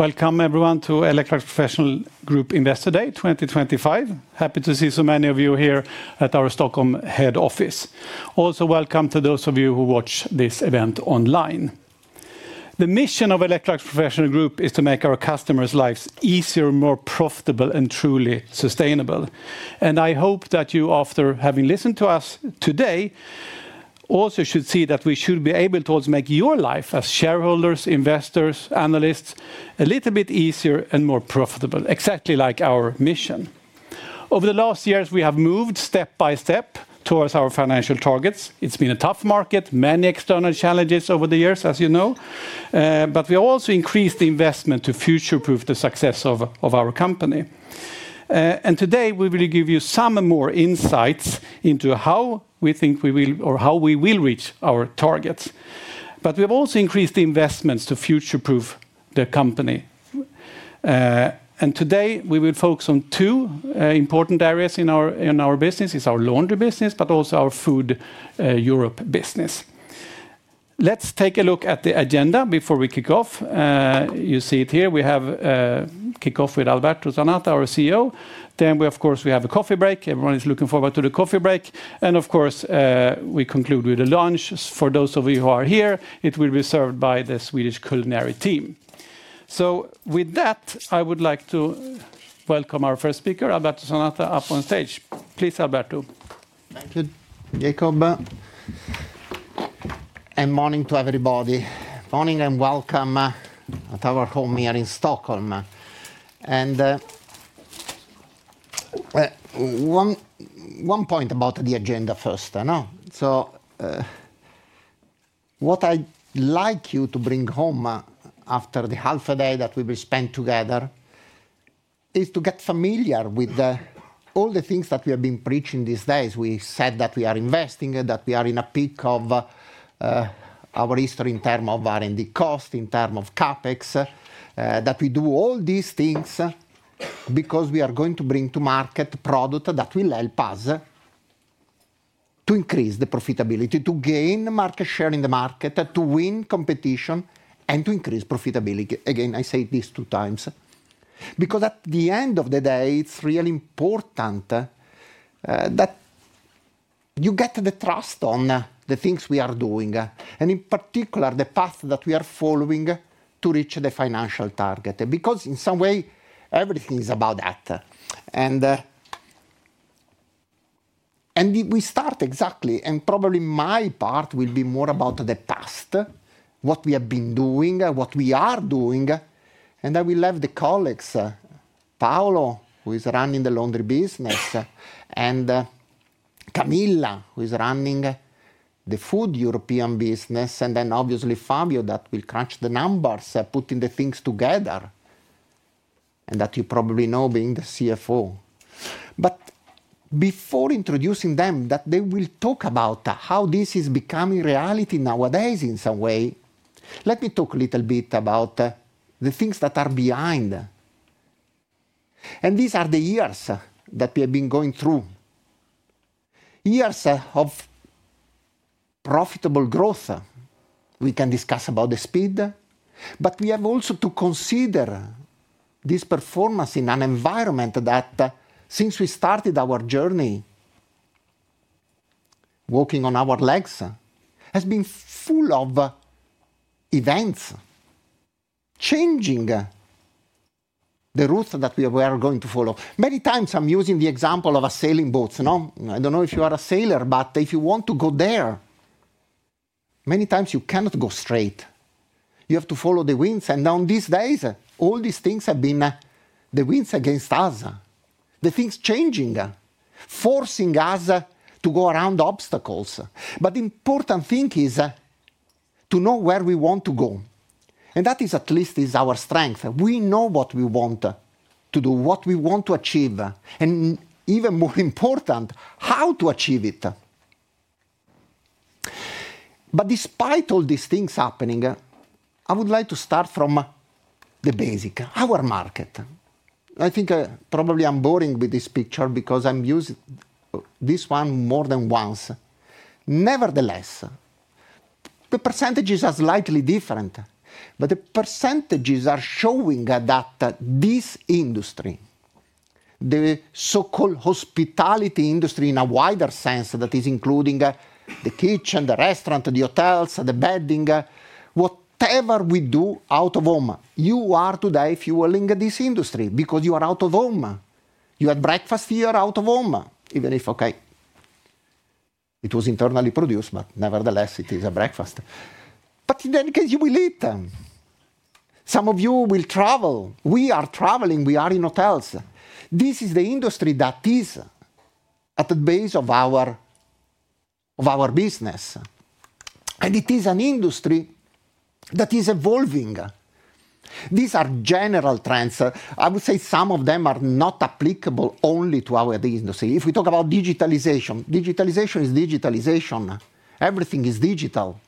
Welcome, everyone, to Electrolux Professional Group Investor Day 2025. Happy to see so many of you here at our Stockholm head office. Also, welcome to those of you who watch this event online. The mission of Electrolux Professional Group is to make our customers' lives easier, more profitable, and truly sustainable. I hope that you, after having listened to us today, also should see that we should be able to also make your life as shareholders, investors, and analysts a little bit easier and more profitable, exactly like our mission. Over the last years, we have moved step by step towards our financial targets. It has been a tough market, many external challenges over the years, as you know, but we also increased investment to future-proof the success of our company. Today, we will give you some more insights into how we think we will, or how we will reach our targets. We have also increased investments to future-proof the company. Today, we will focus on two important areas in our business: our laundry business, but also our Food Europe business. Let's take a look at the agenda before we kick off. You see it here. We kick off with Alberto Zanata, our CEO. Then, of course, we have a coffee break. Everyone is looking forward to the coffee break. Of course, we conclude with a lunch. For those of you who are here, it will be served by the Swedish culinary team. With that, I would like to welcome our first speaker, Alberto Zanata, up on stage. Please, Alberto. Thank you, Jacob. Good morning to everybody. Good morning and welcome to our home here in Stockholm. One point about the agenda first. What I'd like you to bring home after the half a day that we will spend together is to get familiar with all the things that we have been preaching these days. We said that we are investing, that we are in a peak of our history in terms of R&D cost, in terms of CapEx, that we do all these things because we are going to bring to market a product that will help us to increase the profitability, to gain market share in the market, to win competition, and to increase profitability. Again, I say this two times because at the end of the day, it's really important. You get the trust on the things we are doing and in particular the path that we are following to reach the financial target. Because in some way, everything is about that. We start exactly, and probably my part will be more about the past, what we have been doing, what we are doing. I will have the colleagues, Paolo, who is running the laundry business, and Camilla, who is running the food European business, and then obviously Fabio, that will crunch the numbers, putting the things together, and that you probably know being the CFO. Before introducing them, they will talk about how this is becoming reality nowadays in some way. Let me talk a little bit about the things that are behind. These are the years that we have been going through, years of profitable growth. We can discuss about the speed, but we have also to consider this performance in an environment that since we started our journey, walking on our legs, has been full of events changing the route that we are going to follow. Many times I am using the example of sailing boats. I do not know if you are a sailor, but if you want to go there, many times you cannot go straight. You have to follow the winds. Now in these days, all these things have been the winds against us, the things changing, forcing us to go around obstacles. The important thing is to know where we want to go. That is at least our strength. We know what we want to do, what we want to achieve, and even more important, how to achieve it. Despite all these things happening, I would like to start from the basic, our market. I think probably I'm boring with this picture because I'm using this one more than once. Nevertheless, the percentage is slightly different, but the percentages are showing that this industry, the so-called hospitality industry in a wider sense that is including the kitchen, the restaurant, the hotels, the bedding, whatever we do out of home. You are today, if you are in this industry, because you are out of home. You had breakfast here out of home, even if, okay, it was internally produced, but nevertheless, it is a breakfast. In any case, you will eat. Some of you will travel. We are traveling. We are in hotels. This is the industry that is at the base of our business. It is an industry that is evolving. These are general trends. I would say some of them are not applicable only to our industry. If we talk about digitalization, digitalization is digitalization. Everything is digital.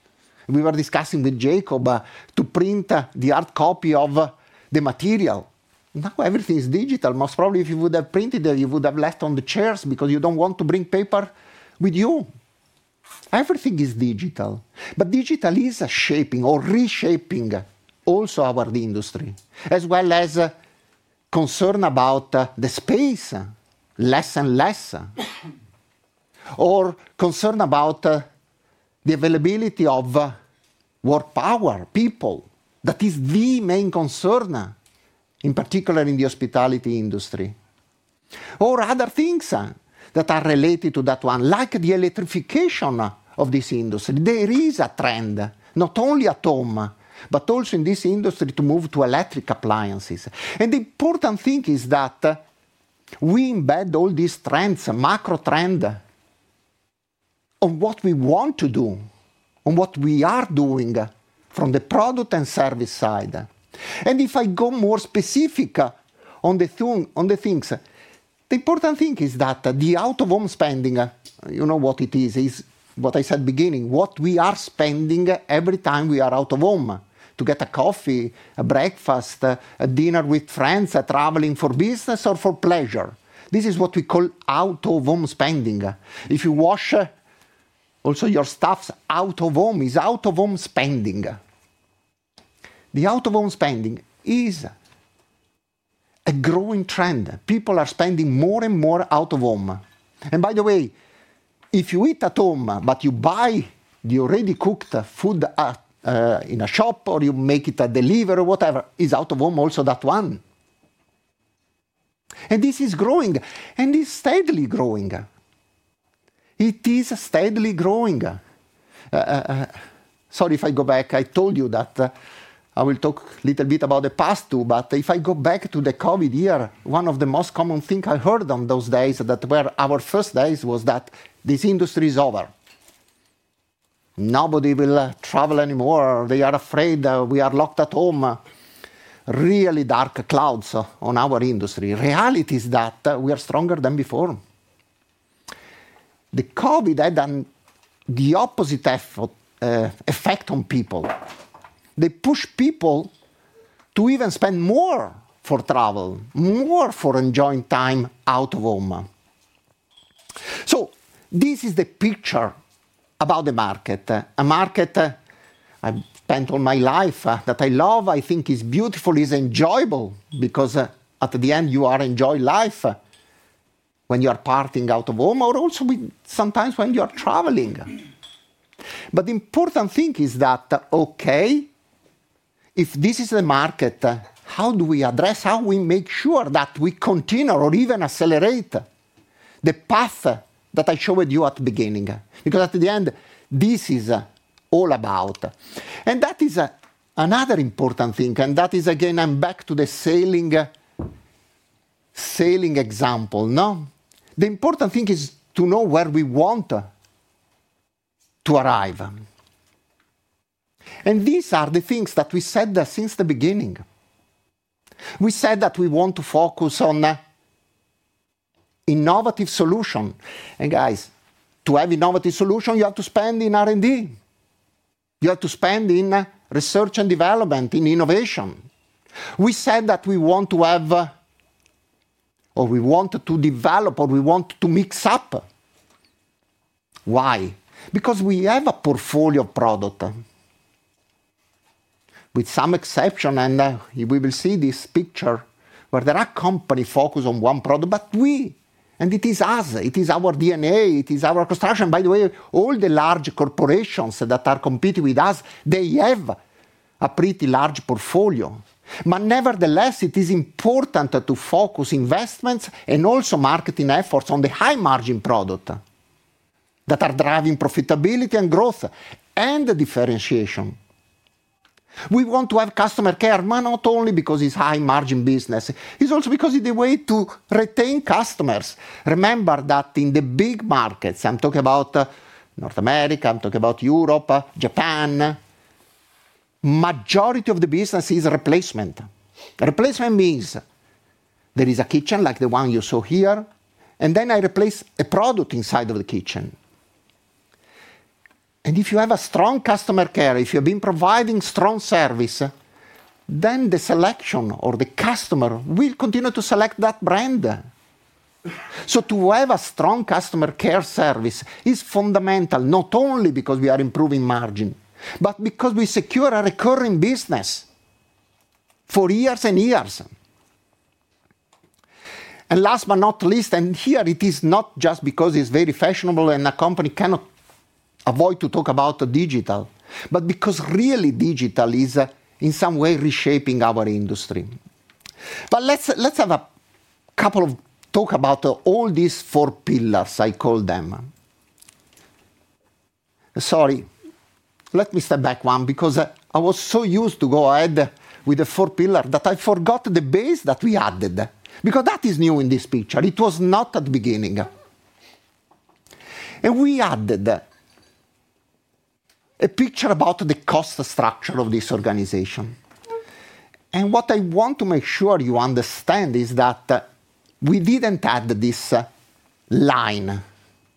We were discussing with Jacob to print the hard copy of the material. Now everything is digital. Most probably, if you would have printed it, you would have left on the chairs because you do not want to bring paper with you. Everything is digital. Digital is shaping or reshaping also our industry, as well. Concern about the space. Less and less. Concern about the availability of work power, people. That is the main concern, in particular in the hospitality industry. Other things that are related to that one, like the electrification of this industry. There is a trend, not only at home, but also in this industry, to move to electric appliances. The important thing is that. We embed all these trends, macro trend. On what we want to do, on what we are doing from the product and service side. If I go more specific on the things, the important thing is that the out-of-home spending, you know what it is, is what I said at the beginning, what we are spending every time we are out of home to get a coffee, a breakfast, a dinner with friends, traveling for business or for pleasure. This is what we call out-of-home spending. If you wash also your stuff out of home, it's out-of-home spending. The out-of-home spending is a growing trend. People are spending more and more out of home. By the way, if you eat at home, but you buy the already cooked food in a shop or you make it at delivery or whatever, it's out of home also that one. This is growing, and it's steadily growing. It is steadily growing. Sorry, if I go back, I told you that I will talk a little bit about the past too, but if I go back to the COVID year, one of the most common things I heard on those days that were our first days was that this industry is over. Nobody will travel anymore. They are afraid we are locked at home. Really dark clouds on our industry. Reality is that we are stronger than before. The COVID had the opposite effect on people. They pushed people to even spend more for travel, more for enjoying time out of home. This is the picture about the market. A market I have spent all my life that I love, I think is beautiful, is enjoyable because at the end, you are enjoying life. When you are parting out of home or also sometimes when you are traveling. The important thing is that, okay. If this is the market, how do we address, how we make sure that we continue or even accelerate the path that I showed you at the beginning? At the end, this is all about. That is another important thing. That is, again, I'm back to the sailing example. The important thing is to know where we want to arrive. These are the things that we said since the beginning. We said that we want to focus on innovative solutions. Guys, to have innovative solutions, you have to spend in R&D. You have to spend in research and development, in innovation. We said that we want to have, or we want to develop, or we want to mix up. Why? Because we have a portfolio of products. With some exceptions, and we will see this picture where there are companies focused on one product, but we, and it is us, it is our DNA, it is our construction. By the way, all the large corporations that are competing with us, they have a pretty large portfolio. Nevertheless, it is important to focus investments and also marketing efforts on the high-margin products that are driving profitability and growth and differentiation. We want to have customer care not only because it's a high-margin business, it's also because it's a way to retain customers. Remember that in the big markets, I'm talking about North America, I'm talking about Europe, Japan. The majority of the business is replacement. Replacement means there is a kitchen like the one you saw here, and then I replace a product inside of the kitchen. If you have strong customer care, if you've been providing strong service, then the selection or the customer will continue to select that brand. To have a strong customer care service is fundamental, not only because we are improving margin, but because we secure a recurring business for years and years. Last but not least, and here it is not just because it's very fashionable and a company cannot avoid talking about digital, but because really digital is in some way reshaping our industry. Let's have a couple of talks about all these four pillars, I call them. Sorry, let me step back one because I was so used to go ahead with the four pillars that I forgot the base that we added because that is new in this picture. It was not at the beginning. We added. A picture about the cost structure of this organization. What I want to make sure you understand is that we did not add this line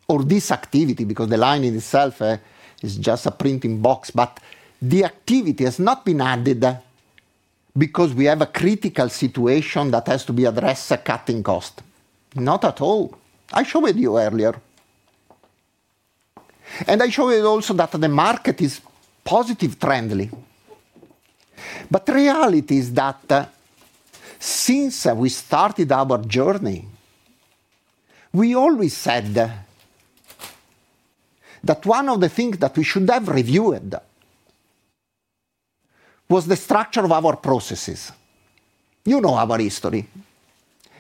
or this activity because the line in itself is just a printing box, but the activity has not been added because we have a critical situation that has to be addressed, cutting cost. Not at all. I showed you earlier. I showed you also that the market is positive trendly. The reality is that since we started our journey, we always said that one of the things that we should have reviewed was the structure of our processes. You know our history.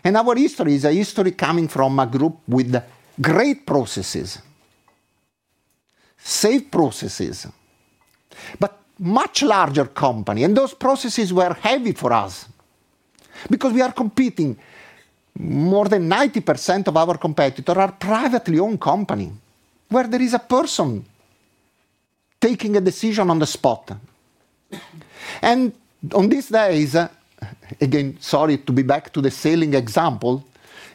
Our history is a history coming from a group with great processes, safe processes, but much larger companies. Those processes were heavy for us because we are competing. More than 90% of our competitors are privately owned companies where there is a person taking a decision on the spot. On these days, again, sorry to be back to the sailing example,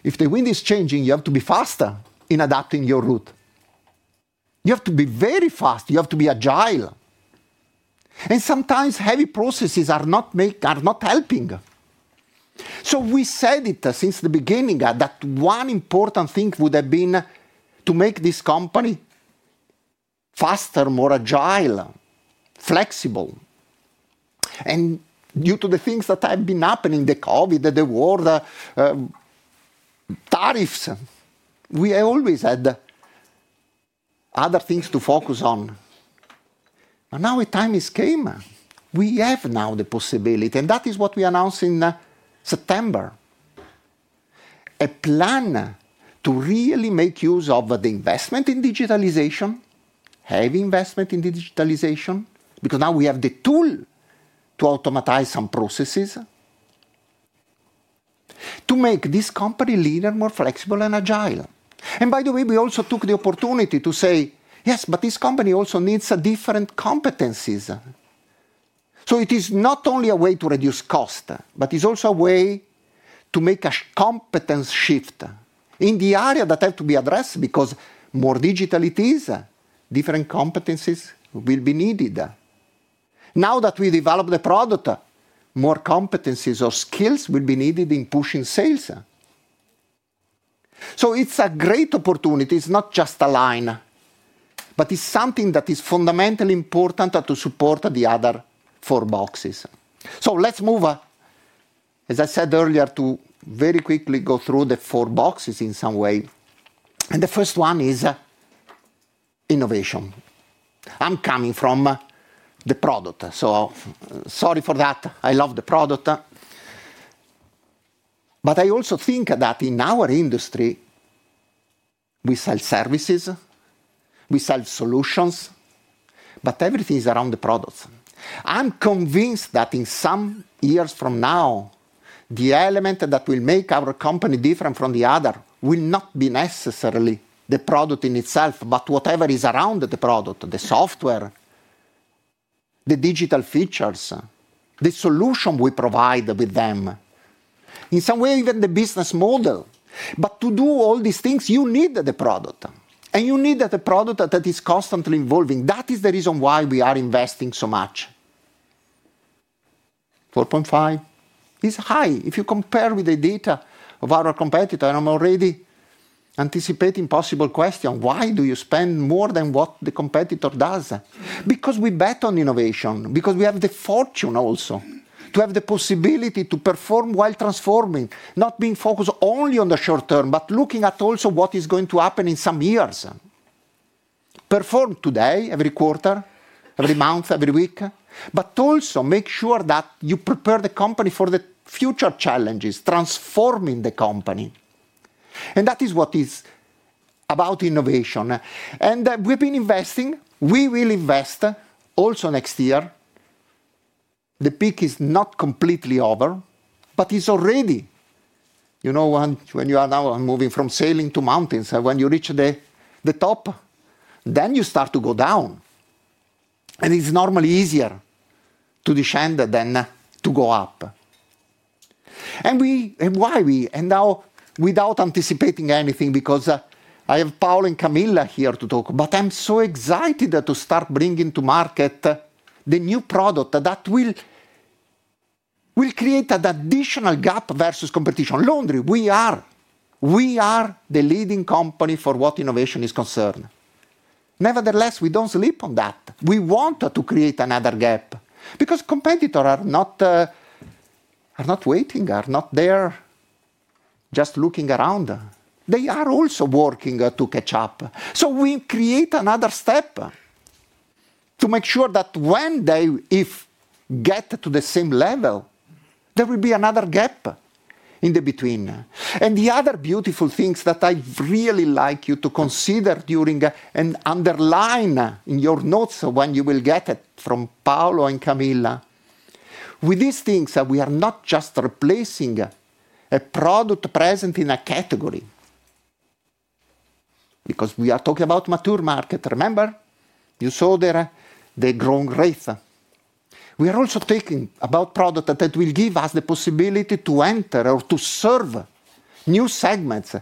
if the wind is changing, you have to be faster in adapting your route. You have to be very fast. You have to be agile. Sometimes heavy processes are not helping. We said it since the beginning that one important thing would have been to make this company faster, more agile, flexible. Due to the things that have been happening, the COVID, the war, tariffs, we always had other things to focus on. Now a time has come. We have now the possibility, and that is what we announced in September. A plan to really make use of the investment in digitalization, heavy investment in digitalization, because now we have the tool to automatize some processes. To make this company leaner, more flexible, and agile. By the way, we also took the opportunity to say, yes, but this company also needs different competencies. It is not only a way to reduce cost, but it is also a way to make a competence shift in the area that has to be addressed because the more digital it is, different competencies will be needed. Now that we develop the product, more competencies or skills will be needed in pushing sales. It is a great opportunity. It is not just a line, but it is something that is fundamentally important to support the other four boxes. Let us move. As I said earlier, to very quickly go through the four boxes in some way. The first one is innovation. I'm coming from the product, so sorry for that. I love the product. I also think that in our industry, we sell services, we sell solutions, but everything is around the product. I'm convinced that in some years from now, the element that will make our company different from the other will not be necessarily the product in itself, but whatever is around the product, the software, the digital features, the solution we provide with them. In some way, even the business model. To do all these things, you need the product. You need the product that is constantly evolving. That is the reason why we are investing so much. 4.5% is high. If you compare with the data of our competitor, I'm already anticipating a possible question. Why do you spend more than what the competitor does? Because we bet on innovation, because we have the fortune also to have the possibility to perform while transforming, not being focused only on the short term, but looking at also what is going to happen in some years. Perform today, every quarter, every month, every week, but also make sure that you prepare the company for the future challenges, transforming the company. That is what is about innovation. We have been investing. We will invest also next year. The peak is not completely over, but it is already. When you are now moving from sailing to mountains, when you reach the top, you start to go down. It is normally easier to descend than to go up. Why we? Now, without anticipating anything, because I have Paolo and Camilla here to talk, I am so excited to start bringing to market the new product that will. Create an additional gap versus competition. Laundry, we are the leading company for what innovation is concerned. Nevertheless, we do not sleep on that. We want to create another gap because competitors are not waiting, are not there just looking around. They are also working to catch up. We create another step to make sure that when they get to the same level, there will be another gap in between. The other beautiful things that I really like you to consider during and underline in your notes when you will get it from Paolo and Camilla. With these things, we are not just replacing a product present in a category. Because we are talking about the mature market. Remember, you saw the growing rate. We are also talking about products that will give us the possibility to enter or to serve new segments.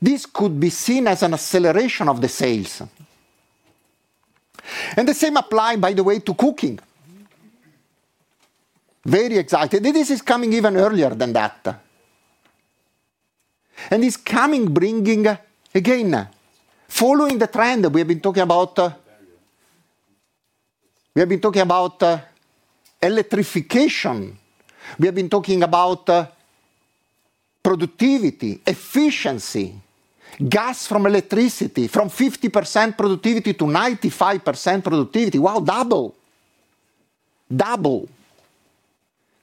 This could be seen as an acceleration of the sales. The same applies, by the way, to cooking. Very exciting. This is coming even earlier than that. It is coming, bringing, again, following the trend that we have been talking about. We have been talking about electrification. We have been talking about productivity, efficiency. Gas from electricity, from 50% productivity to 95% productivity. Wow, double. Double.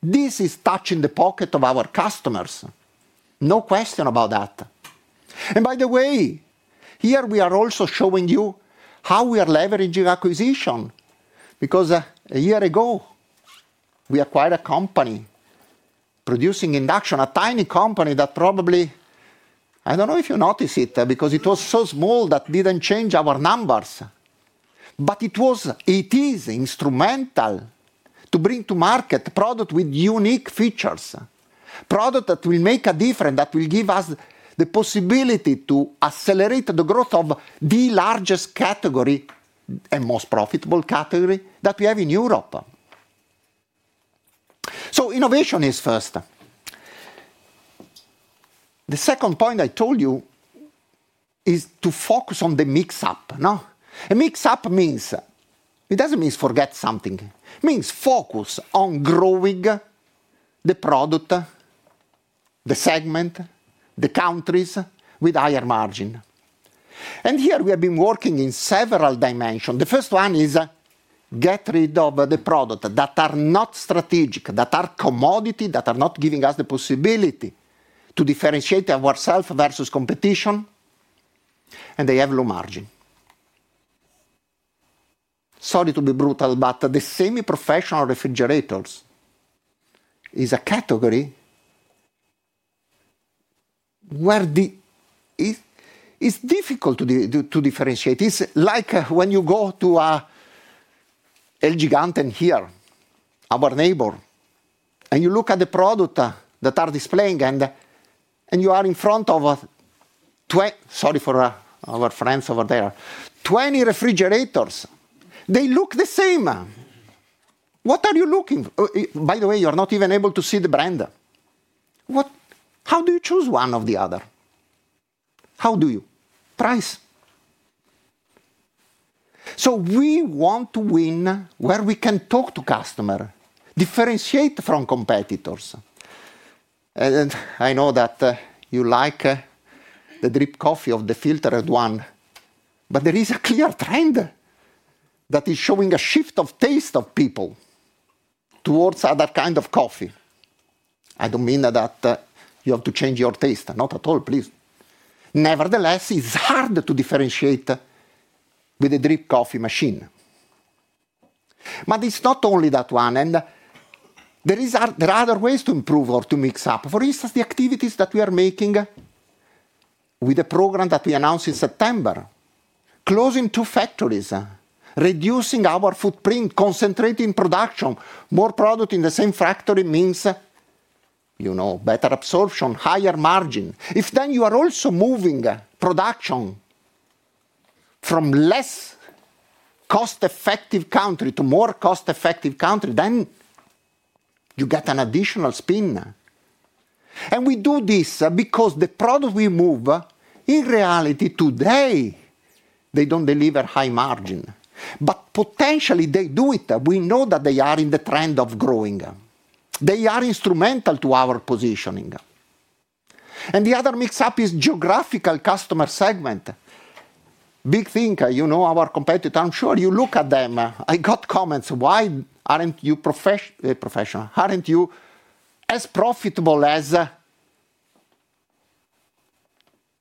This is touching the pocket of our customers. No question about that. By the way, here we are also showing you how we are leveraging acquisition because a year ago we acquired a company producing induction, a tiny company that probably, I do not know if you notice it because it was so small that it did not change our numbers. It is instrumental to bring to market a product with unique features, a product that will make a difference, that will give us the possibility to accelerate the growth of the largest category and most profitable category that we have in Europe. Innovation is first. The second point I told you is to focus on the mix-up. A mix-up means it does not mean forget something. It means focus on growing the product, the segment, the countries with higher margin. Here we have been working in several dimensions. The first one is get rid of the products that are not strategic, that are commodities, that are not giving us the possibility to differentiate ourselves versus competition, and they have low margin. Sorry to be brutal, but the semi-professional refrigerators is a category where it is difficult to differentiate. It is like when you go to. El Gigante here, our neighbor, and you look at the products that are displaying and you are in front of. Sorry for our friends over there, 20 refrigerators. They look the same. What are you looking for? By the way, you're not even able to see the brand. How do you choose one or the other? How do you? Price. We want to win where we can talk to customers, differentiate from competitors. I know that you like the drip coffee of the filtered one, but there is a clear trend that is showing a shift of taste of people towards other kinds of coffee. I do not mean that you have to change your taste. Not at all, please. Nevertheless, it is hard to differentiate with a drip coffee machine. It is not only that one. There are other ways to improve or to mix up. For instance, the activities that we are making with the program that we announced in September. Closing two factories, reducing our footprint, concentrating production, more product in the same factory means better absorption, higher margin. If then you are also moving production from less cost-effective country to more cost-effective country, then you get an additional spin. We do this because the product we move, in reality, today, they do not deliver high margin, but potentially they do it. We know that they are in the trend of growing. They are instrumental to our positioning. The other mix-up is geographical customer segment. Big thinker, our competitor. I am sure you look at them. I got comments. Why are you not professional? Are you not as profitable as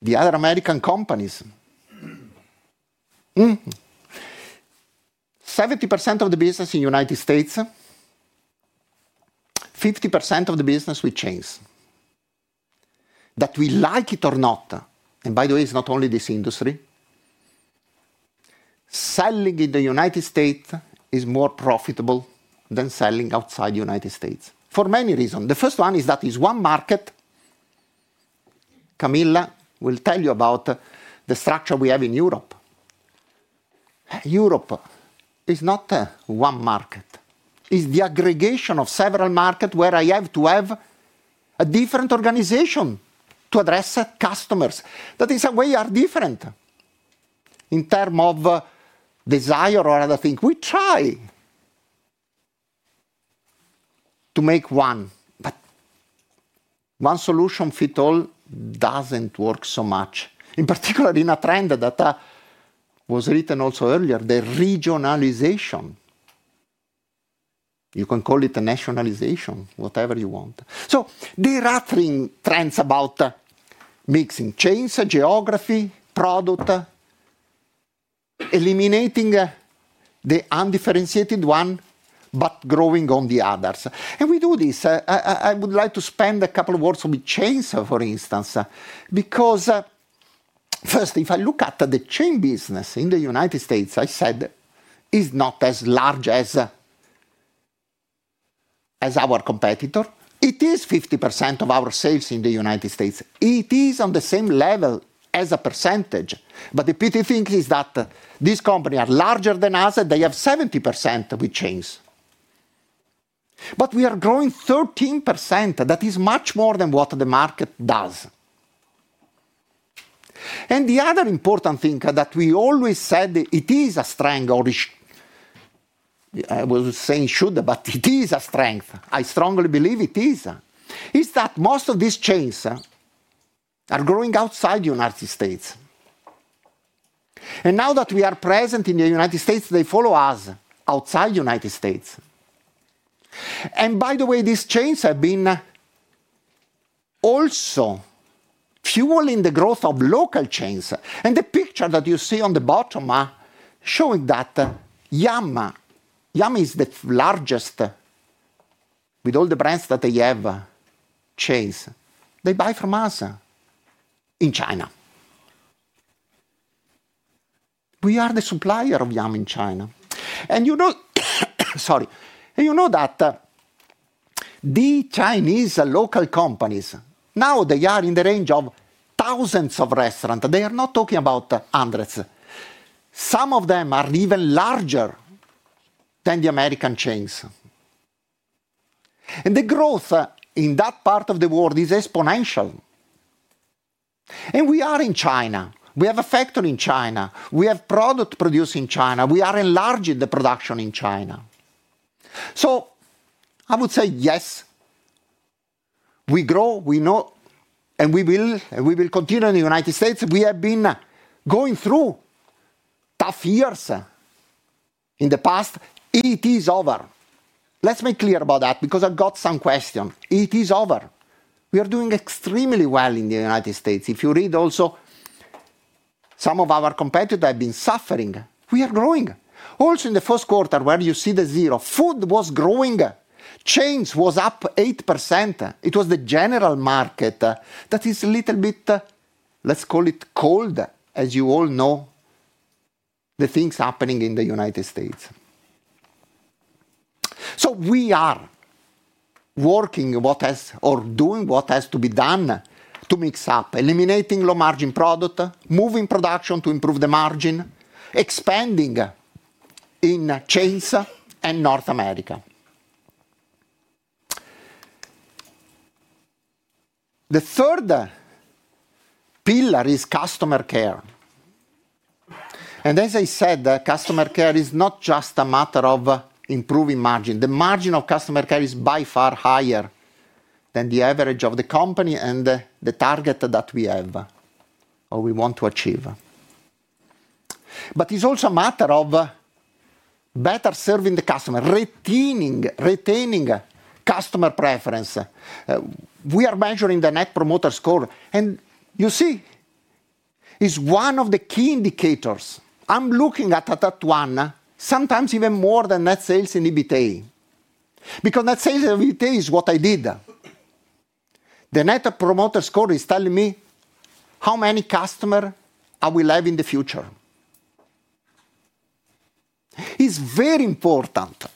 the other American companies? 70% of the business in the United States, 50% of the business with chains. That we like it or not. By the way, it's not only this industry. Selling in the United States is more profitable than selling outside the United States for many reasons. The first one is that it's one market. Camilla will tell you about the structure we have in Europe. Europe is not one market. It's the aggregation of several markets where I have to have a different organization to address customers that in some way are different in terms of desire or other things. We try to make one, but one solution fits all doesn't work so much, in particular in a trend that was written also earlier, the regionalization. You can call it nationalization, whatever you want. There are three trends about mixing: chains, geography, product. Eliminating the undifferentiated one, but growing on the others. We do this. I would like to spend a couple of words with chains, for instance, because. First, if I look at the chain business in the United States, I said it's not as large as our competitor. It is 50% of our sales in the United States. It is on the same level as a percentage. The pity thing is that this company is larger than us. They have 70% with chains. We are growing 13%. That is much more than what the market does. The other important thing that we always said, it is a strength, or I was saying should, but it is a strength. I strongly believe it is. Is that most of these chains are growing outside the United States. Now that we are present in the United States, they follow us outside the United States. By the way, these chains have been. Also, fueling the growth of local chains. The picture that you see on the bottom shows that Yum is the largest, with all the brands that they have. Chains, they buy from us in China. We are the supplier of Yum in China. You know, the Chinese local companies now are in the range of thousands of restaurants. They are not talking about hundreds. Some of them are even larger than the American chains. The growth in that part of the world is exponential. We are in China. We have a factory in China. We have product produced in China. We are enlarging the production in China. I would say yes, we grow, we know, and we will continue in the United States. We have been going through tough years in the past. It is over. Let's make clear about that because I've got some questions. It is over. We are doing extremely well in the United States. If you read also, some of our competitors have been suffering. We are growing. Also in the first quarter where you see the zero, food was growing. Chains was up 8%. It was the general market that is a little bit, let's call it cold, as you all know. The things happening in the United States. We are working what has or doing what has to be done to mix up, eliminating low-margin product, moving production to improve the margin, expanding in chains and North America. The third pillar is customer care. As I said, customer care is not just a matter of improving margin. The margin of customer care is by far higher than the average of the company and the target that we have. We want to achieve, but it's also a matter of better serving the customer, retaining customer preference. We are measuring the net promoter score, and you see it's one of the key indicators. I'm looking at that one, sometimes even more than Net Sales Inhibitor, because Net Sales Inhibitor is what I did. The net promoter score is telling me how many customers I will have in the future. It's very important.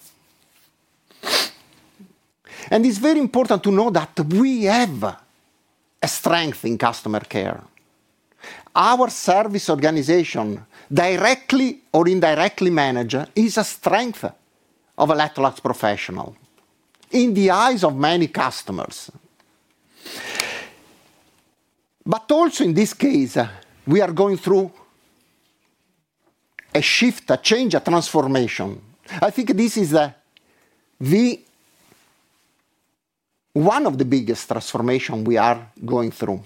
It's very important to know that we have a strength in customer care. Our service organization, directly or indirectly managed, is a strength of Electrolux Professional. In the eyes of many customers, also in this case, we are going through a shift, a change, a transformation. I think this is one of the biggest transformations we are going through,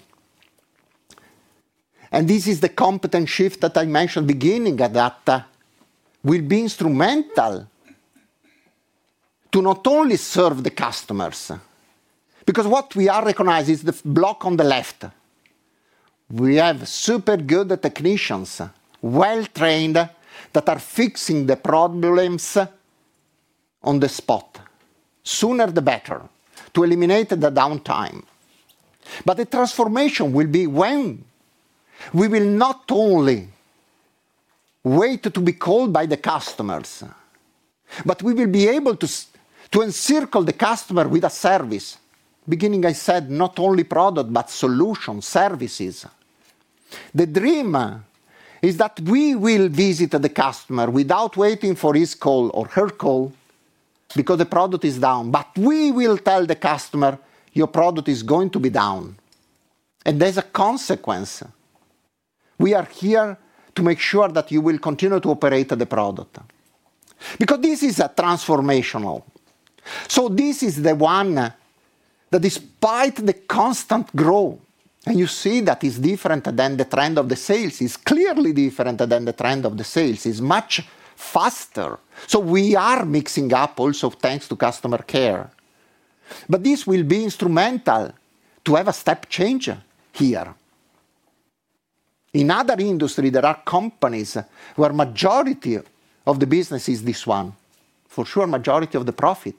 and this is the competent shift that I mentioned at the beginning that will be instrumental. To not only serve the customers. Because what we are recognizing is the block on the left. We have super good technicians, well-trained, that are fixing the problems. On the spot. The sooner the better to eliminate the downtime. The transformation will be when we will not only wait to be called by the customers, but we will be able to encircle the customer with a service. Beginning, I said, not only product, but solutions, services. The dream is that we will visit the customer without waiting for his call or her call because the product is down. We will tell the customer, "Your product is going to be down. And there's a consequence. We are here to make sure that you will continue to operate the product." Because this is a transformational. This is the one that, despite the constant growth, and you see that it's different than the trend of the sales, it's clearly different than the trend of the sales. It's much faster. We are mixing up also thanks to customer care. This will be instrumental to have a step change here. In other industries, there are companies where the majority of the business is this one. For sure, the majority of the profit.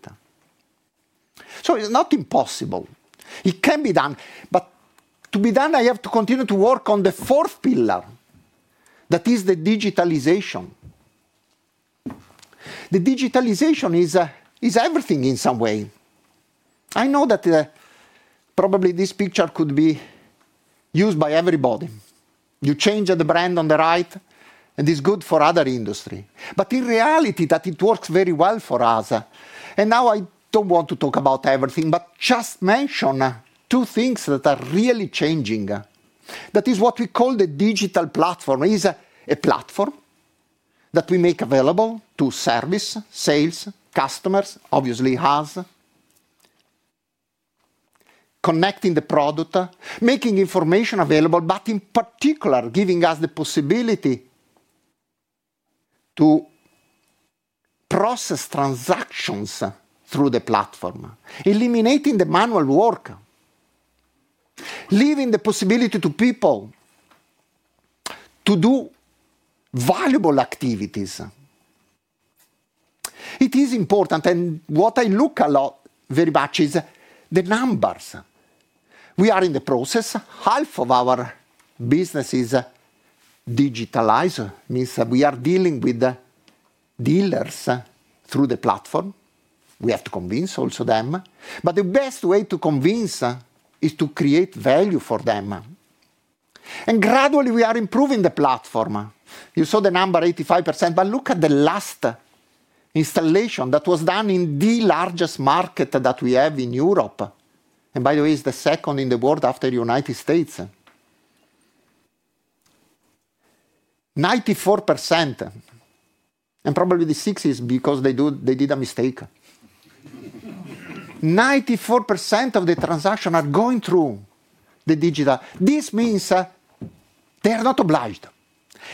It's not impossible. It can be done. To be done, I have to continue to work on the fourth pillar. That is the digitalization. The digitalization is everything in some way. I know that. Probably this picture could be used by everybody. You change the brand on the right, and it's good for other industries. In reality, it works very well for us. I do not want to talk about everything, but just mention two things that are really changing. That is what we call the digital platform. It is a platform that we make available to service, sales, customers, obviously us. Connecting the product, making information available, but in particular, giving us the possibility to process transactions through the platform, eliminating the manual work. Leaving the possibility to people to do valuable activities. It is important. What I look at very much is the numbers. We are in the process. Half of our business is digitalized. It means that we are dealing with dealers through the platform. We have to convince also them. The best way to convince is to create value for them. Gradually, we are improving the platform. You saw the number, 85%. Look at the last. Installation that was done in the largest market that we have in Europe. By the way, it is the second in the world after the United States. 94%. Probably the sixth is because they did a mistake. 94% of the transactions are going through the digital. This means they are not obliged.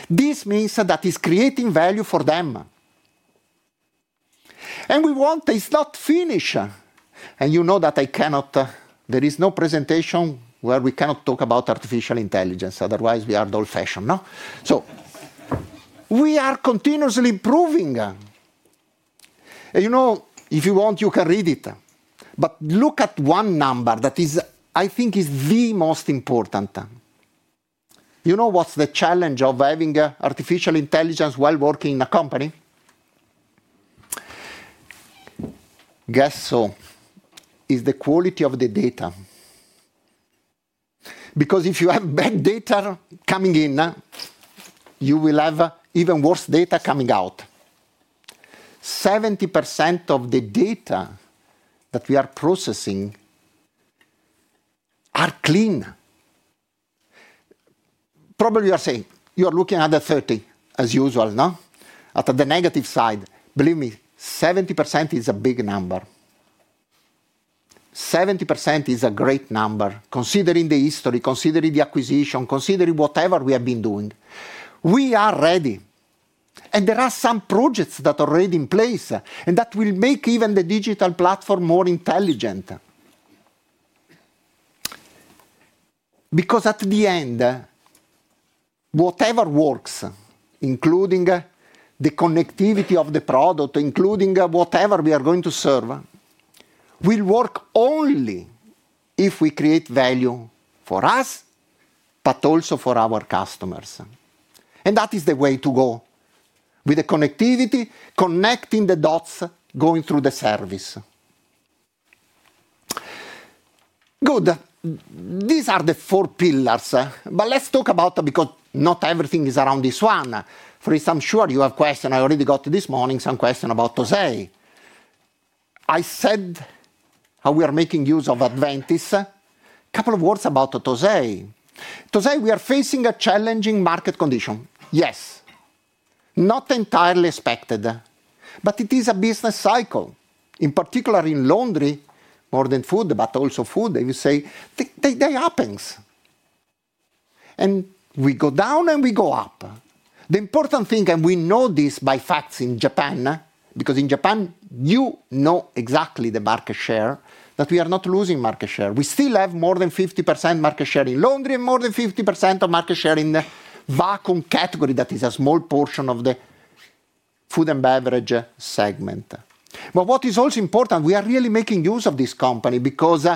This means that it is creating value for them. We want to start to finish. You know that I cannot—there is no presentation where we cannot talk about artificial intelligence. Otherwise, we are old-fashioned. We are continuously improving. If you want, you can read it. Look at one number that I think is the most important. You know what is the challenge of having artificial intelligence while working in a company? Guess so. It is the quality of the data. Because if you have bad data coming in. You will have even worse data coming out. 70% of the data that we are processing are clean. Probably you are saying you are looking at the 30, as usual, at the negative side. Believe me, 70% is a big number. 70% is a great number, considering the history, considering the acquisition, considering whatever we have been doing. We are ready. There are some projects that are already in place and that will make even the digital platform more intelligent. Because at the end, whatever works, including the connectivity of the product, including whatever we are going to serve, will work only if we create value for us, but also for our customers. That is the way to go with the connectivity, connecting the dots, going through the service. Good. These are the four pillars. Let's talk about—because not everything is around this one. For instance, I'm sure you have questions. I already got this morning some questions about TOSEI. I said how we are making use of Adventis. A couple of words about TOSEI. TOSEI, we are facing a challenging market condition. Yes. Not entirely expected, but it is a business cycle. In particular, in laundry, more than food, but also food, as you say, they happen. We go down and we go up. The important thing—and we know this by facts in Japan—because in Japan, you know exactly the market share that we are not losing market share. We still have more than 50% market share in laundry and more than 50% of market share in the vacuum category that is a small portion of the Food & Beverage segment. What is also important, we are really making use of this company because.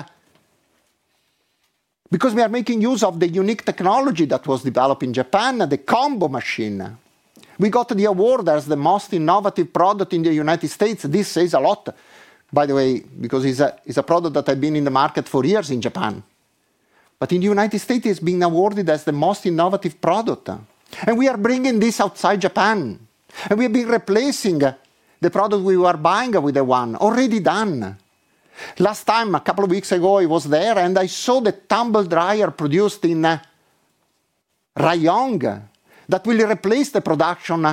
We are making use of the unique technology that was developed in Japan, the Combo Machine. We got the award as the most innovative product in the United States. This says a lot, by the way, because it's a product that has been in the market for years in Japan. In the United States, it's been awarded as the most innovative product. We are bringing this outside Japan. We have been replacing the product we were buying with the one already done. Last time, a couple of weeks ago, it was there, and I saw the Tumble Dryer produced in Rayong that will replace the production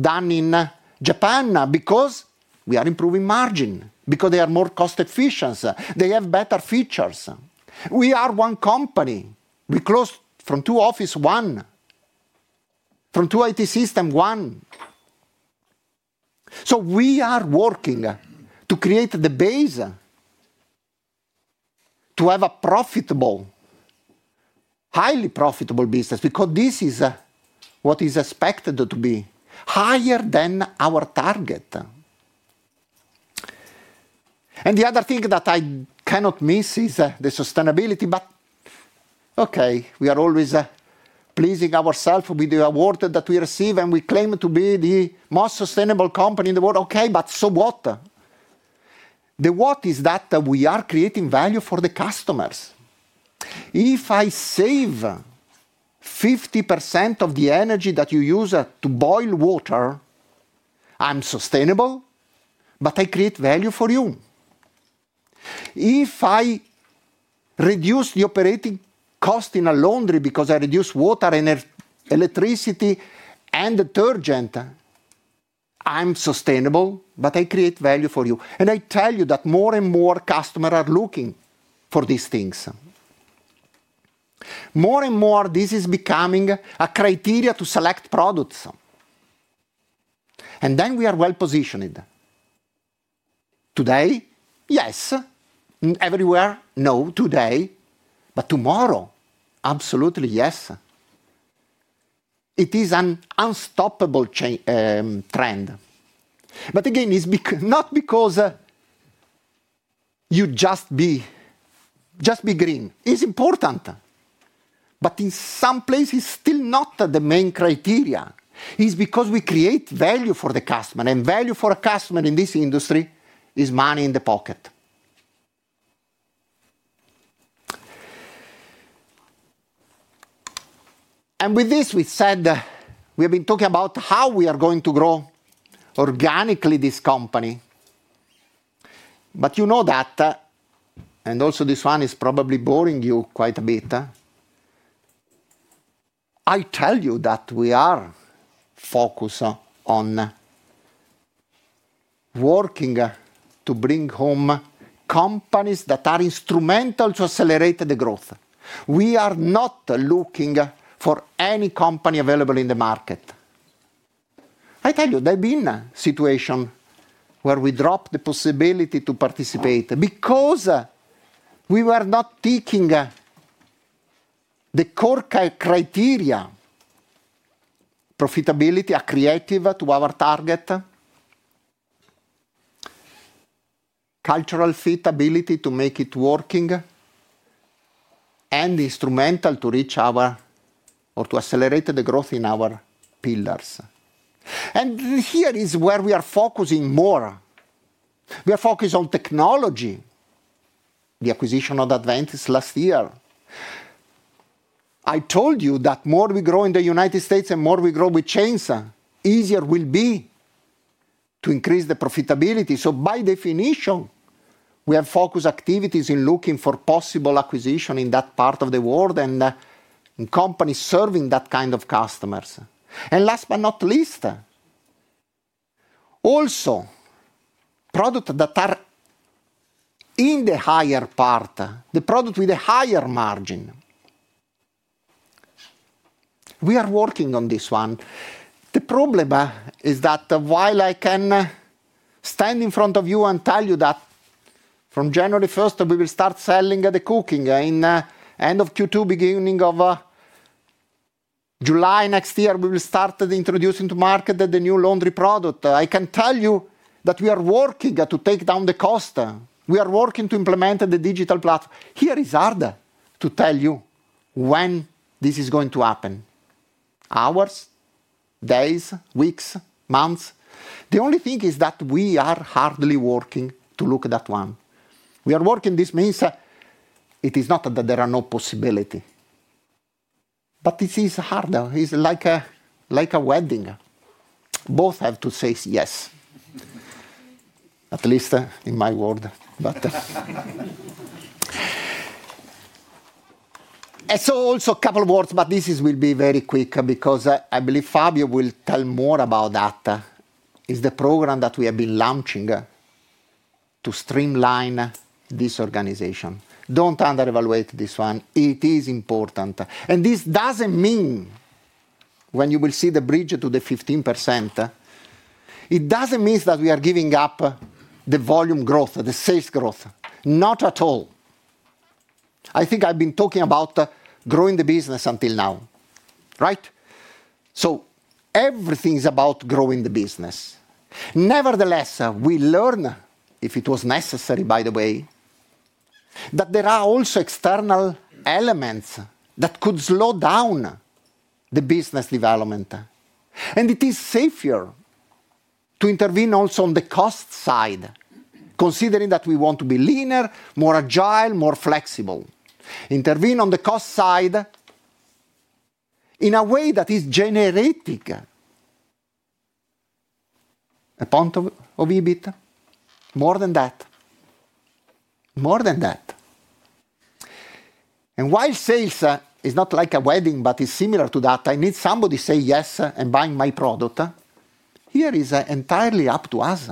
done in Japan because we are improving margin, because they are more cost-efficient. They have better features. We are one company. We close from two offices, one. From two IT systems, one. We are working to create the base. To have a highly profitable business because this is what is expected to be higher than our target. The other thing that I cannot miss is the sustainability. We are always pleasing ourselves with the award that we receive, and we claim to be the most sustainable company in the world. Okay, but so what? The what is that we are creating value for the customers. If I save 50% of the energy that you use to boil water, I'm sustainable, but I create value for you. If I reduce the operating cost in a laundry because I reduce water, electricity, and detergent, I'm sustainable, but I create value for you. I tell you that more and more customers are looking for these things. More and more, this is becoming a criteria to select products. We are well-positioned. Today, yes. Everywhere, no, today. Tomorrow, absolutely, yes. It is an unstoppable trend. Again, it is not because you just be green. It is important, but in some places, it is still not the main criteria. It is because we create value for the customer. Value for a customer in this industry is money in the pocket. With this, we said we have been talking about how we are going to grow organically this company. You know that. Also, this one is probably boring you quite a bit. I tell you that we are focused on working to bring home companies that are instrumental to accelerate the growth. We are not looking for any company available in the market. I tell you, there have been situations where we dropped the possibility to participate because we were not ticking the core criteria. Profitability, accretive to our target. Cultural fit, ability to make it working. Instrumental to reach our, or to accelerate the growth in our pillars. Here is where we are focusing more. We are focused on technology. The acquisition of Adventis last year. I told you that the more we grow in the United States and the more we grow with chains, the easier it will be to increase the profitability. By definition, we have focused activities in looking for possible acquisition in that part of the world and companies serving that kind of customers. Last but not least, also products that are in the higher part, the product with a higher margin. We are working on this one. The problem is that while I can stand in front of you and tell you that from January 1, we will start selling the cooking, in the end of Q2, beginning of. July next year, we will start introducing to market the new laundry product. I can tell you that we are working to take down the cost. We are working to implement the digital platform. Here it is hard to tell you when this is going to happen. Hours, days, weeks, months. The only thing is that we are hardly working to look at that one. We are working. This means it is not that there are no possibilities. It is hard. It's like a wedding. Both have to say yes. At least in my world. Also a couple of words, but this will be very quick because I believe Fabio will tell more about that. It's the program that we have been launching to streamline this organization. Don't undervalue this one. It is important. This doesn't mean when you will see the bridge to the 15%. It doesn't mean that we are giving up the volume growth, the sales growth. Not at all. I think I've been talking about growing the business until now. Right? Everything is about growing the business. Nevertheless, we learn, if it was necessary, by the way, that there are also external elements that could slow down the business development. It is safer to intervene also on the cost side, considering that we want to be leaner, more agile, more flexible. Intervene on the cost side in a way that is generating a point of EBIT. More than that. More than that. While sales is not like a wedding, but it's similar to that, I need somebody to say yes and buy my product. Here is entirely up to us.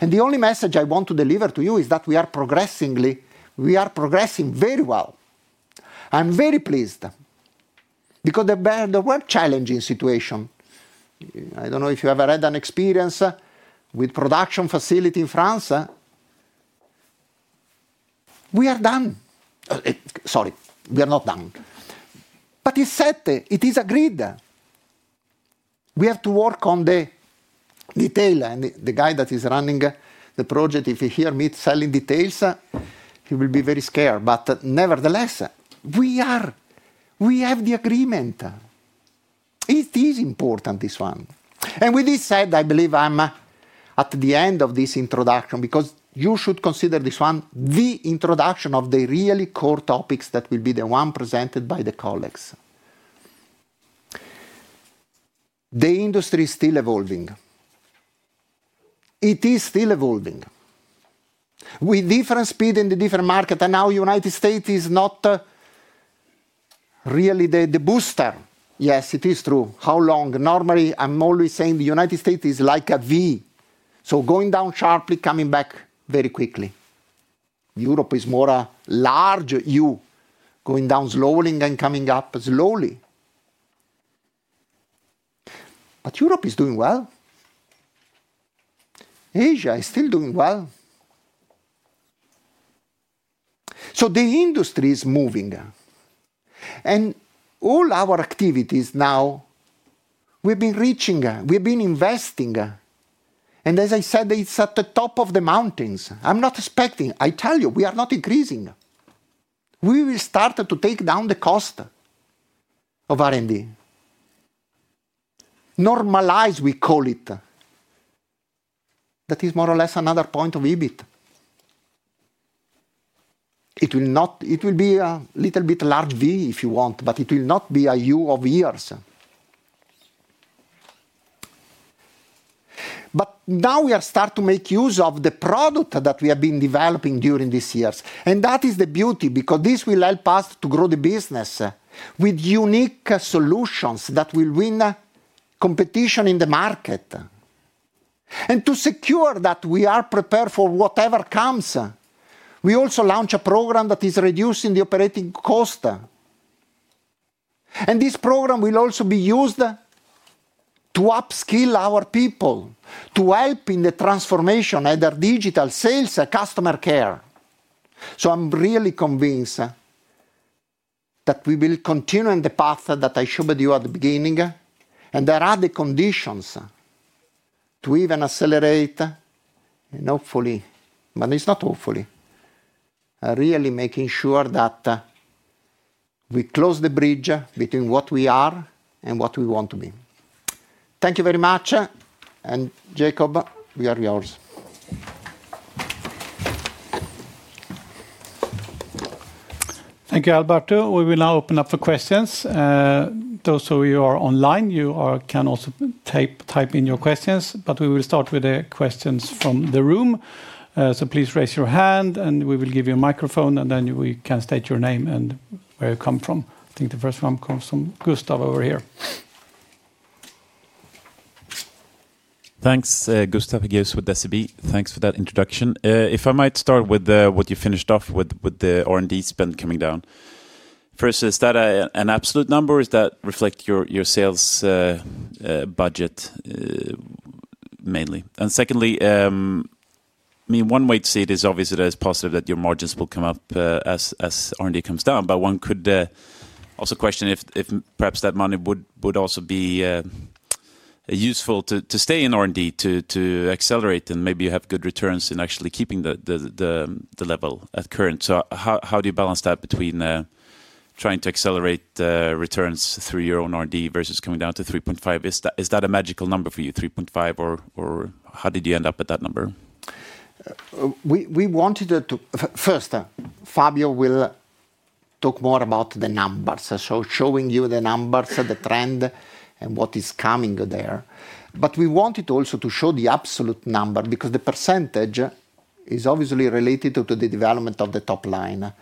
The only message I want to deliver to you is that we are progressing very well. I'm very pleased. Because there were challenging situations. I don't know if you ever had an experience with a production facility in France. We are done. Sorry, we are not done. But it's set. It is agreed. We have to work on the detail. And the guy that is running the project, if he hears me selling details, he will be very scared. Nevertheless, we have the agreement. It is important, this one. With this said, I believe I'm at the end of this introduction because you should consider this one the introduction of the really core topics that will be the one presented by the colleagues. The industry is still evolving. It is still evolving. With different speed in the different markets. Now the United States is not really the booster. Yes, it is true. How long? Normally, I'm always saying the United States is like a V. Going down sharply, coming back very quickly. Europe is more a large U, going down slowly, and coming up slowly. Europe is doing well. Asia is still doing well. The industry is moving. All our activities now. We've been reaching, we've been investing. As I said, it's at the top of the mountains. I'm not expecting. I tell you, we are not increasing. We will start to take down the cost of R&D. Normalize, we call it. That is more or less another point of EBIT. It will be a little bit large V if you want, but it will not be a U of years. Now we are starting to make use of the product that we have been developing during these years. That is the beauty because this will help us to grow the business. With unique solutions that will win competition in the market. To secure that we are prepared for whatever comes, we also launch a program that is reducing the operating cost. This program will also be used to upskill our people, to help in the transformation, either digital, sales, customer care. I am really convinced that we will continue in the path that I showed you at the beginning. There are the conditions to even accelerate. Hopefully, but it is not hopefully, really making sure that we close the bridge between what we are and what we want to be. Thank you very much. Jacob, we are yours. Thank you, Alberto. We will now open up for questions. Those of you who are online, you can also type in your questions. We will start with the questions from the room. Please raise your hand, and we will give you a microphone, and then you can state your name and where you come from. I think the first one comes from Gustav over here. Thanks, Gustav Hagéus with SEB. Thanks for that introduction. If I might start with what you finished off with, the R&D spend coming down. First, is that an absolute number? Is that reflecting your sales budget mainly? And secondly, I mean, one way to see it is obviously that it is positive that your margins will come up as R&D comes down. But one could also question if perhaps that money would also be and what is coming there. We wanted also to show the absolute number because the percentage is obviously related to the development of the top line.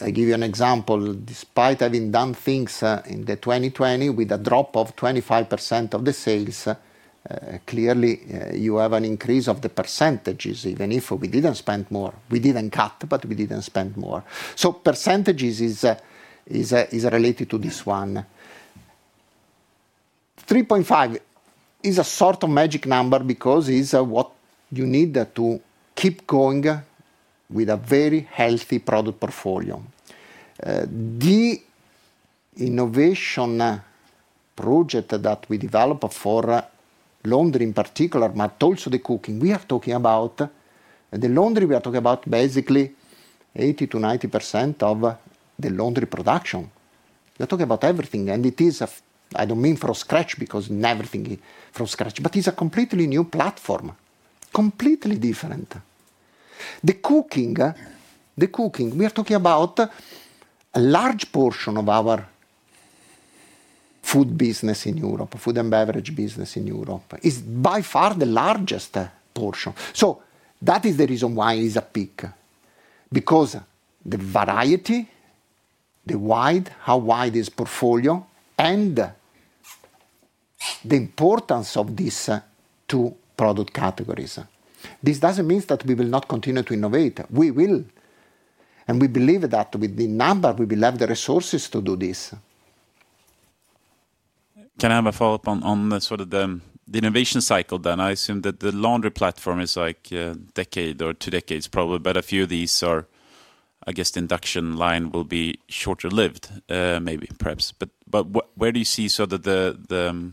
I'll give you an example. Despite having done things in 2020 with a drop of 25% of the sales, clearly, you have an increase of the percentages. Even if we did not spend more, we did not cut, but we did not spend more. So percentage is related to this one. 3.5% is a sort of magic number because it is what you need to keep going with a very healthy product portfolio. The innovation. Project that we developed for laundry in particular, but also the cooking, we are talking about. The laundry, we are talking about basically 80%-90% of the laundry production. We are talking about everything. It is, I do not mean from scratch because everything is from scratch, but it is a completely new platform. Completely different. The cooking, we are talking about a large portion of our food business in Europe, food and beverage business in Europe. It is by far the largest portion. That is the reason why it is a peak, because the variety, how wide is the portfolio, and the importance of these two product categories. This does not mean that we will not continue to innovate. We will. We believe that with the number, we will have the resources to do this. Can I have a follow-up on sort of the innovation cycle then? I assume that the laundry platform is like a decade or two decades, probably. But a few of these are, I guess, the induction line will be shorter-lived, maybe, perhaps. Where do you see sort of the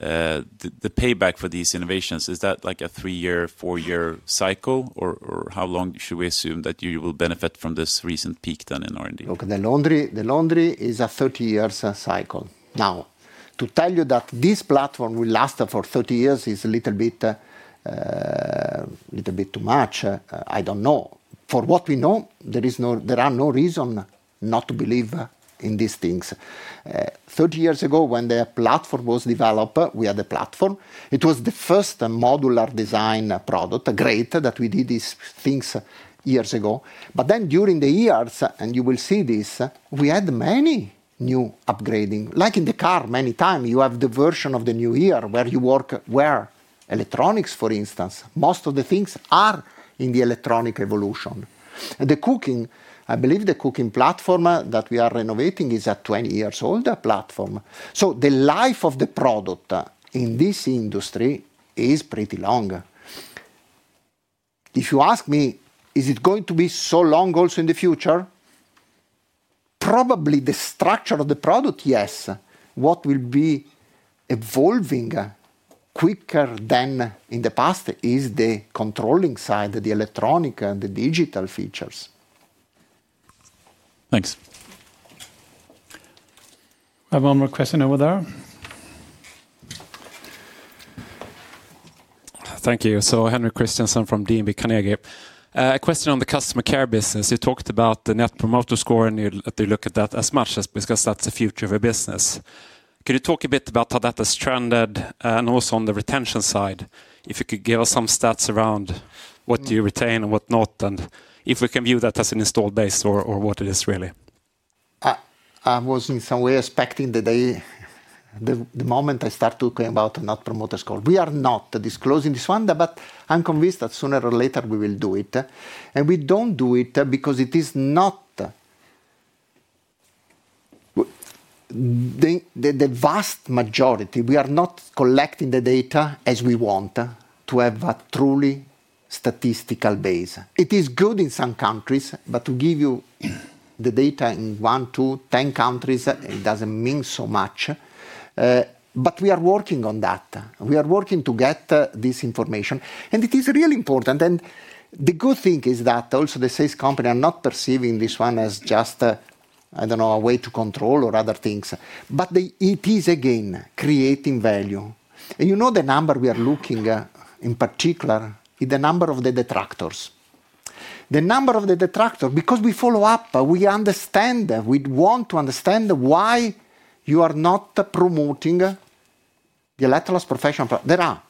payback for these innovations? Is that like a three-year, four-year cycle, or how long should we assume that you will benefit from this recent peak done in R&D? The laundry is a 30-year cycle. Now, to tell you that this platform will last for 30 years is a little bit too much, I do not know. For what we know, there are no reasons not to believe in these things. Thirty years ago, when the platform was developed, we had a platform. It was the first modular design product, a great that we did these things years ago. Then during the years, and you will see this, we had many new upgrades. Like in the car, many times, you have the version of the new year where you work where electronics, for instance. Most of the things are in the electronic evolution. The cooking, I believe the cooking platform that we are renovating is a 20-year-old platform. The life of the product in this industry is pretty long. If you ask me, is it going to be so long also in the future? Probably the structure of the product, yes. What will be evolving quicker than in the past is the controlling side, the electronic and the digital features. Thanks. We have one more question over there. Thank you. Henrik Christiansen from DNB Carnegie. A question on the customer care business. You talked about the net promoter score and you look at that as much as because that's the future of a business. Can you talk a bit about how that has trended and also on the retention side? If you could give us some stats around what do you retain and what not, and if we can view that as an installed base or what it is really? I was in some way expecting the moment I start talking about a net promoter score. We are not disclosing this one, but I'm convinced that sooner or later we will do it. We do not do it because it is not. The vast majority, we are not collecting the data as we want to have a truly statistical base. It is good in some countries, but to give you the data in one, two, ten countries, it does not mean so much. We are working on that. We are working to get this information. It is really important. The good thing is that also the sales company are not perceiving this one as just, I don't know, a way to control or other things. It is, again, creating value. You know the number we are looking at in particular is the number of the detractors. The number of the detractors, because we follow up, we understand, we want to understand why you are not promoting Electrolux Professional. There are,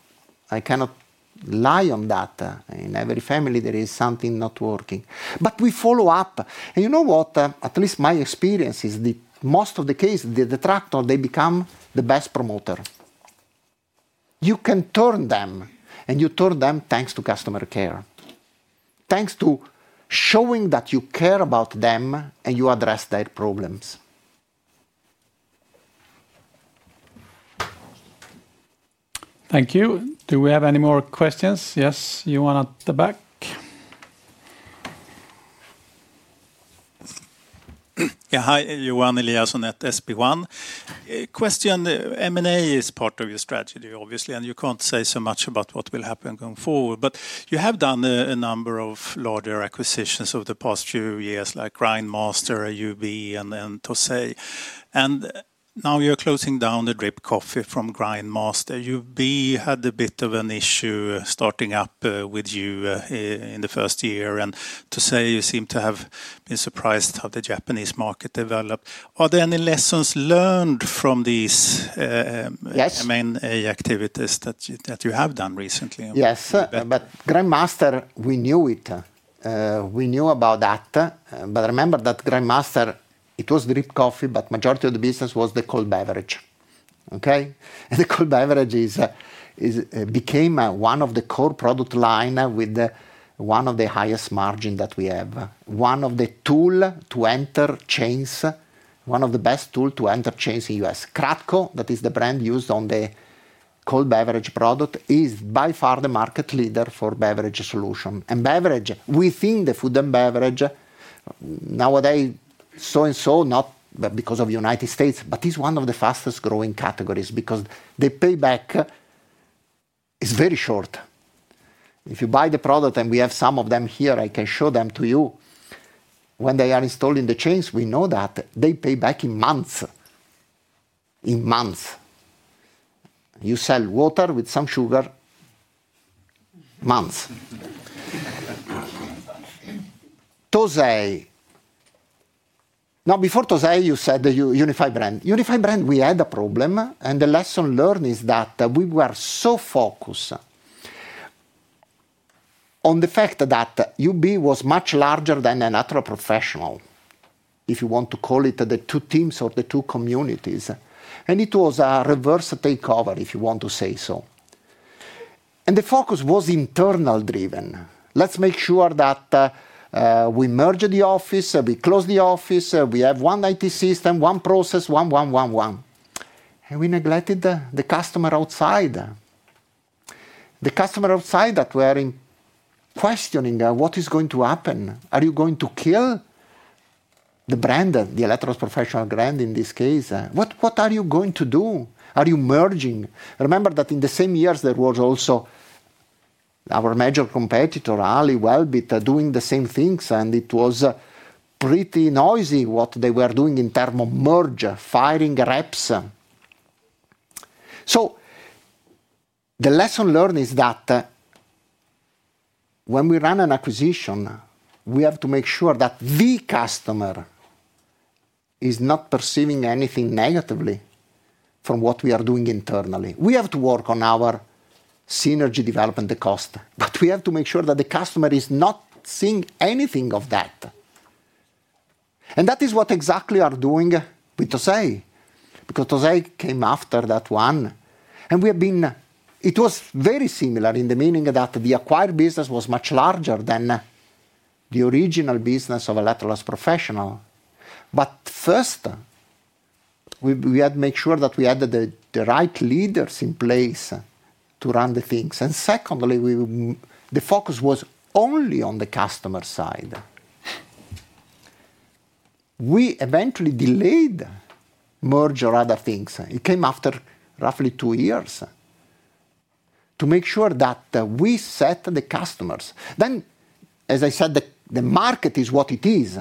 I cannot lie on that, in every family, there is something not working. We follow up. You know what? At least my experience is that most of the cases, the detractors, they become the best promoter. You can turn them, and you turn them thanks to customer care. Thanks to showing that you care about them and you address their problems. Thank you. Do we have any more questions? Yes, Yohann at the back. Yeah, hi, [Yohann Eliasson at SP1]. Question, M&A is part of your strategy, obviously, and you can't say so much about what will happen going forward. You have done a number of larger acquisitions over the past few years, like Grindmaster, UB, and TOSEI. Now you're closing down the drip coffee from Grindmaster. UB had a bit of an issue starting up with you in the first year. TOSEI, you seem to have been surprised how the Japanese market developed. Are there any lessons learned from these M&A activities that you have done recently? Yes, but Grindmaster, we knew it. We knew about that. Remember that Grindmaster, it was drip coffee, but the majority of the business was the cold beverage. Okay? The cold beverage is. Became one of the core product lines with one of the highest margins that we have. One of the tools to enter chains, one of the best tools to enter chains in the U.S. Kratko, that is the brand used on the cold beverage product, is by far the market leader for beverage solutions. And beverage, we think the food and beverage. Nowadays, so and so, not because of the United States, but it's one of the fastest growing categories because the payback is very short. If you buy the product, and we have some of them here, I can show them to you. When they are installed in the chains, we know that they pay back in months. In months. You sell water with some sugar. Months. TOSEI. Now, before TOSEI, you said the Unified Brand. Unified Brand, we had a problem. The lesson learned is that we were so focused on the fact that Unified Brands was much larger than Electrolux Professional. If you want to call it the two teams or the two communities, it was a reverse takeover, if you want to say so. The focus was internal-driven. Let's make sure that we merge the office, we close the office, we have one IT system, one process, one, one, one, one. We neglected the customer outside. The customer outside was questioning, what is going to happen? Are you going to kill the brand, the Electrolux Professional brand in this case? What are you going to do? Are you merging? Remember that in the same years, there was also our major competitor, Ali Group, Welbilt, doing the same things. It was pretty noisy what they were doing in terms of merge, firing reps. The lesson learned is that when we run an acquisition, we have to make sure that the customer is not perceiving anything negatively from what we are doing internally. We have to work on our synergy development, the cost, but we have to make sure that the customer is not seeing anything of that. That is what exactly we are doing with TOSEI, because TOSEI came after that one. It was very similar in the meaning that the acquired business was much larger than the original business of Electrolux Professional. First, we had to make sure that we had the right leaders in place to run the things. Secondly, the focus was only on the customer side. We eventually delayed merge or other things. It came after roughly two years to make sure that we set the customers. As I said, the market is what it is.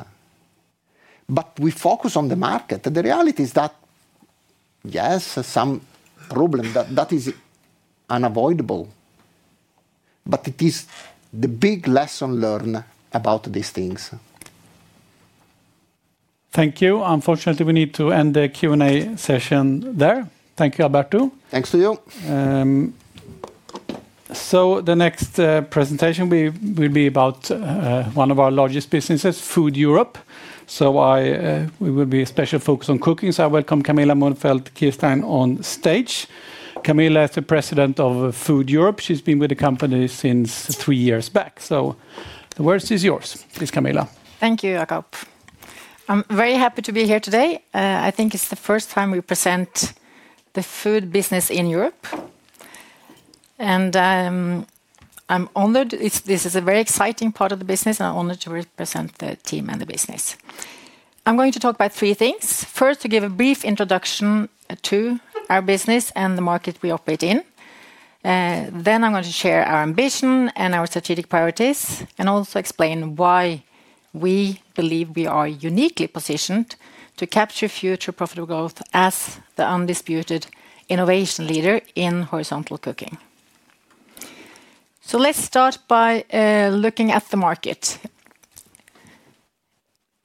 We focus on the market. The reality is that, yes, some problem is unavoidable, but it is the big lesson learned about these things. Thank you. Unfortunately, we need to end the Q&A session there. Thank you, Alberto. Thanks to you. The next presentation will be about one of our largest businesses, Food Europe. We will be especially focused on cooking. I welcome Camilla Monfeldt-Kirstein on stage. Camilla is the President of Food Europe. She has been with the company since three years back. The words are yours. Please, Camilla. Thank you, Jacob. I'm very happy to be here today. I think it's the first time we present the food business in Europe, and I'm honored. This is a very exciting part of the business, and I'm honored to represent the team and the business. I'm going to talk about three things. First, to give a brief introduction to our business and the market we operate in. Then I'm going to share our ambition and our strategic priorities, and also explain why we believe we are uniquely positioned to capture future profitable growth as the undisputed innovation leader in horizontal cooking. Let's start by looking at the market.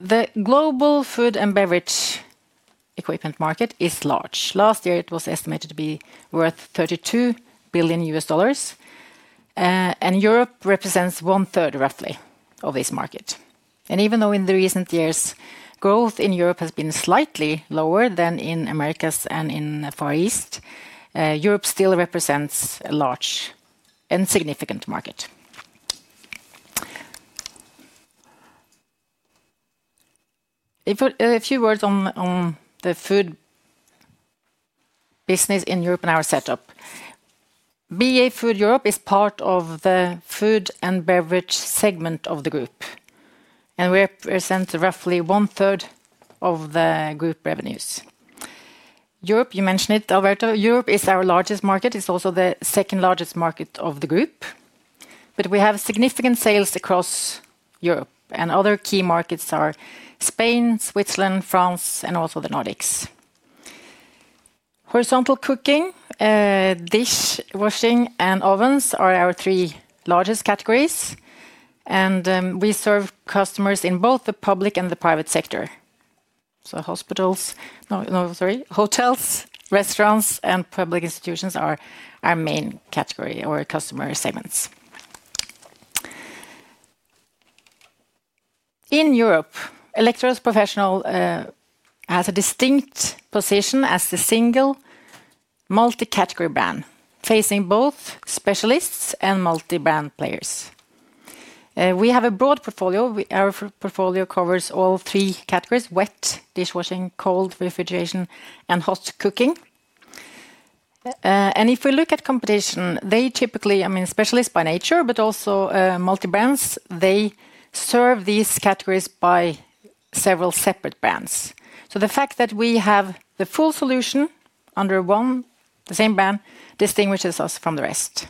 The global food and beverage equipment market is large. Last year, it was estimated to be worth $32 billion. Europe represents one-third, roughly, of this market. Even though in recent years, growth in Europe has been slightly lower than in the Americas and in the Far East, Europe still represents a large and significant market. A few words on the food. Business in Europe and our setup. BA Food Europe is part of the Food & Beverage segment of the group. We represent roughly one-third of the group revenues. Europe, you mentioned it, Alberto. Europe is our largest market. It is also the second largest market of the group. We have significant sales across Europe. Other key markets are Spain, Switzerland, France, and also the Nordics. Horizontal cooking, dishwashing, and ovens are our three largest categories. We serve customers in both the public and the private sector. Hospitals, no, sorry, hotels, restaurants, and public institutions are our main category or customer segments. In Europe, Electrolux Professional has a distinct position as the single multi-category brand, facing both specialists and multi-brand players. We have a broad portfolio. Our portfolio covers all three categories: wet, dishwashing, cold, refrigeration, and hot cooking. If we look at competition, they typically, I mean, specialists by nature, but also multi-brands, they serve these categories by several separate brands. The fact that we have the full solution under one, the same brand, distinguishes us from the rest.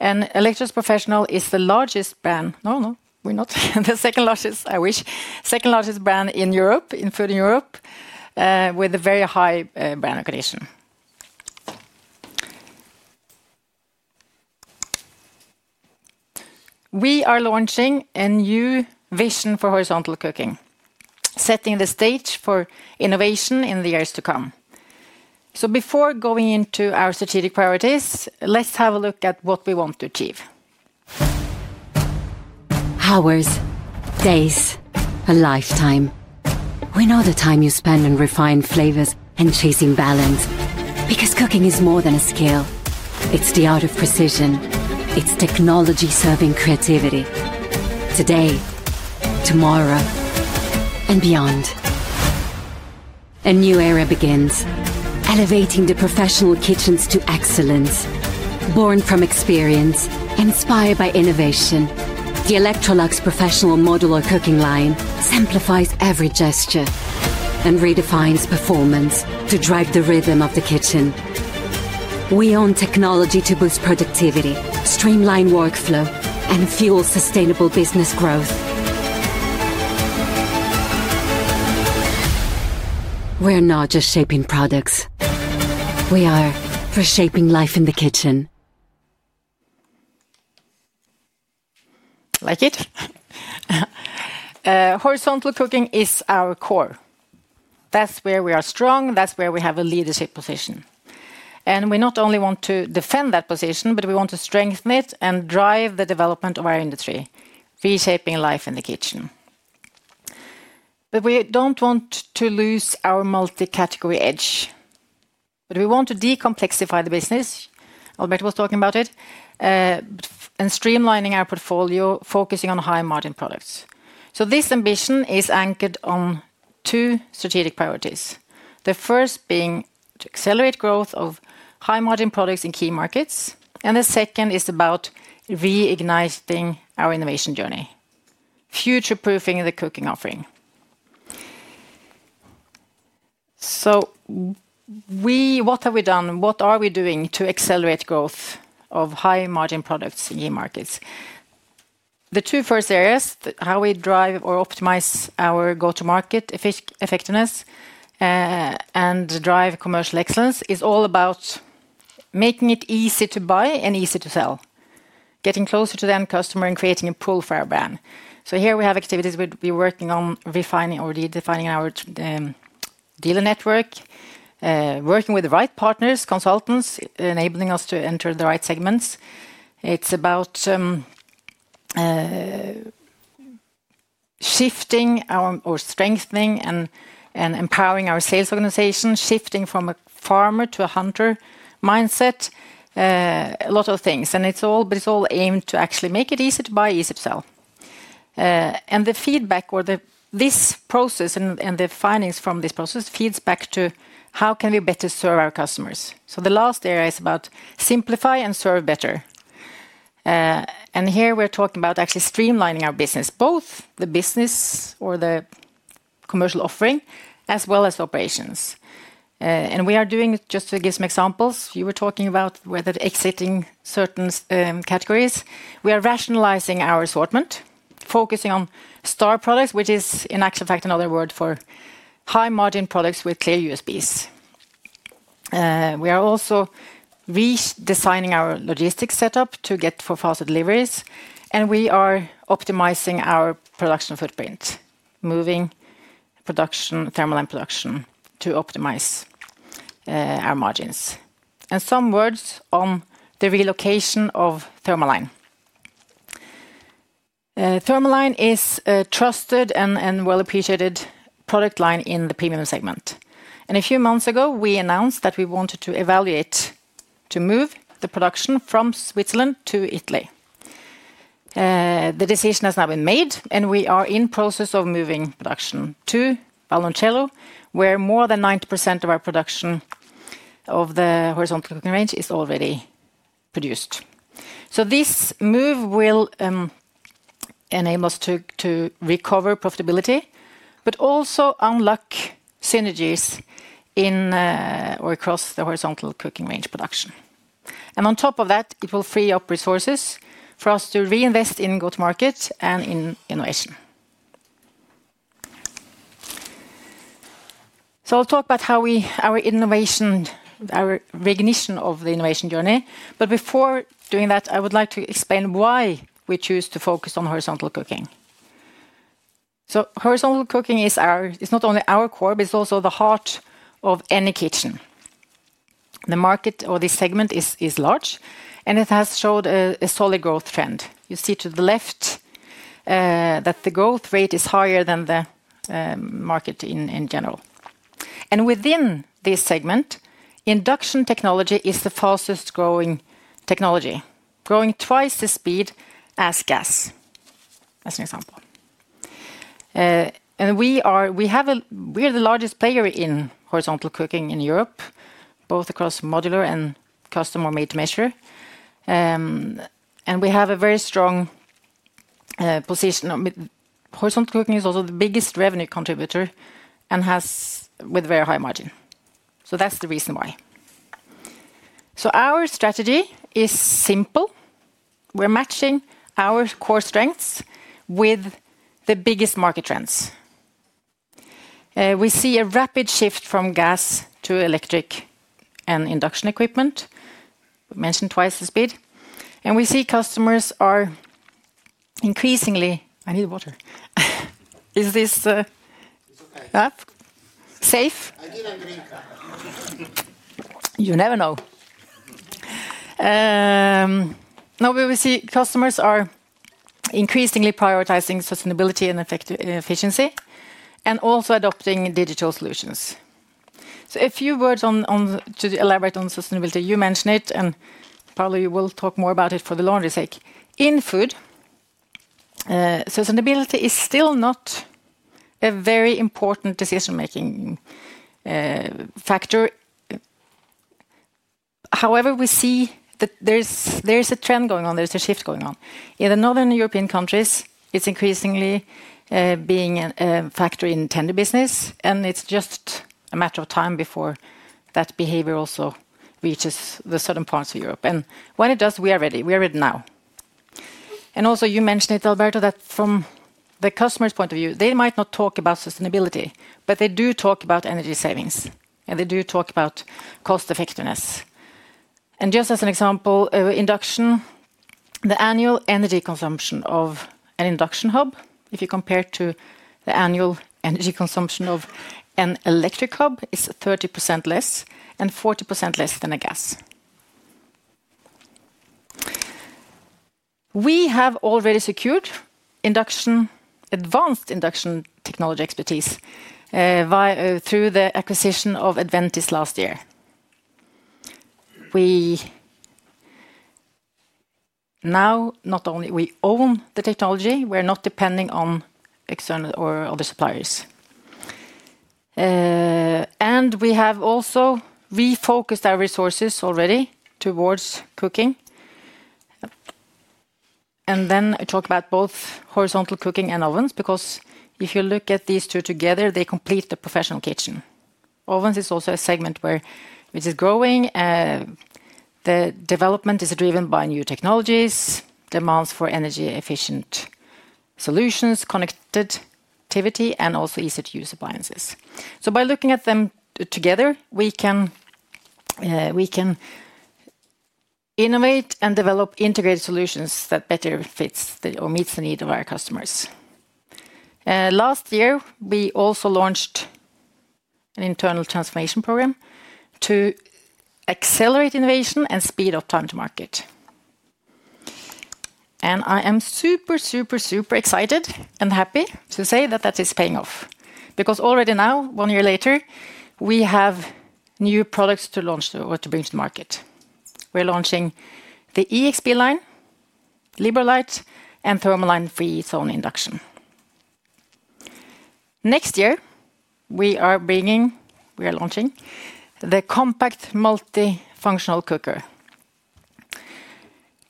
Electrolux Professional is the largest brand. No, no, we're not the second largest, I wish. Second largest brand in Europe, in Food in Europe, with a very high brand recognition. We are launching a new vision for horizontal cooking, setting the stage for innovation in the years to come. Before going into our strategic priorities, let's have a look at what we want to achieve. Hours, days, a lifetime. We know the time you spend on refined flavors and chasing balance. Because cooking is more than a skill. It's the art of precision. It's technology serving creativity. Today. Tomorrow. And beyond. A new era begins, elevating the professional kitchens to excellence. Born from experience, inspired by innovation, the Electrolux Professional modular cooking line simplifies every gesture and redefines performance to drive the rhythm of the kitchen. We own technology to boost productivity, streamline workflow, and fuel sustainable business growth. We're not just shaping products. We are reshaping life in the kitchen. Like it? Horizontal cooking is our core. That's where we are strong. That's where we have a leadership position. We not only want to defend that position, but we want to strengthen it and drive the development of our industry, reshaping life in the kitchen. We do not want to lose our multi-category edge. We want to decomplexify the business. Alberto was talking about it. Streamlining our portfolio, focusing on high-margin products. This ambition is anchored on two strategic priorities. The first being to accelerate growth of high-margin products in key markets. The second is about reigniting our innovation journey, future-proofing the cooking offering. What have we done? What are we doing to accelerate growth of high-margin products in key markets? The two first areas, how we drive or optimize our go-to-market effectiveness and drive commercial excellence, is all about making it easy to buy and easy to sell, getting closer to the end customer and creating a pull for our brand. Here we have activities, we are working on refining or redefining our dealer network, working with the right partners, consultants, enabling us to enter the right segments. It is about shifting or strengthening and empowering our sales organization, shifting from a farmer to a hunter mindset. A lot of things, but it is all aimed to actually make it easy to buy, easy to sell. The feedback or this process and the findings from this process feed back to how can we better serve our customers. The last area is about simplify and serve better. Here we're talking about actually streamlining our business, both the business or the commercial offering as well as operations. We are doing it just to give some examples. You were talking about whether exiting certain categories. We are rationalizing our assortment, focusing on star products, which is in actual fact another word for high-margin products with clear U.S.Ps. We are also redesigning our logistics setup to get for faster deliveries. We are optimizing our production footprint, moving production, thermaline production to optimize our margins. Some words on the relocation of thermaline. thermaline is a trusted and well-appreciated product line in the premium segment. A few months ago, we announced that we wanted to evaluate moving the production from Switzerland to Italy. The decision has now been made, and we are in the process of moving production to Vallenoncello, where more than 90% of our production of the horizontal cooking range is already produced. This move will enable us to recover profitability, but also unlock synergies across the horizontal cooking range production. On top of that, it will free up resources for us to reinvest in go-to-market and in innovation. I will talk about our recognition of the innovation journey. Before doing that, I would like to explain why we choose to focus on horizontal cooking. Horizontal cooking is not only our core, but it is also the heart of any kitchen. The market or this segment is large, and it has showed a solid growth trend. You see to the left that the growth rate is higher than the market in general. Within this segment, induction technology is the fastest growing technology, growing twice the speed as gas, as an example. We are, we're the largest player in horizontal cooking in Europe, both across modular and custom or made-to-measure. We have a very strong position. Horizontal cooking is also the biggest revenue contributor and has with a very high margin. That is the reason why. Our strategy is simple. We're matching our core strengths with the biggest market trends. We see a rapid shift from gas to electric and induction equipment. We mentioned twice the speed. We see customers are increasingly, I need water. Is this, it's okay? Safe? I didn't drink. You never know. No, we see customers are increasingly prioritizing sustainability and efficiency and also adopting digital solutions. A few words to elaborate on sustainability. You mentioned it, and probably you will talk more about it for the laundry's sake. In food, sustainability is still not a very important decision-making factor. However, we see that there's a trend going on. There's a shift going on. In the northern European countries, it's increasingly being a factor in tender business, and it's just a matter of time before that behavior also reaches the southern parts of Europe. When it does, we are ready. We are ready now. You mentioned it, Alberto, that from the customer's point of view, they might not talk about sustainability, but they do talk about energy savings, and they do talk about cost-effectiveness. Just as an example, induction. The annual energy consumption of an induction hub, if you compare it to the annual energy consumption of an electric hub, is 30% less and 40% less than a gas. We have already secured advanced induction technology expertise through the acquisition of Adventis last year. We now not only own the technology, we're not depending on external or other suppliers. We have also refocused our resources already towards cooking. I talk about both horizontal cooking and ovens, because if you look at these two together, they complete the professional kitchen. Ovens is also a segment which is growing. The development is driven by new technologies, demands for energy-efficient solutions, connectivity, and also ease-of-use appliances. By looking at them together, we can innovate and develop integrated solutions that better fits or meets the need of our customers. Last year, we also launched an internal transformation program to. Accelerate innovation and speed up time to market. I am super, super, super excited and happy to say that that is paying off. Because already now, one year later, we have new products to launch or to bring to the market. We are launching the EXP Line, LiberoLight, and thermaline free-zone induction. Next year, we are bringing, we are launching the compact multi-functional cooker.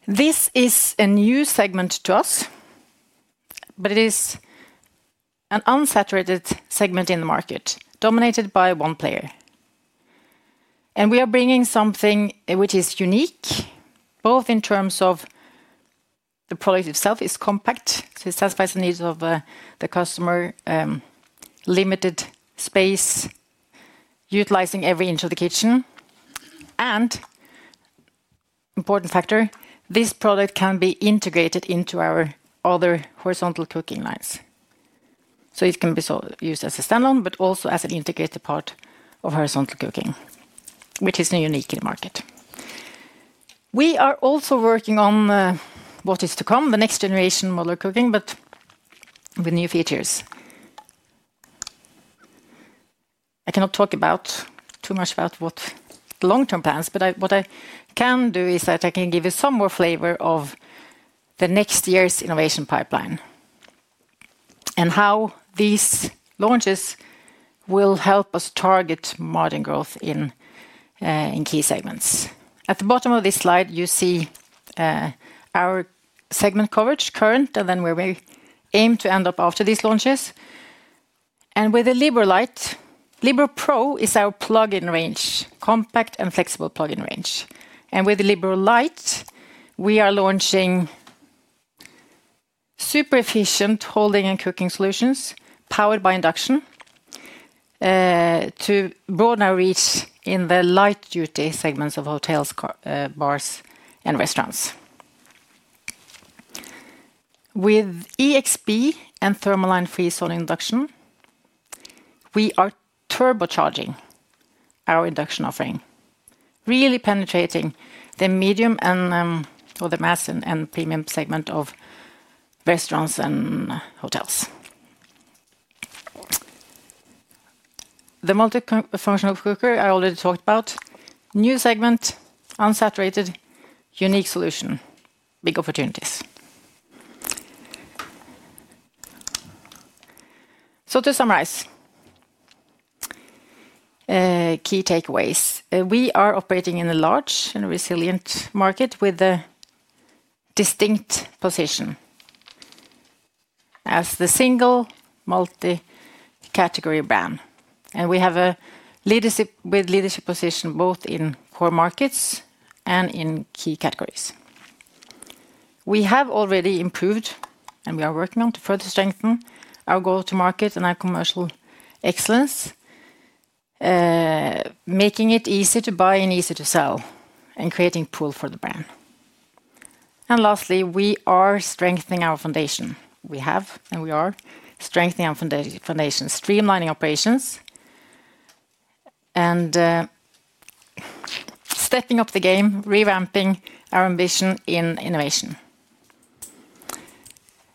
This is a new segment to us. It is an unsaturated segment in the market, dominated by one player. We are bringing something which is unique, both in terms of the product itself. It is compact, so it satisfies the needs of the customer. Limited space. Utilizing every inch of the kitchen. An important factor, this product can be integrated into our other horizontal cooking lines. It can be used as a standalone, but also as an integrated part of horizontal cooking, which is unique in the market. We are also working on what is to come, the next generation modular cooking, but with new features. I cannot talk too much about the long-term plans, but what I can do is give you some more flavor of the next year's innovation pipeline and how these launches will help us target margin growth in key segments. At the bottom of this slide, you see our segment coverage current and then where we aim to end up after these launches. With the LiberoLight, LiberoPro is our plug-in range, compact and flexible plug-in range. With the LiberoLight, we are launching super efficient holding and cooking solutions powered by induction. To broaden our reach in the light-duty segments of hotels, bars, and restaurants. With EXP and thermaline free-zone induction. We are turbocharging our induction offering, really penetrating the medium and, or the mass and premium segment of, restaurants and hotels. The multi-functional cooker I already talked about, new segment, unsaturated, unique solution, big opportunities. To summarize, key takeaways. We are operating in a large and resilient market with a distinct position as the single multi-category brand. We have a leadership position both in core markets and in key categories. We have already improved, and we are working on to further strengthen our go-to-market and our commercial excellence. Making it easy to buy and easy to sell, and creating a pull for the brand. Lastly, we are strengthening our foundation. We have and we are strengthening our foundation, streamlining operations. Stepping up the game, revamping our ambition in innovation.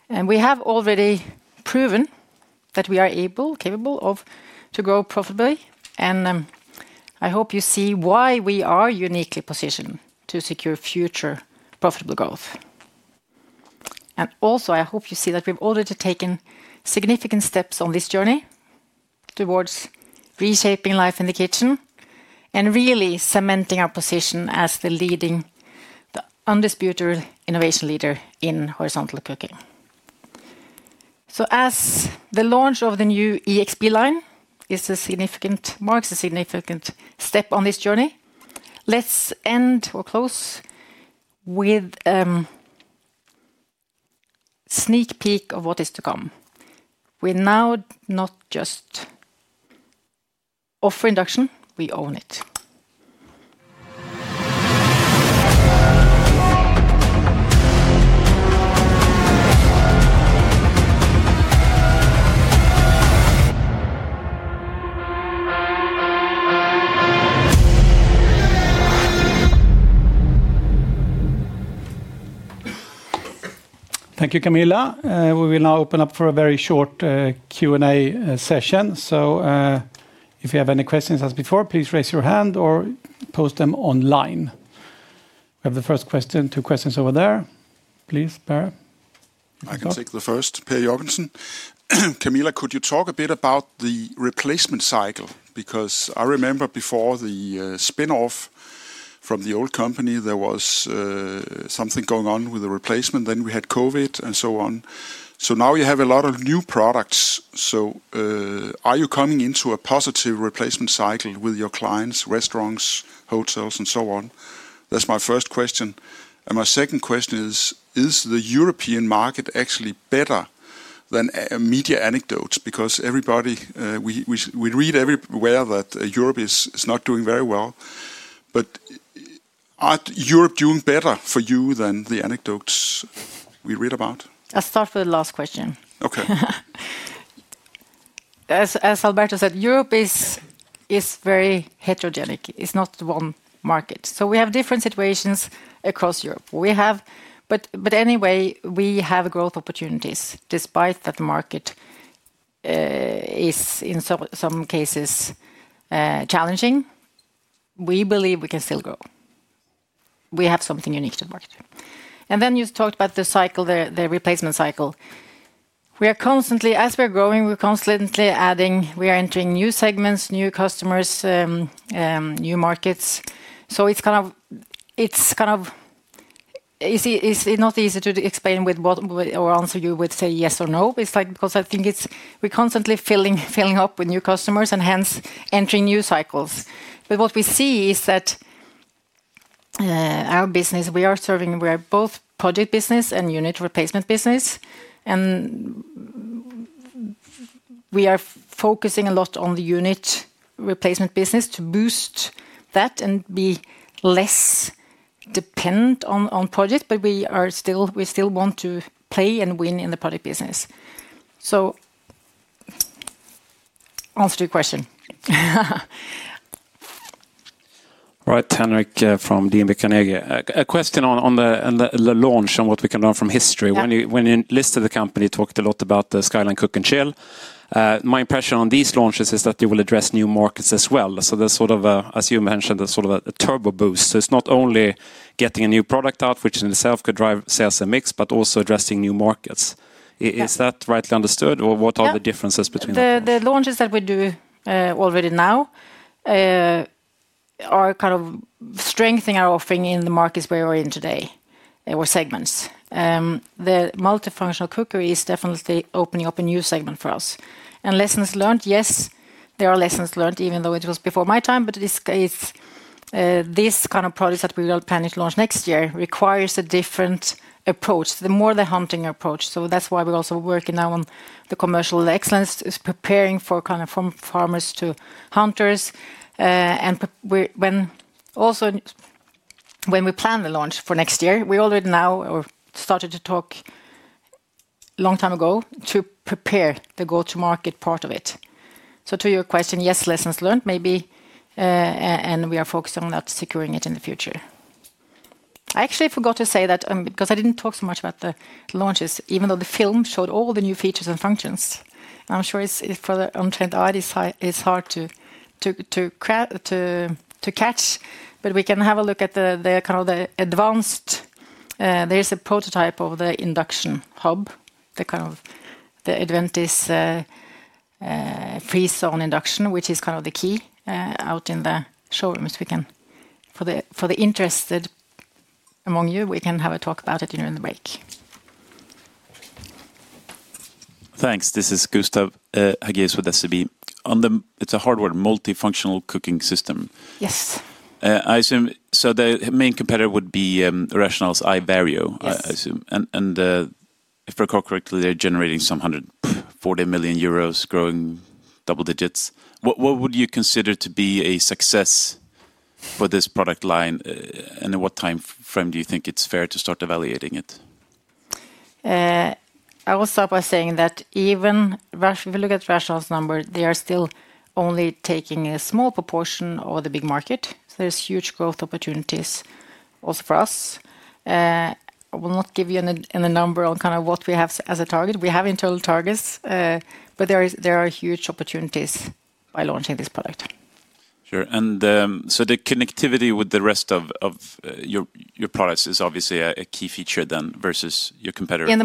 We have already proven that we are capable of growing profitably. I hope you see why we are uniquely positioned to secure future profitable growth. I also hope you see that we've already taken significant steps on this journey towards reshaping life in the kitchen and really cementing our position as the undisputed innovation leader in horizontal cooking. The launch of the new XP Line is a significant step on this journey. Let's end or close with a sneak peek of what is to come. We're now not just offering induction; we own it. Thank you, Camilla. We will now open up for a very short Q&A session. If you have any questions, as before, please raise your hand or post them online. We have the first question, two questions over there. Please, Pere. I can take the first, [Piere Jorgensen]. Camilla, could you talk a bit about the replacement cycle? Because I remember before the spin-off from the old company, there was something going on with the replacement. Then we had COVID and so on. Now you have a lot of new products. Are you coming into a positive replacement cycle with your clients, restaurants, hotels, and so on? That is my first question. My second question is, is the European market actually better than media anecdotes? Because everybody, we read everywhere that Europe is not doing very well. Are Europe doing better for you than the anecdotes we read about? I will start with the last question. As Alberto said, Europe is very heterogenic. It is not one market. We have different situations across Europe. Anyway, we have growth opportunities. Despite that the market is in some cases. Challenging. We believe we can still grow. We have something unique to the market. You talked about the cycle, the replacement cycle. As we're growing, we're constantly adding, we are entering new segments, new customers, new markets. It's not easy to explain with what or answer you would say yes or no. I think we're constantly filling up with new customers and hence entering new cycles. What we see is that our business, we are serving, we are both project business and unit replacement business. We are focusing a lot on the unit replacement business to boost that and be less dependent on projects, but we still want to play and win in the project business. Answer to your question. Right, Henrik from DNB Carnegie. A question on the launch and what we can learn from history. When you listed the company, you talked a lot SkyLine Cook and Chill. My impression on these launches is that you will address new markets as well. There is sort of, as you mentioned, a turbo boost. It is not only getting a new product out, which in itself could drive sales and mix, but also addressing new markets. Is that rightly understood? What are the differences between them? The launches that we do already now are kind of strengthening our offering in the markets where we are in today, or segments. The multi-functional cookery is definitely opening up a new segment for us. Lessons learned, yes, there are lessons learned, even though it was before my time, but this. kind of product that we will plan to launch next year requires a different approach, the more the hunting approach. That is why we are also working now on the commercial excellence, preparing for kind of from farmers to hunters. Also, when we plan the launch for next year, we already now started to talk a long time ago to prepare the go-to-market part of it. To your question, yes, lessons learned, maybe, and we are focused on that, securing it in the future. I actually forgot to say that because I did not talk so much about the launches, even though the film showed all the new features and functions. I am sure it is for the untrained eye, it is hard to catch, but we can have a look at the kind of the advanced. There is a prototype of the induction hub, the kind of the Adventis. Free-zone induction, which is kind of the key out in the showrooms. For the interested among you, we can have a talk about it during the break. Thanks. This is Gustav Hagéus with SEB. It's a hardware, multi-functional cooking system. Yes. The main competitor would be Rational's iVario, I assume. If I recall correctly, they're generating some 140 million euros, growing double digits. What would you consider to be a success for this product line, and in what time frame do you think it's fair to start evaluating it? I will start by saying that even if we look at Rational's number, they are still only taking a small proportion of the big market. There are huge growth opportunities also for us. I will not give you a number on kind of what we have as a target. We have internal targets, but there are huge opportunities by launching this product. Sure. The connectivity with the rest of your products is obviously a key feature then versus your competitor. In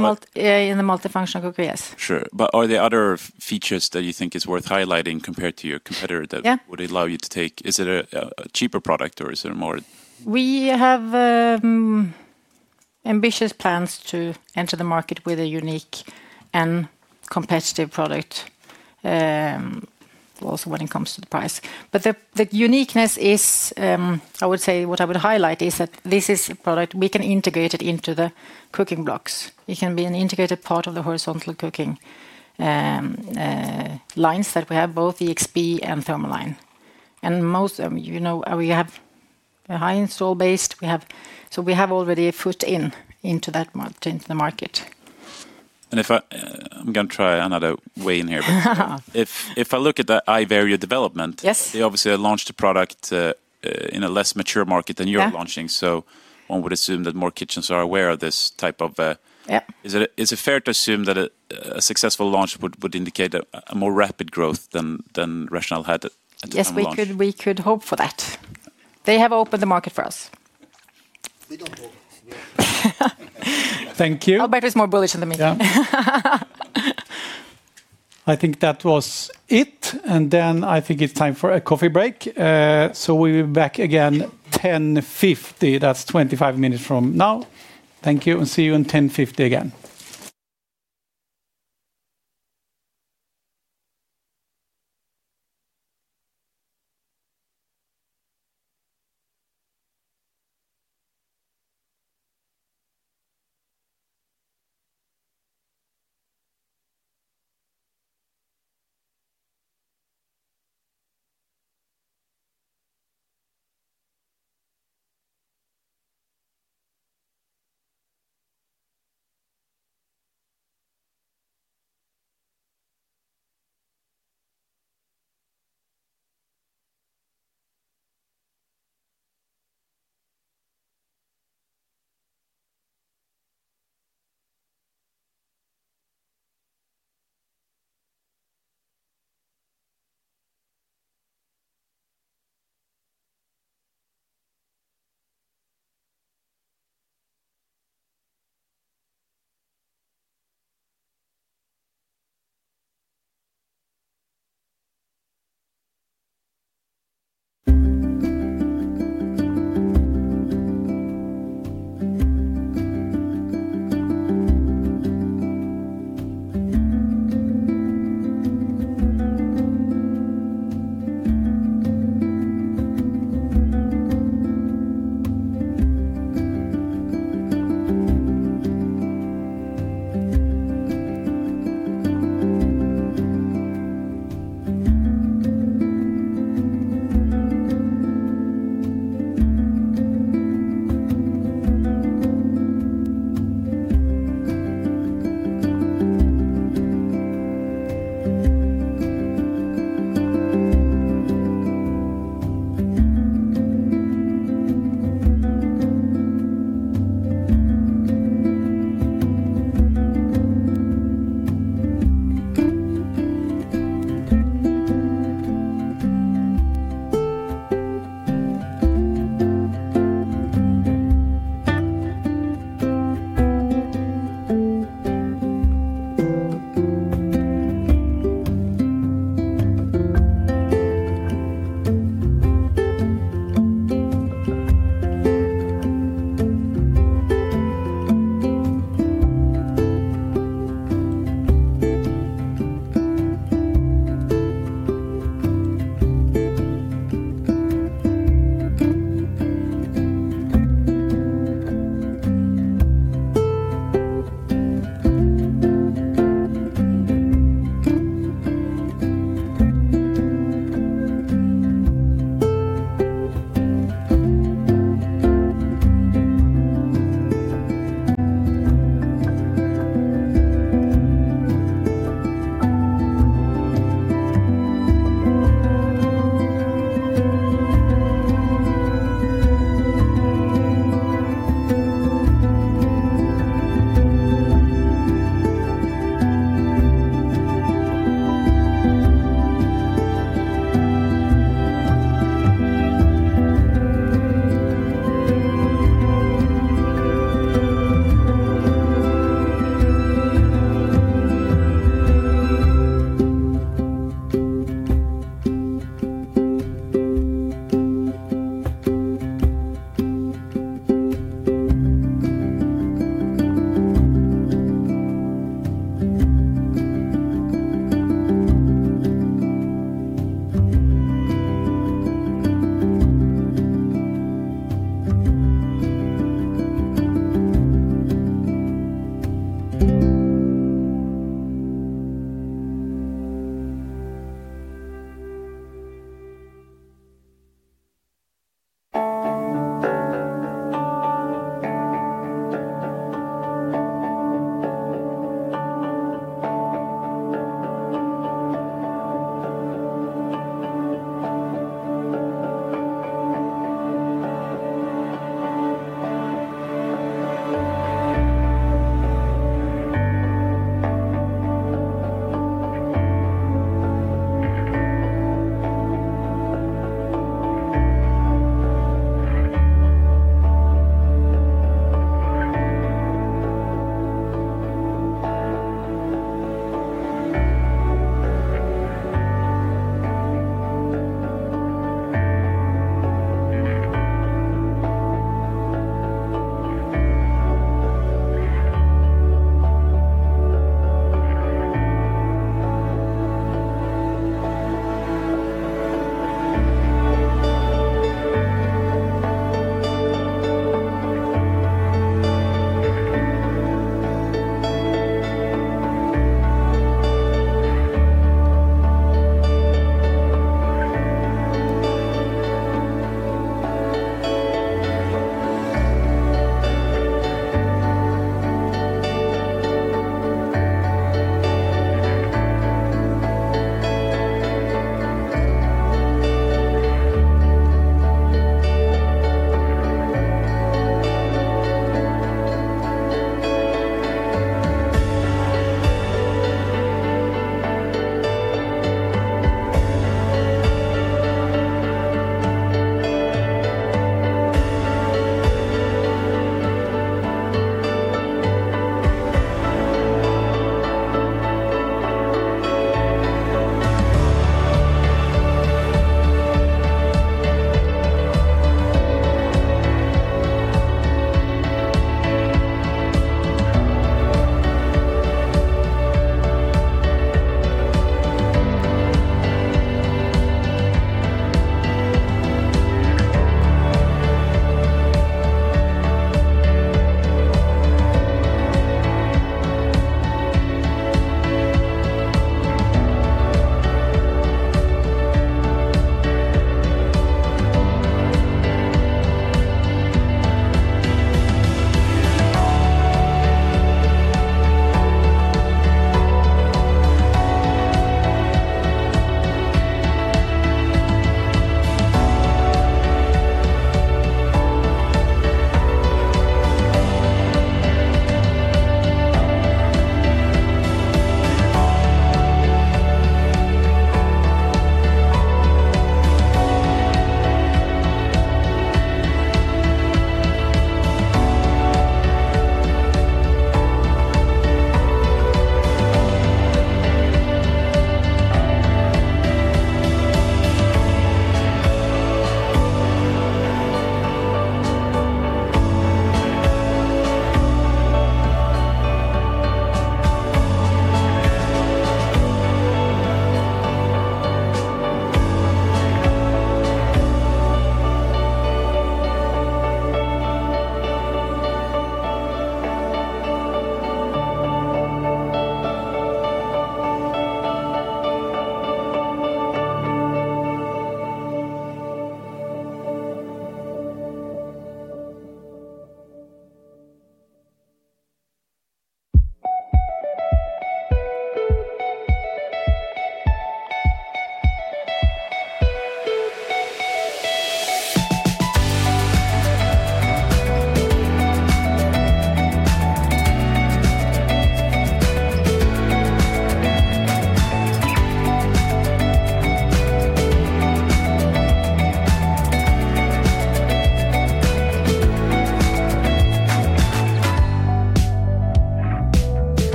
the multi-functional cookery, yes. Sure. Are there other features that you think are worth highlighting compared to your competitor that would allow you to take? Is it a cheaper product or is it a more? We have ambitious plans to enter the market with a unique and competitive product. Also when it comes to the price. The uniqueness is, I would say, what I would highlight is that this is a product we can integrate into the cooking blocks. It can be an integrated part of the horizontal cooking lines that we have, both EXP and thermaline. Most of them, you know, we have a high install base. We have already a foot in into that market. If I look at the iVario development, they obviously launched a product in a less mature market than you are launching. One would assume that more kitchens are aware of this type of. Is it fair to assume that a successful launch would indicate a more rapid growth than Rational had at the time? Yes, we could hope for that. They have opened the market for us. Thank you. Alberto is more bullish than me. I think that was it. I think it's time for a coffee break. We will be back again at 10:50 A.M. That's 25 minutes from now. Thank you. See you at 10:50 A.M. again.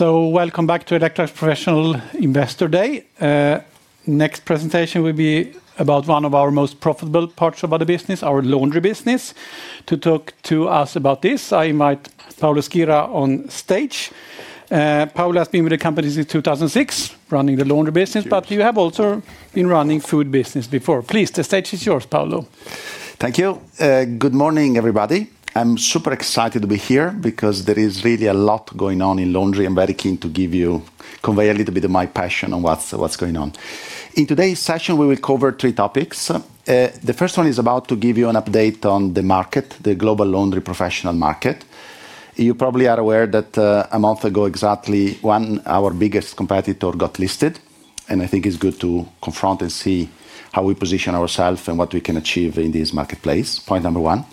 Welcome back to Electrolux Professional Investor Day. Next presentation will be about one of our most profitable parts of our business, our laundry business. To talk to us about this, I invite Paolo Schira on stage. Paolo has been with the company since 2006, running the laundry business, but you have also been running the food business before. Please, the stage is yours, Paolo. Thank you. Good morning, everybody. I'm super excited to be here because there is really a lot going on in laundry, and I'm very keen to give you, convey a little bit of my passion on what's going on. In today's session, we will cover three topics. The first one is about to give you an update on the market, the global laundry professional market. You probably are aware that a month ago, exactly when our biggest competitor got listed, and I think it's good to confront and see how we position ourselves and what we can achieve in this marketplace. Point number one.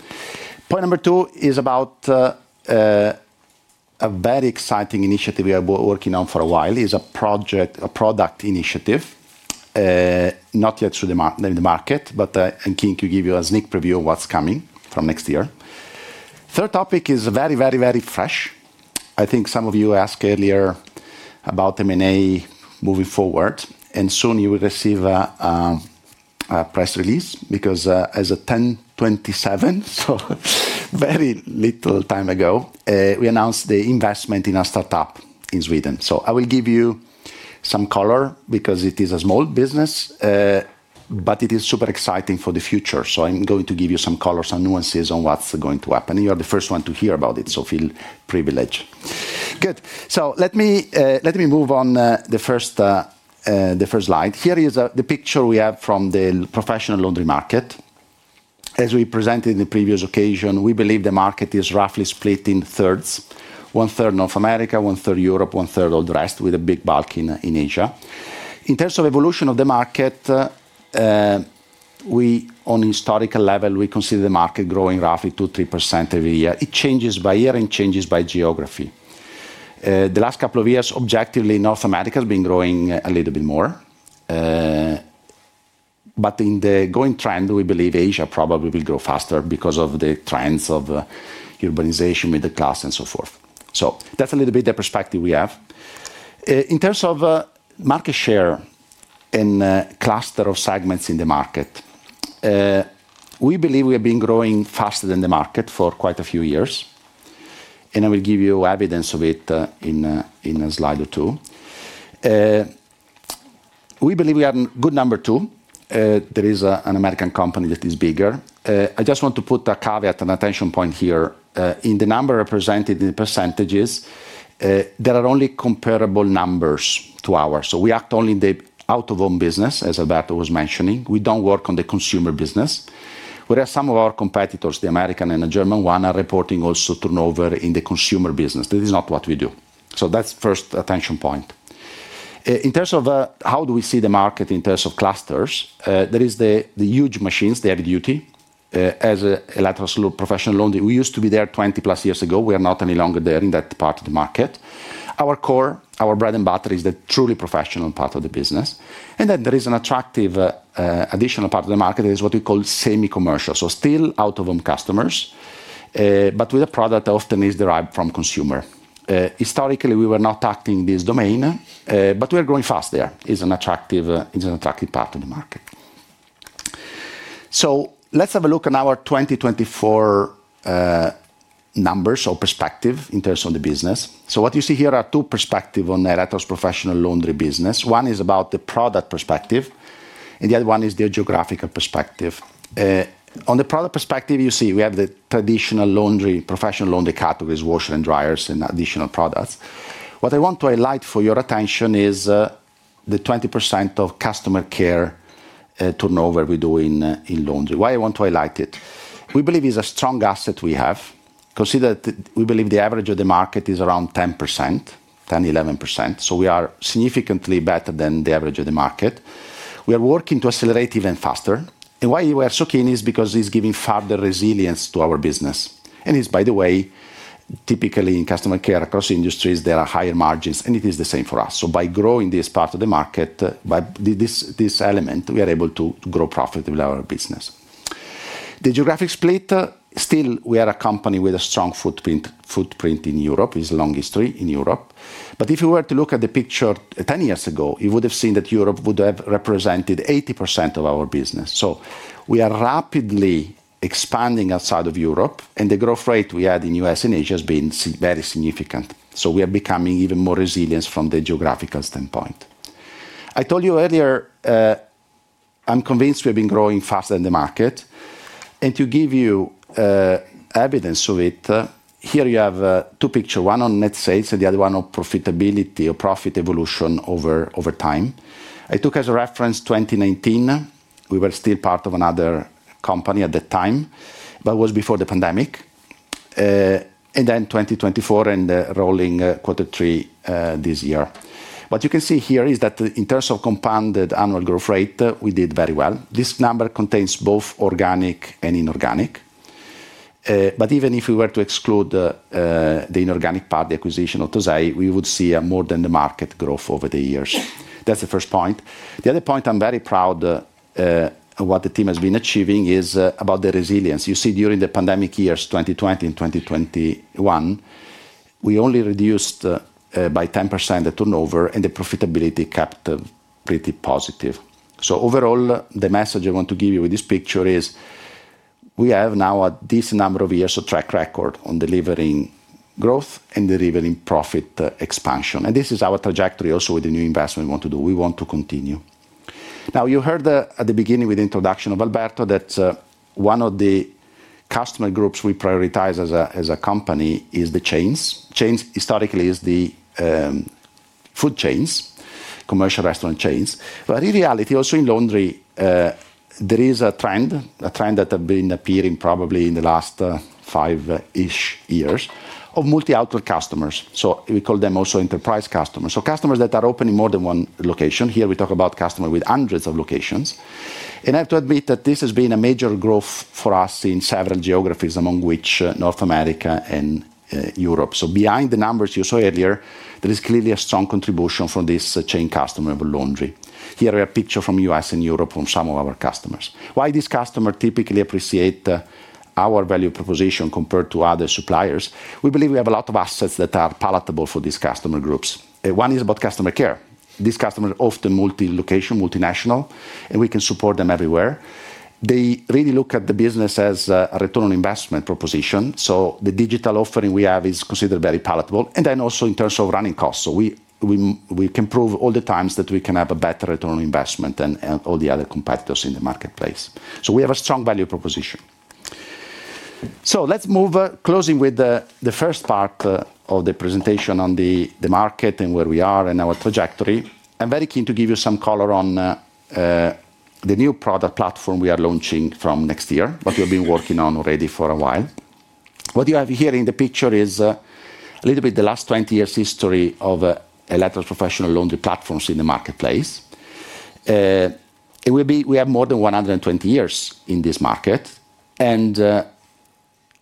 Point number two is about a very exciting initiative we have been working on for a while. It's a project, a product initiative, not yet in the market, but I'm keen to give you a sneak preview of what's coming from next year. The third topic is very, very, very fresh. I think some of you asked earlier about M&A moving forward, and soon you will receive a press release because, as of 10/27, so very little time ago, we announced the investment in a startup in Sweden. I will give you some color because it is a small business, but it is super exciting for the future. I'm going to give you some colors and nuances on what's going to happen. You are the first one to hear about it, so feel privileged. Good. Let me move on to the first slide. Here is the picture we have from the professional laundry market. As we presented on the previous occasion, we believe the market is roughly split in thirds: one third North America, one third Europe, one third all the rest, with a big bulk in Asia. In terms of evolution of the market, on a historical level, we consider the market growing roughly 2%-3% every year. It changes by year and changes by geography. The last couple of years, objectively, North America has been growing a little bit more. In the going trend, we believe Asia probably will grow faster because of the trends of urbanization, middle class, and so forth. That is a little bit of the perspective we have. In terms of market share and cluster of segments in the market, we believe we have been growing faster than the market for quite a few years. I will give you evidence of it in a slide or two. We believe we have a good number too. There is an American company that is bigger. I just want to put a caveat and attention point here. In the number represented in the percentages, there are only comparable numbers to ours. We act only in the out-of-home business, as Alberto was mentioning. We do not work on the consumer business. Whereas some of our competitors, the American and the German one, are reporting also turnover in the consumer business. That is not what we do. That is the first attention point. In terms of how do we see the market in terms of clusters, there are the huge machines, the heavy duty. As Electrolux Professional Laundry, we used to be there 20+ years ago. We are not any longer there in that part of the market. Our core, our bread and butter, is the truly professional part of the business. There is an attractive additional part of the market. It is what we call semi-commercial. Still out-of-home customers, but with a product that often is derived from consumer. Historically, we were not acting in this domain, but we are growing fast there. It is an attractive part of the market. Let's have a look at our 2024 numbers or perspective in terms of the business. What you see here are two perspectives on Electrolux Professional Laundry business. One is about the product perspective, and the other one is the geographical perspective. On the product perspective, you see we have the traditional laundry, professional laundry categories, washer and dryers, and additional products. What I want to highlight for your attention is the 20% of customer care turnover we do in laundry. Why I want to highlight it? We believe it is a strong asset we have. Consider that we believe the average of the market is around 10%-11%. We are significantly better than the average of the market. We are working to accelerate even faster. Why we are so keen is because it's giving further resilience to our business. It is, by the way, typically in customer care across industries, there are higher margins, and it is the same for us. By growing this part of the market, by this element, we are able to grow profitably our business. The geographic split, still, we are a company with a strong footprint in Europe. It is a long history in Europe. If you were to look at the picture 10 years ago, you would have seen that Europe would have represented 80% of our business. We are rapidly expanding outside of Europe, and the growth rate we had in the U.S. and Asia has been very significant. We are becoming even more resilient from the geographical standpoint. I told you earlier, I am convinced we have been growing faster than the market. To give you evidence of it, here you have two pictures. One on net sales and the other one on profitability or profit evolution over time. I took as a reference 2019. We were still part of another company at that time, but it was before the pandemic. Then 2024 and rolling quarter three this year. What you can see here is that in terms of compounded annual growth rate, we did very well. This number contains both organic and inorganic. Even if we were to exclude the inorganic part, the acquisition of TOSEI, we would see more than the market growth over the years. That is the first point. The other point I am very proud of, of what the team has been achieving, is about the resilience. You see, during the pandemic years, 2020 and 2021, we only reduced by 10% the turnover, and the profitability kept pretty positive. Overall, the message I want to give you with this picture is we have now a decent number of years of track record on delivering growth and delivering profit expansion. This is our trajectory also with the new investment we want to do. We want to continue. You heard at the beginning with the introduction of Alberto that one of the customer groups we prioritize as a company is the chains. Chains, historically, is the food chains, commercial restaurant chains. In reality, also in laundry, there is a trend, a trend that has been appearing probably in the last five-ish years of multi-outlet customers. We call them also enterprise customers, so customers that are open in more than one location. Here, we talk about customers with hundreds of locations. I have to admit that this has been a major growth for us in several geographies, among which North America and Europe. Behind the numbers you saw earlier, there is clearly a strong contribution from this chain customer of laundry. Here, we have a picture from the U.S. and Europe from some of our customers. Why these customers typically appreciate our value proposition compared to other suppliers? We believe we have a lot of assets that are palatable for these customer groups. One is about customer care. These customers are often multi-location, multinational, and we can support them everywhere. They really look at the business as a return on investment proposition. The digital offering we have is considered very palatable. Also in terms of running costs. We can prove all the times that we can have a better return on investment than all the other competitors in the marketplace. We have a strong value proposition. Let's move closing with the first part of the presentation on the market and where we are and our trajectory. I'm very keen to give you some color on the new product platform we are launching from next year, what we've been working on already for a while. What you have here in the picture is a little bit of the last 20 years' history of Electrolux Professional Laundry platforms in the marketplace. We have more than 120 years in this market. I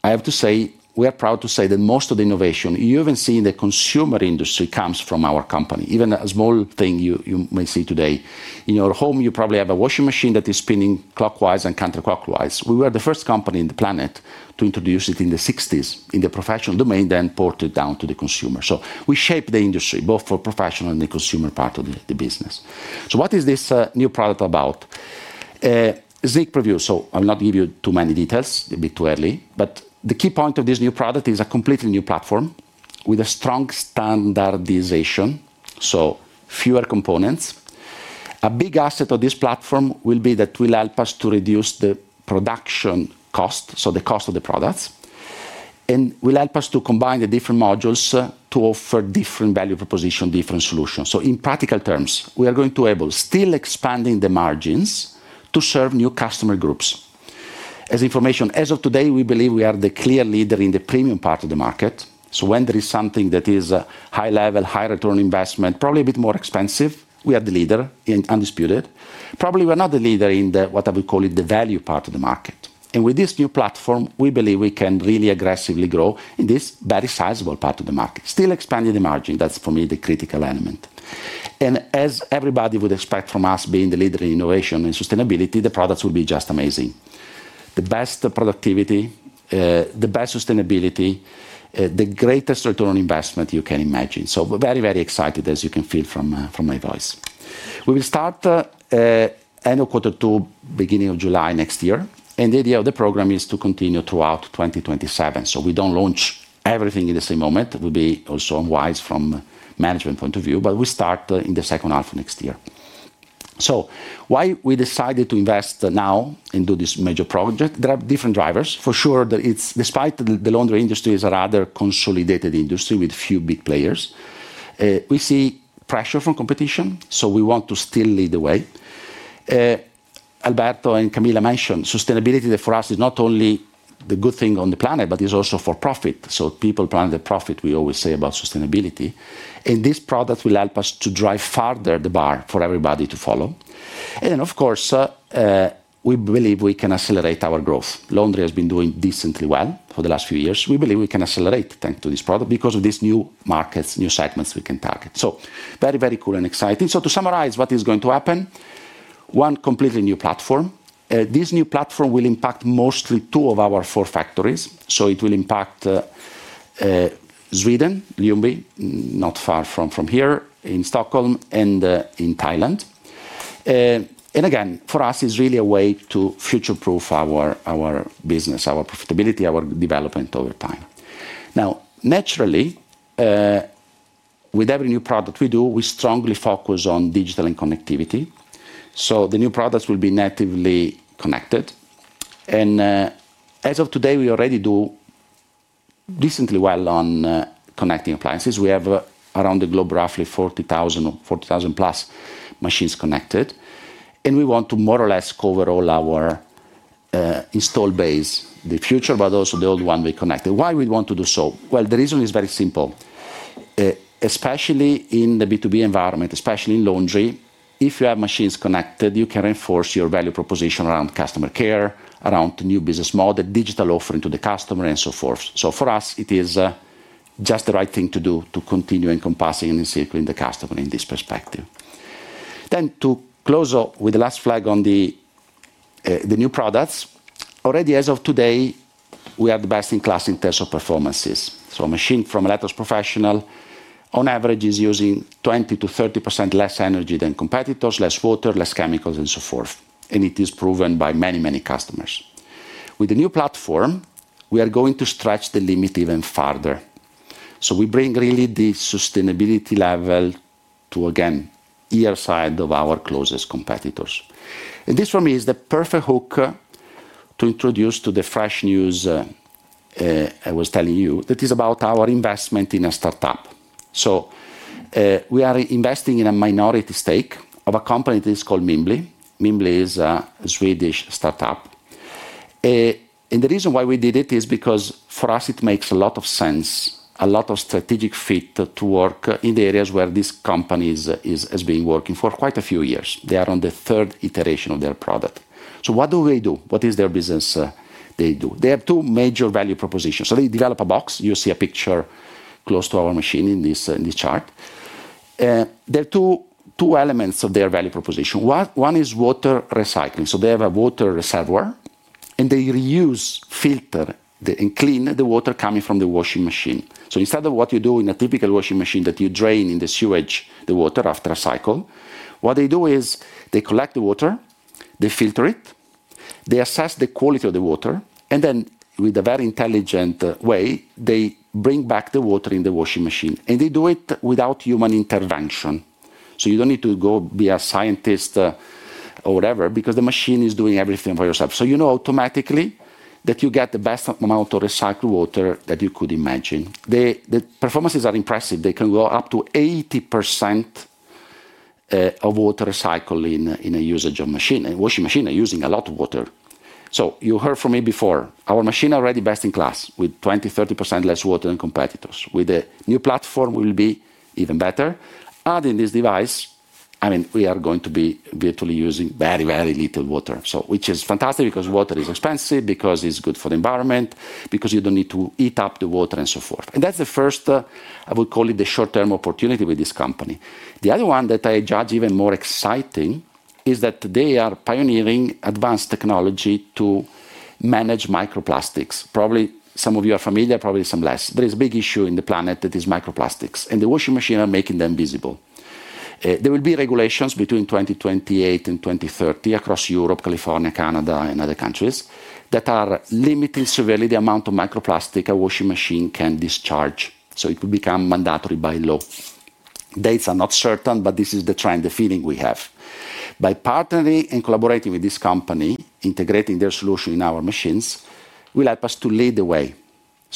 have to say, we are proud to say that most of the innovation you even see in the consumer industry comes from our company. Even a small thing you may see today. In your home, you probably have a washing machine that is spinning clockwise and counterclockwise. We were the first company on the planet to introduce it in the 1960s in the professional domain, then ported down to the consumer. We shape the industry both for the professional and the consumer part of the business. What is this new product about? Sneak preview. I will not give you too many details. It will be too early. The key point of this new product is a completely new platform with a strong standardization. Fewer components. A big asset of this platform will be that it will help us to reduce the production cost, the cost of the products. It will help us to combine the different modules to offer different value proposition, different solutions. In practical terms, we are going to be able, still expanding the margins, to serve new customer groups. As information, as of today, we believe we are the clear leader in the premium part of the market. When there is something that is high level, high return on investment, probably a bit more expensive, we are the leader, undisputed. Probably we're not the leader in what I would call the value part of the market. With this new platform, we believe we can really aggressively grow in this very sizable part of the market, still expanding the margin. That's, for me, the critical element. As everybody would expect from us, being the leader in innovation and sustainability, the products will be just amazing. The best productivity, the best sustainability, the greatest return on investment you can imagine. Very, very excited, as you can feel from my voice. We will start end of quarter two, beginning of July next year. The idea of the program is to continue throughout 2027. We do not launch everything at the same moment. It would be also unwise from a management point of view. We start in the second half of next year. Why we decided to invest now and do this major project? There are different drivers. For sure, despite the laundry industry is a rather consolidated industry with few big players, we see pressure from competition. We want to still lead the way. Alberto and Camilla mentioned sustainability that for us is not only the good thing on the planet, but it is also for profit. People, planet, profit. We always say about sustainability. This product will help us to drive further the bar for everybody to follow. Of course, we believe we can accelerate our growth. Laundry has been doing decently well for the last few years. We believe we can accelerate thanks to this product because of these new markets, new segments we can target. Very, very cool and exciting. To summarize what is going to happen: one completely new platform. This new platform will impact mostly two of our four factories. It will impact Sweden, Ljungby, not far from here in Stockholm, and in Thailand. For us, it is really a way to future-proof our business, our profitability, our development over time. Naturally, with every new product we do, we strongly focus on digital and connectivity. The new products will be natively connected. As of today, we already do. Decently well on connecting appliances. We have around the globe roughly 40,000 or 40,000+ machines connected. We want to more or less cover all our installed base, the future, but also the old one we connected. Why we want to do so? The reason is very simple. Especially in the B2B environment, especially in laundry, if you have machines connected, you can reinforce your value proposition around customer care, around the new business model, digital offering to the customer, and so forth. For us, it is just the right thing to do to continue encompassing and encircling the customer in this perspective. To close up with the last flag on the new products, already as of today, we are the best in class in terms of performances. A machine from Electrolux Professional. On average, is using 20%-30% less energy than competitors, less water, less chemicals, and so forth. It is proven by many, many customers. With the new platform, we are going to stretch the limit even further. We bring really the sustainability level to, again, either side of our closest competitors. This, for me, is the perfect hook to introduce the fresh news I was telling you about, which is about our investment in a startup. We are investing in a minority stake of a company that is called Mimbly. Mimbly is a Swedish startup. The reason why we did it is because, for us, it makes a lot of sense, a lot of strategic fit to work in the areas where this company has been working for quite a few years. They are on the third iteration of their product. What do they do? What is their business? They have two major value propositions. They develop a box. You see a picture close to our machine in this chart. There are two elements of their value proposition. One is water recycling. They have a water reservoir, and they reuse, filter, and clean the water coming from the washing machine. Instead of what you do in a typical washing machine, that you drain in the sewage the water after a cycle, what they do is they collect the water, they filter it, they assess the quality of the water, and then, with a very intelligent way, they bring back the water in the washing machine. They do it without human intervention. You do not need to go be a scientist or whatever, because the machine is doing everything by itself. So, you know automatically that you get the best amount of recycled water that you could imagine. The performances are impressive. They can go up to 80% of water recycling in a usage of machine. And washing machines are using a lot of water. You heard from me before. Our machine is already best in class with 20-30% less water than competitors. With the new platform, we will be even better. Adding this device, I mean, we are going to be virtually using very, very little water, which is fantastic because water is expensive, because it's good for the environment, because you do not need to heat up the water, and so forth. That is the first, I would call it the short-term opportunity with this company. The other one that I judge even more exciting is that they are pioneering advanced technology to manage microplastics. Probably some of you are familiar, probably some less. There is a big issue on the planet that is microplastics. The washing machine is making them visible. There will be regulations between 2028 and 2030 across Europe, California, Canada, and other countries that are limiting severely the amount of microplastic a washing machine can discharge. It will become mandatory by law. Dates are not certain, but this is the trend, the feeling we have. By partnering and collaborating with this company, integrating their solution in our machines, will help us to lead the way.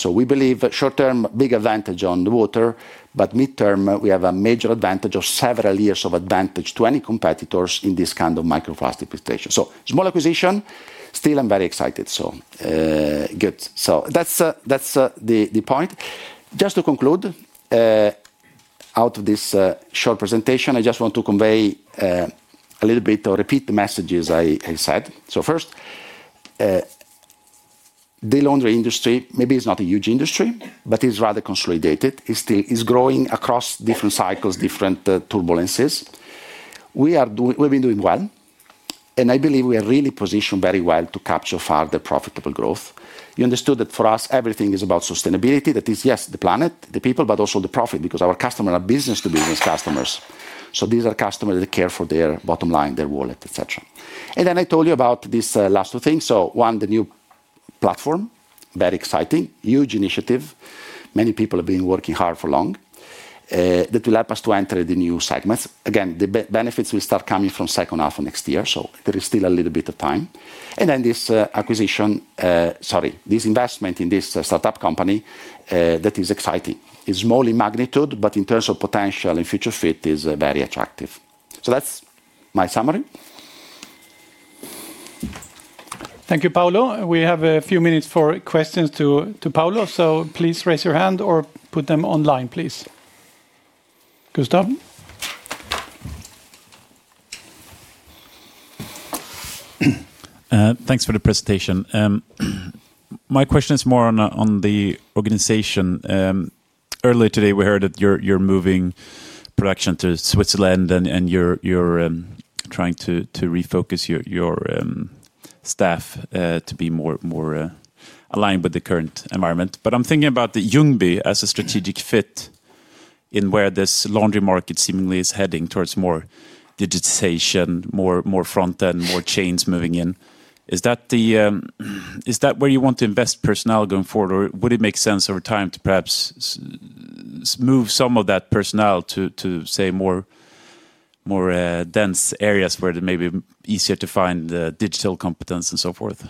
We believe short-term, big advantage on the water, but midterm, we have a major advantage of several years of advantage to any competitors in this kind of microplastic situation. Small acquisition, still I'm very excited. Good. That's the point. Just to conclude. Out of this short presentation, I just want to convey a little bit or repeat the messages I said. First, the laundry industry, maybe it's not a huge industry, but it's rather consolidated. It's growing across different cycles, different turbulences. We've been doing well. I believe we are really positioned very well to capture further profitable growth. You understood that for us, everything is about sustainability. That is, yes, the planet, the people, but also the profit, because our customers are business-to-business customers. These are customers that care for their bottom line, their wallet, et cetera. I told you about these last two things. One, the new platform, very exciting, huge initiative. Many people have been working hard for long. That will help us to enter the new segments. The benefits will start coming from the second half of next year. There is still a little bit of time. This acquisition, sorry, this investment in this startup company, is exciting. It is small in magnitude, but in terms of potential and future fit, it is very attractive. That is my summary. Thank you, Paolo. We have a few minutes for questions to Paolo. Please raise your hand or put them online, please. Gustav. Thanks for the presentation. My question is more on the organization. Earlier today, we heard that you're moving production to Switzerland and you're trying to refocus your staff to be more aligned with the current environment. I'm thinking about Ljungby as a strategic fit in where this laundry market seemingly is heading towards more digitization, more front end, more chains moving in. Is that where you want to invest personnel going forward, or would it make sense over time to perhaps move some of that personnel to, say, more dense areas where it may be easier to find digital competence and so forth?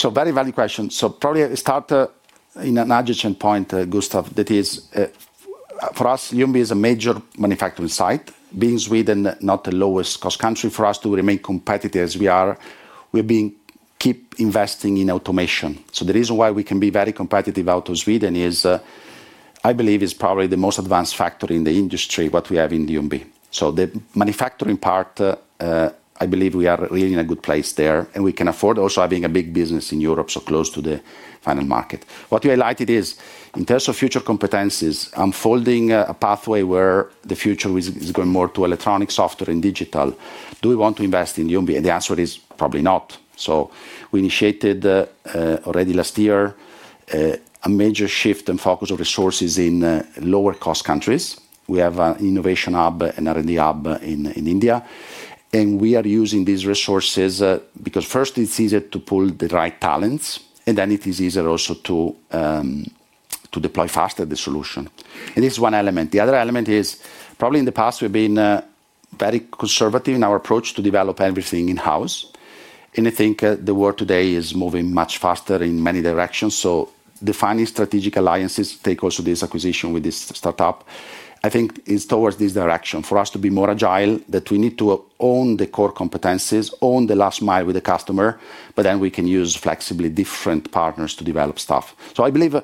Very valid question. Probably I'll start in an adjacent point, Gustav, that is. For us, Ljungby is a major manufacturing site. Being Sweden, not the lowest cost country, for us to remain competitive as we are, we keep investing in automation. The reason why we can be very competitive out of Sweden is, I believe, it is probably the most advanced factory in the industry, what we have in Ljungby. The manufacturing part, I believe we are really in a good place there. We can afford also having a big business in Europe so close to the final market. What you highlighted is, in terms of future competencies, unfolding a pathway where the future is going more to electronic software and digital. Do we want to invest in Ljungby? The answer is probably not. We initiated already last year. A major shift and focus of resources in lower cost countries. We have an innovation hub and R&D hub in India. We are using these resources because, first, it is easier to pull the right talents, and then it is easier also to deploy faster the solution. This is one element. The other element is, probably in the past, we have been very conservative in our approach to develop everything in-house. I think the world today is moving much faster in many directions. Defining strategic alliances to take also this acquisition with this startup, I think, is towards this direction. For us to be more agile, we need to own the core competencies, own the last mile with the customer, but then we can use flexibly different partners to develop stuff. I believe.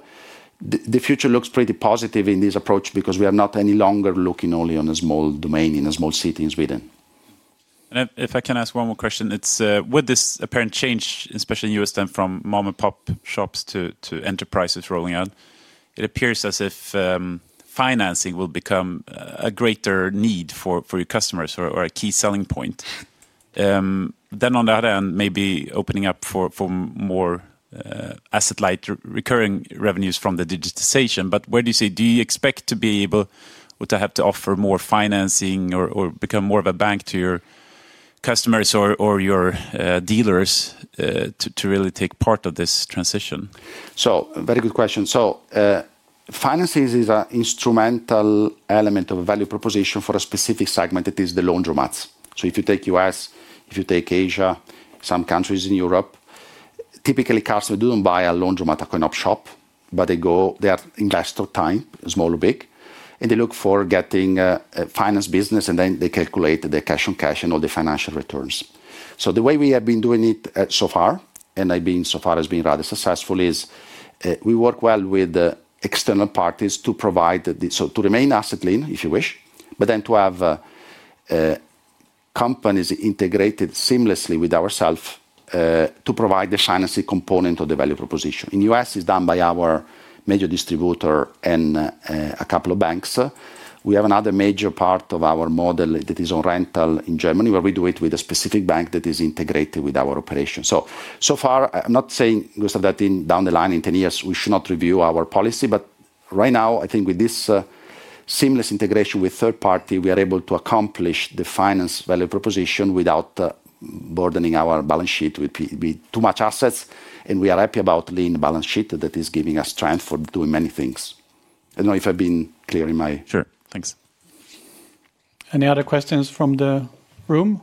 The future looks pretty positive in this approach because we are not any longer looking only on a small domain, in a small city in Sweden. If I can ask one more question, it's with this apparent change, especially in the U.S., from mom-and-pop shops to enterprises rolling out, it appears as if financing will become a greater need for your customers or a key selling point. On the other hand, maybe opening up for more asset-light recurring revenues from the digitization. Where do you say, do you expect to be able to have to offer more financing or become more of a bank to your customers or your dealers to really take part of this transition? Very good question. Financing is an instrumental element of a value proposition for a specific segment. It is the laundromats. If you take the U.S., if you take Asia, some countries in Europe, typically customers do not buy a laundromat at a coin-op shop, but they go, they invest their time, small or big, and they look for getting a finance business, and then they calculate their cash on cash and all the financial returns. The way we have been doing it so far, and has been rather successful, is we work well with external parties to provide the, to remain asset lean, if you wish, but then to have companies integrated seamlessly with ourselves to provide the financing component of the value proposition. In the U.S., it is done by our major distributor and a couple of banks. We have another major part of our model that is on rental in Germany, where we do it with a specific bank that is integrated with our operation. So far, I'm not saying, Gustav, that down the line in 10 years, we should not review our policy, but right now, I think with this seamless integration with third parties, we are able to accomplish the finance value proposition without burdening our balance sheet with too much assets. We are happy about the lean balance sheet that is giving us strength for doing many things. I don't know if I've been clear in my. Sure. Thanks. Any other questions from the room?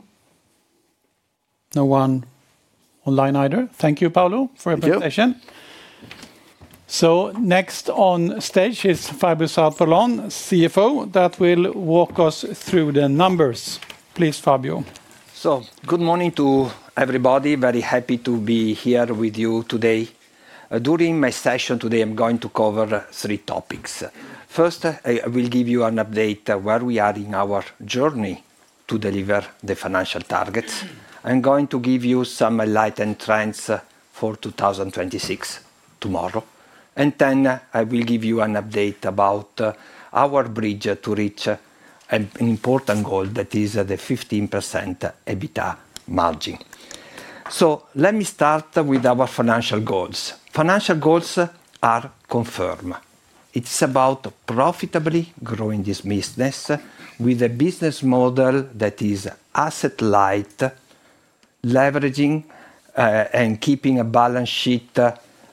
No one online either. Thank you, Paolo, for your presentation. Next on stage is Fabio Zarpellon, CFO, that will walk us through the numbers. Please, Fabio. Good morning to everybody. Very happy to be here with you today. During my session today, I'm going to cover three topics. First, I will give you an update on where we are in our journey to deliver the financial targets. I'm going to give you some light trends for 2026 tomorrow. Then I will give you an update about our bridge to reach an important goal that is the 15% EBITDA margin. Let me start with our financial goals. Financial goals are confirmed. It's about profitably growing this business with a business model that is asset-light, leveraging, and keeping a balance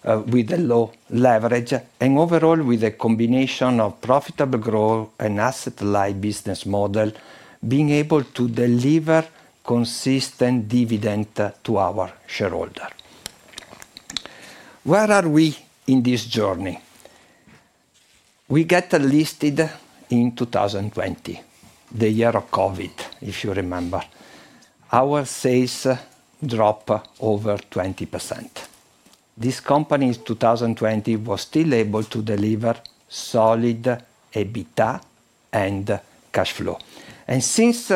sheet with a low leverage, and overall with a combination of profitable growth and asset-light business model, being able to deliver consistent dividend to our shareholders. Where are we in this journey? We got listed in 2020, the year of COVID, if you remember. Our sales dropped over 20%. This company in 2020 was still able to deliver solid EBITDA and cash flow. Since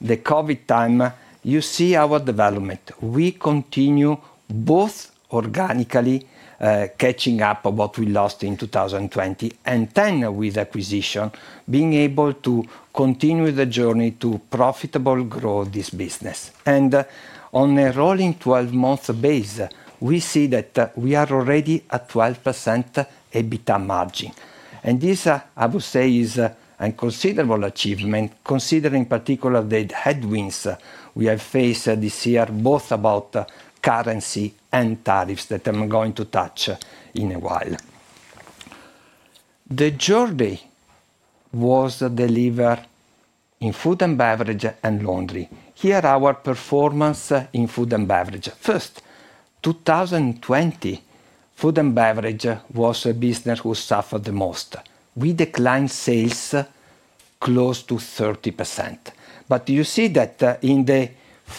the COVID time, you see our development. We continue both organically catching up on what we lost in 2020, and then with acquisition, being able to continue the journey to profitable growth of this business. On a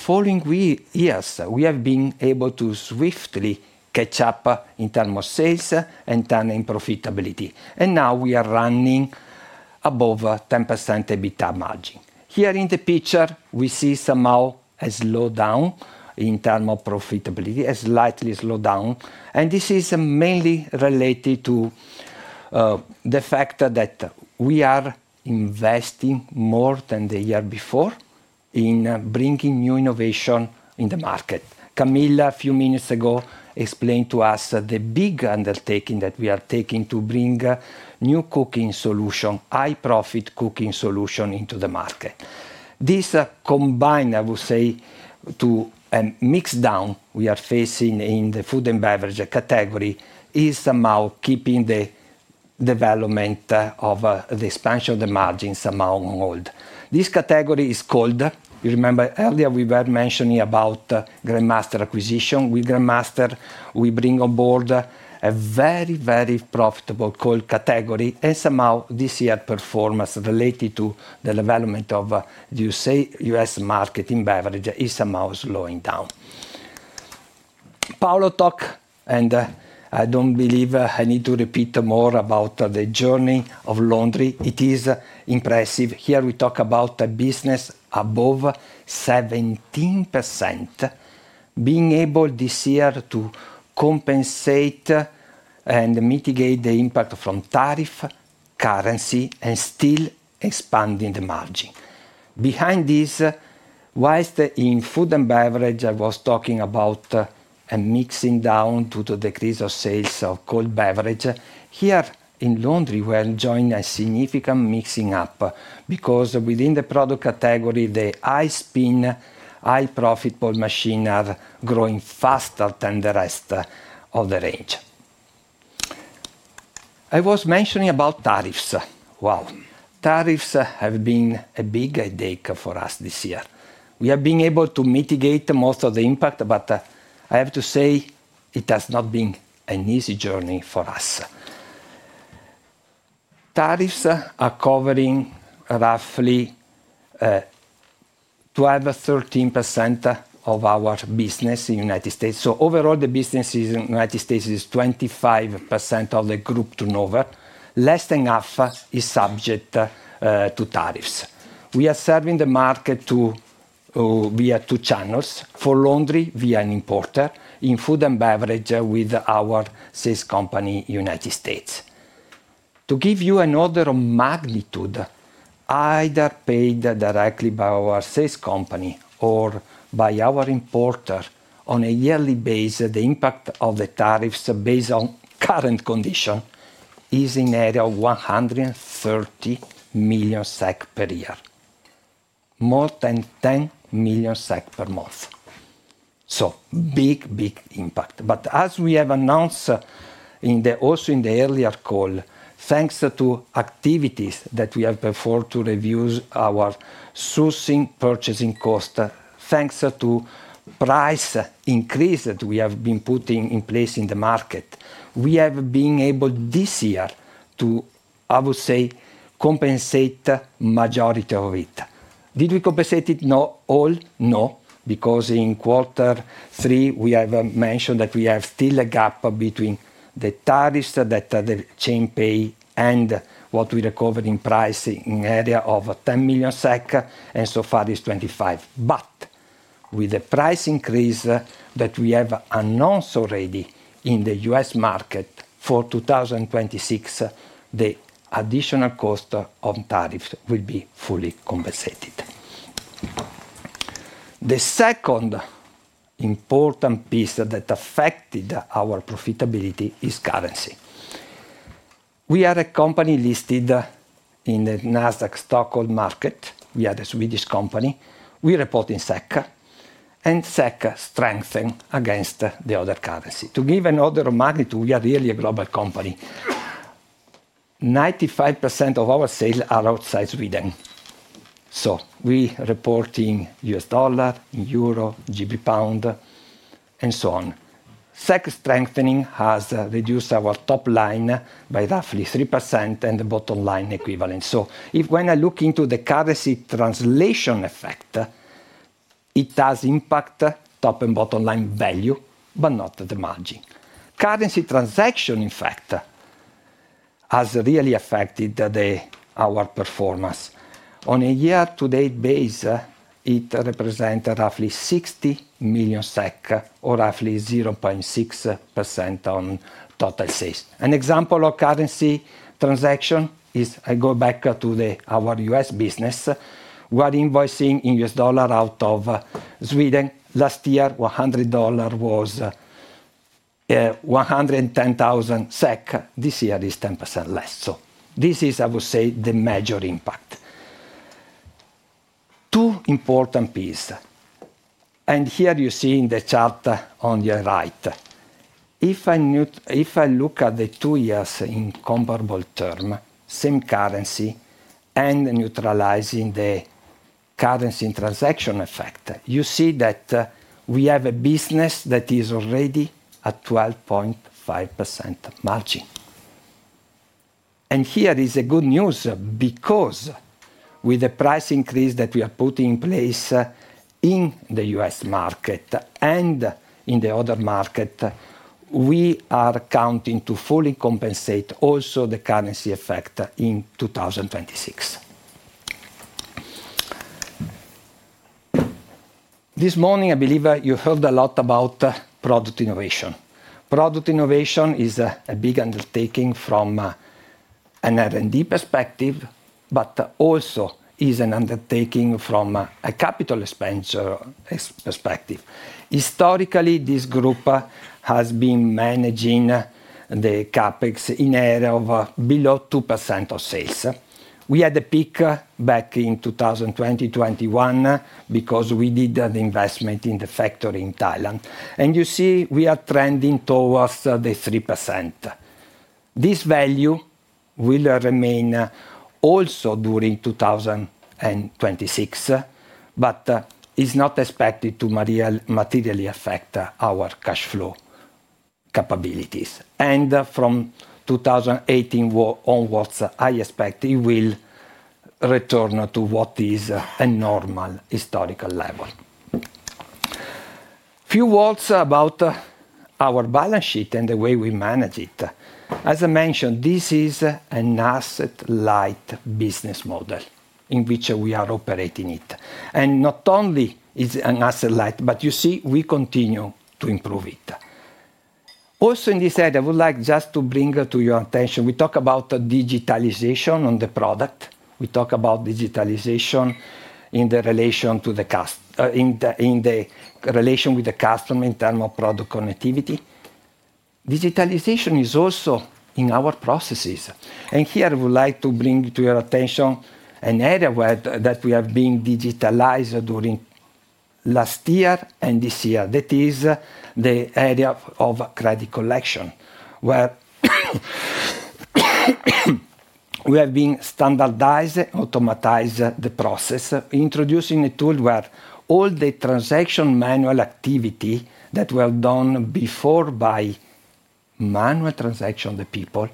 rolling 12-month base, we see that we are already at 12% EBITDA margin. This, I a very, very profitable cold category. Somehow this year's performance related to the development of the U.S. market in beverage is somehow slowing down. Paolo talked, and I do not believe I need to repeat more about the journey of laundry. It is impressive. Here we talk about a business above 17%. Being able this year to compensate and mitigate the impact from tariff, currency, and still expanding the margin. Behind this, whilst in food and beverage, I was talking about a mixing down due to the decrease of sales of cold beverage, here in laundry, we are enjoying a significant mixing up because within the product category, the high-spin, high-profit machines are growing faster than the rest of the range. I was mentioning about tariffs. Wow. Tariffs have been a big headache for us this year. We have been able to mitigate most of the impact, but I have to say it has not been an easy journey for us. Tariffs are covering roughly 12%-13% of our business in the United States. Overall, the business in the United States is 25% of the group turnover. Less than half is subject to tariffs. We are serving the market via two channels: for laundry via an importer, in food and beverage with our sales company in the United States. To give you an order of magnitude, either paid directly by our sales company or by our importer, on a yearly basis, the impact of the tariffs based on current conditions is in the area of 130 million SEK per year. More than 10 million SEK per month. Big, big impact. As we have announced also in the earlier call, thanks to activities that we have performed to reduce our sourcing purchasing cost, thanks to price increase that we have been putting in place in the market, we have been able this year to, I would say, compensate the majority of it. Did we compensate it all? No. Because in quarter three, we have mentioned that we have still a gap between the tariffs that the chain pays and what we recover in price in the area of 10 million SEK, and so far it's 25 million. With the price increase that we have announced already in the U.S. market for 2026, the additional cost of tariffs will be fully compensated. The second important piece that affected our profitability is currency. We are a company listed in the Nasdaq Stockholm market. We are a Swedish company. We report in SEK, and SEK strengthens against the other currencies. To give an order of magnitude, we are really a global company. 95% of our sales are outside Sweden. We report in U.S. dollar, in euro, GBPound, and so on. SEK strengthening has reduced our top line by roughly 3% and the bottom line equivalent. When I look into the currency translation effect, it does impact top and bottom line value, but not the margin. Currency transaction, in fact, has really affected our performance. On a year-to-date base, it represents roughly SEK 60 million or roughly 0.6% on total sales. An example of currency transaction is, I go back to our U.S. business. We are invoicing in U.S. dollars out of Sweden. Last year, $100 was SEK 110,000. This year is 10% less. This is, I would say, the major impact. Two important pieces. Here you see in the chart on your right. If I look at the two years in comparable term, same currency, and neutralizing the currency transaction effect, you see that we have a business that is already at 12.5% margin. Here is good news because with the price increase that we are putting in place in the U.S. market and in the other market, we are counting to fully compensate also the currency effect in 2026. This morning, I believe you heard a lot about product innovation. Product innovation is a big undertaking from an R&D perspective, but also is an undertaking from a capital expenditure perspective. Historically, this group has been managing the CapEx in the area of below 2% of sales. We had a peak back in 2020-2021 because we did the investment in the factory in Thailand. You see we are trending towards the 3%. This value will remain, also during 2026, but it is not expected to materially affect our cash flow capabilities. From 2018 onwards, I expect it will return to what is a normal historical level. A few words about our balance sheet and the way we manage it. As I mentioned, this is an asset-light business model in which we are operating. Not only is it asset-light, but you see we continue to improve it. Also in this area, I would just like to bring to your attention, we talk about digitalization on the product. We talk about digitalization in relation to the customer, in relation with the customer in terms of product connectivity. Digitalization is also in our processes. Here I would like to bring to your attention an area that we have been digitalized during last year and this year. That is the area of credit collection, where we have been standardized and automatized the process, introducing a tool where all the transaction manual activity that were done before by manual transaction of the people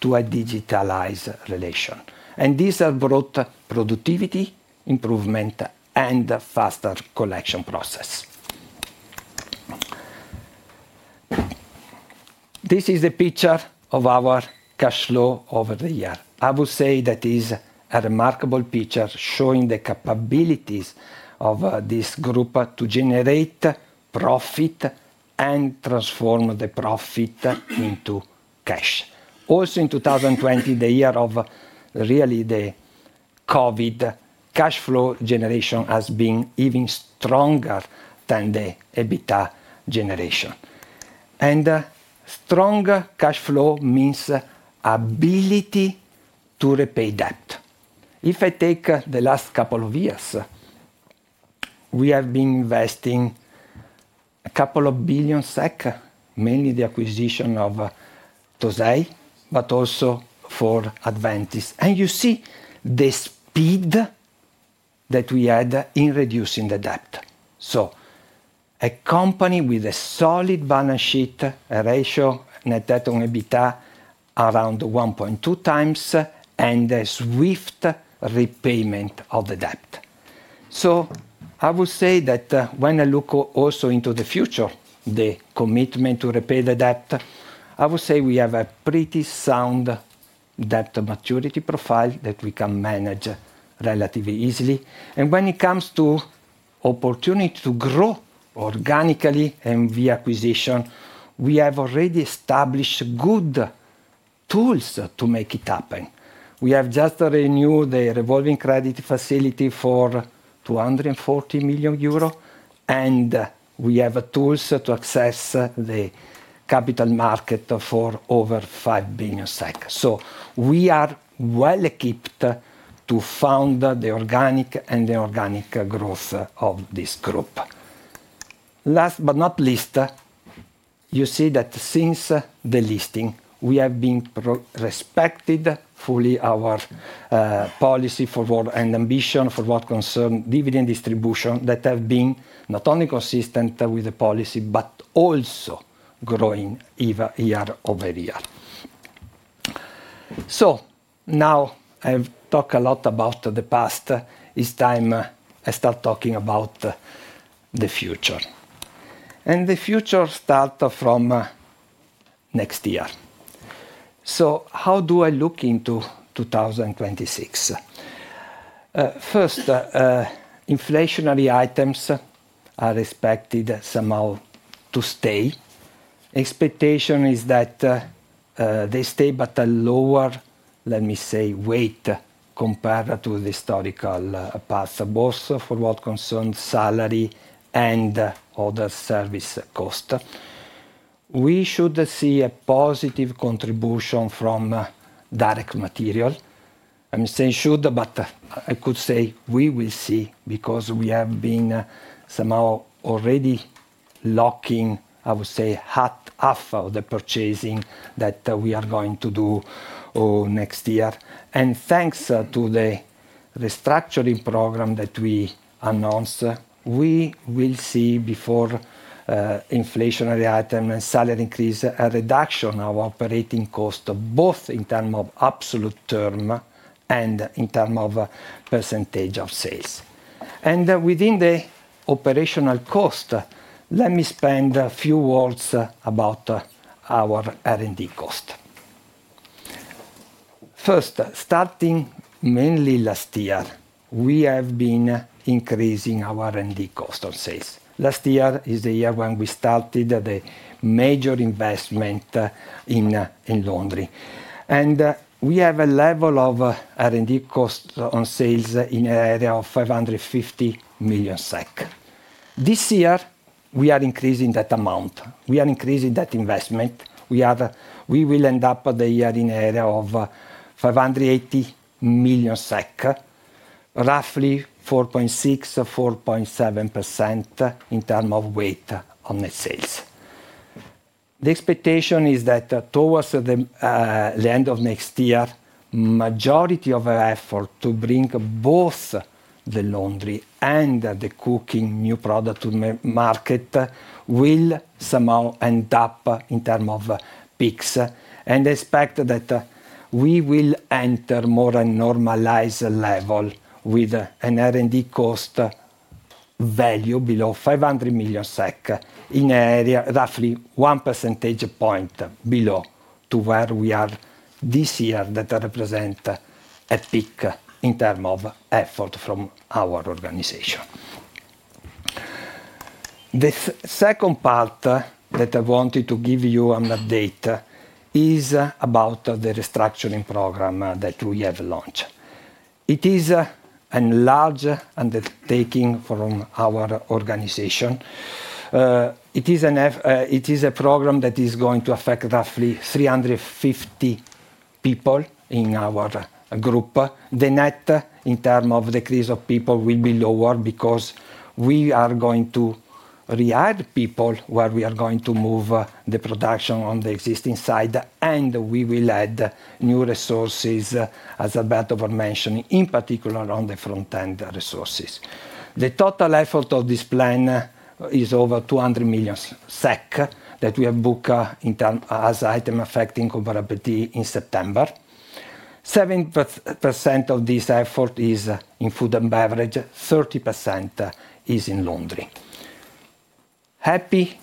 to a digitalized relation. These have brought productivity, improvement, and faster collection process. This is a picture of our cash flow over the year. I would say that is a remarkable picture showing the capabilities of this group to generate profit and transform the profit into cash. Also in 2020, the year of really the COVID, cash flow generation has been even stronger than the EBITDA generation. Stronger cash flow means ability to repay debt. If I take the last couple of years, we have been investing. A couple of billion SEK, mainly the acquisition of TOSEI, but also for Adventis. You see the speed that we had in reducing the debt. A company with a solid balance sheet, a ratio net debt on EBITDA around 1.2 times, and a swift repayment of the debt. I would say that when I look also into the future, the commitment to repay the debt, I would say we have a pretty sound debt maturity profile that we can manage relatively easily. When it comes to opportunity to grow organically and via acquisition, we have already established good tools to make it happen. We have just renewed the revolving credit facility for 240 million euro, and we have tools to access the capital market for over 5 billion. We are well equipped to fund the organic and the organic growth of this group. Last but not least. You see that since the listing, we have been respecting fully our policy for what and ambition for what concerns dividend distribution that have been not only consistent with the policy, but also growing year over year. Now I have talked a lot about the past. This time I start talking about the future. The future starts from next year. How do I look into 2026? First, inflationary items are expected somehow to stay. Expectation is that they stay, but at a lower, let me say, weight compared to the historical path, both for what concerns salary and other service costs. We should see a positive contribution from direct material. I am saying should, but I could say we will see because we have been somehow already locking, I would say, half of the purchasing that we are going to do next year. Thanks to the restructuring program that we announced, we will see, before inflationary items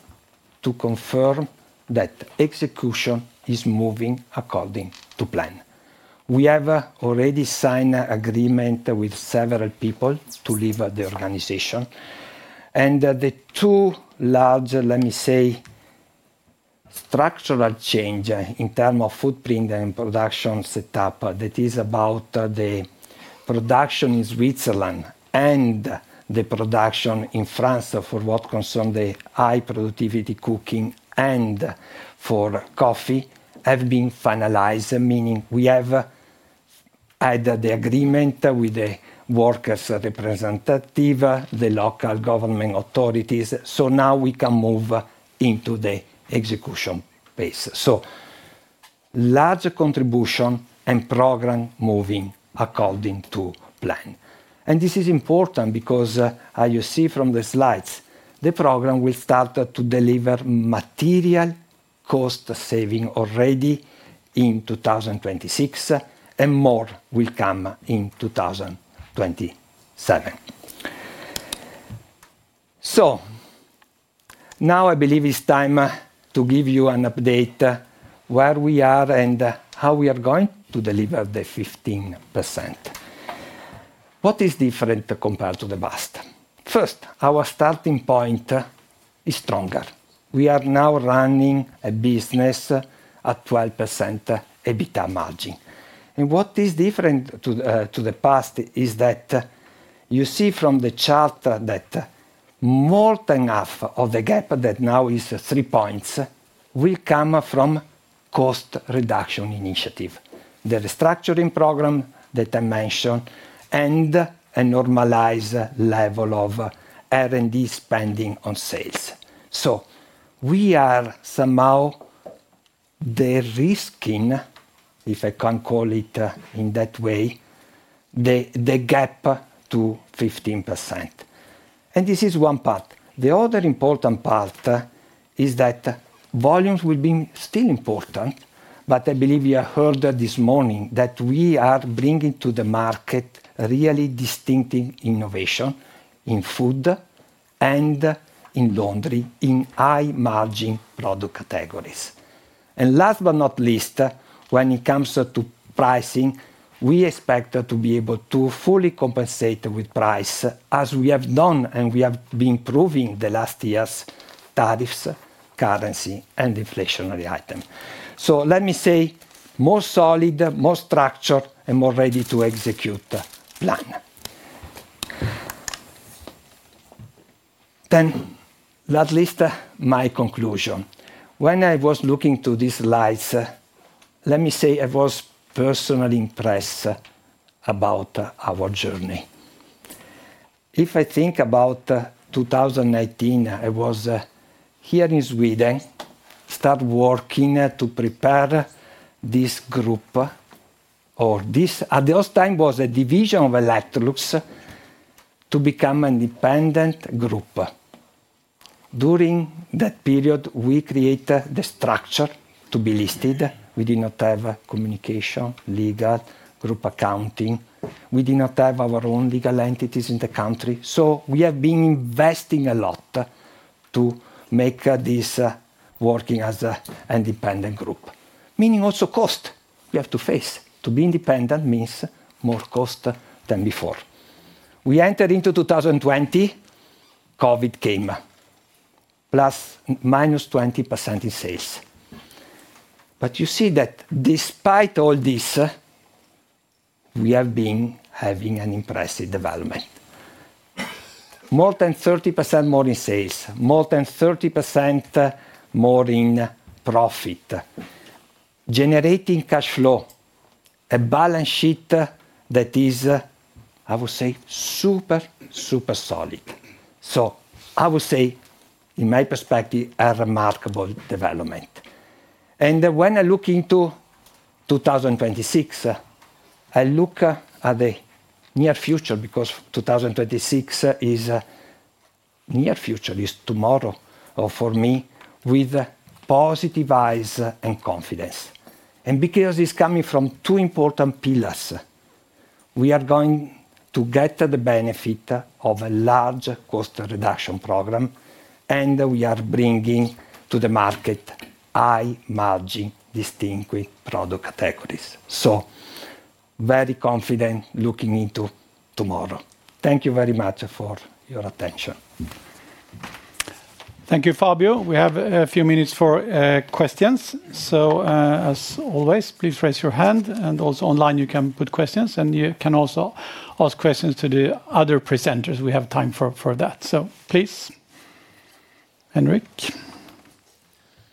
What is different compared to the past? First, our starting point is stronger. We are now running a business at 12% EBITDA margin. What is different to the past is that you see from the chart that more than half of the gap that now is three points will come from cost reduction initiative, the restructuring program that I mentioned, and a normalized level of R&D spending on sales. We are somehow risking, if I can call it in that way, the gap to 15%. This is one part. The other important part is that volumes will be still important, but I believe you heard this morning that we are bringing to the market really distinctive innovation in food and in laundry in high-margin product categories. Last but not least, when it comes to pricing, we expect to be able to fully compensate with price as we have done and we have been proving the last year's tariffs, currency, and inflationary items. Let me say, more solid, more structured, and more ready to execute plan. Lastly, my conclusion. When I was looking to these slides, let me say I was personally impressed about our journey. If I think about 2018, I was here in Sweden, started working to prepare this group, or this at the time was a division of Electrolux, to become an independent group. During that period, we created the structure to be listed. We did not have communication, legal, group accounting. We did not have our own legal entities in the country. We have been investing a lot to make this working as an independent group, meaning also cost we have to face. To be independent means more cost than before. We entered into 2020. COVID came. ±20% in sales. You see that despite all this, we have been having an impressive development. More than 30% more in sales, more than 30% more in profit. Generating cash flow. A balance sheet that is, I would say, super, super solid. I would say, in my perspective, a remarkable development. When I look into 2026, I look at the near future because 2026 is near future, is tomorrow for me, with positive eyes and confidence. Because it is coming from two important pillars. We are going to get the benefit of a large cost reduction program. We are bringing to the market high-margin distinguished product categories. Very confident looking into tomorrow. Thank you very much for your attention. Thank you, Fabio. We have a few minutes for questions. As always, please raise your hand. Also online, you can put questions, and you can also ask questions to the other presenters. We have time for that. Please, Henrik.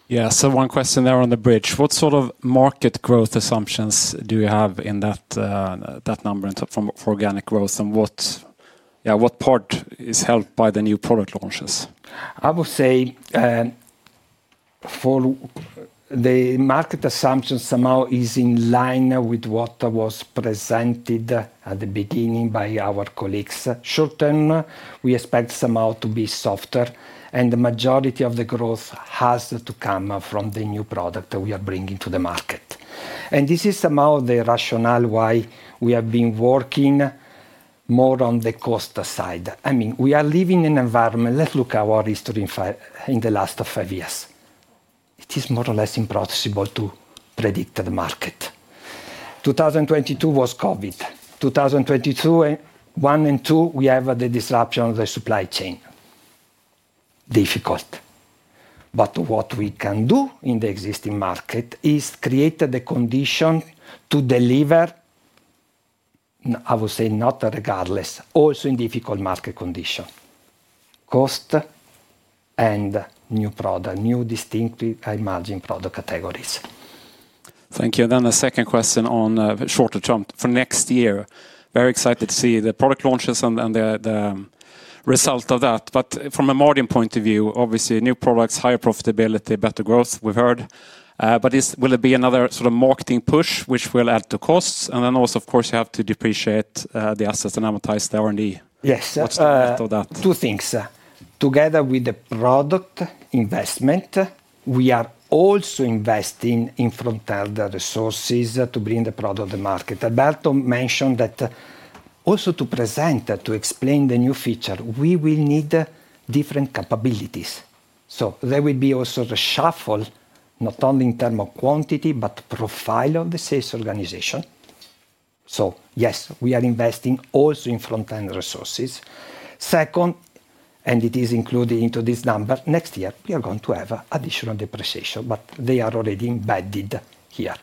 Yeah, one question there on the bridge. What sort of market growth assumptions do you have in that number for organic growth? What part is held by the new product launches? I would say for the market assumptions, somehow are in line with what was presented at the beginning by our colleagues. Short term, we expect somehow to be softer, and the majority of the growth has to come from the new product that we are bringing to the market. This is somehow the rationale why we have been working more on the cost side. I mean, we are living in an environment. Let's look at our history in the last five years. It is more or less impossible to predict the market. 2020 was COVID. 2021 and 2022, we have the disruption of the supply chain. Difficult. What we can do in the existing market is create the condition to deliver, I would say, not regardless, also in difficult market conditions. Cost and new product, new distinctly high-margin product categories. Thank you. The second question on short term for next year. Very excited to see the product launches and the result of that. From a margin point of view, obviously, new products, higher profitability, better growth, we've heard. Will it be another sort of marketing push, which will add to costs? Also, of course, you have to depreciate the assets and amortize the R&D. Yes. What's the effect of that? Two things. Together with the product investment, we are also investing in front-end resources to bring the product to the market. I'll mention that. Also to present, to explain the new feature, we will need different capabilities. There will be also the shuffle, not only in terms of quantity, but profile of the sales organization. Yes, we are investing also in front-end resources. Second, and it is included into this number, next year, we are going to have additional depreciation, but they are already embedded here.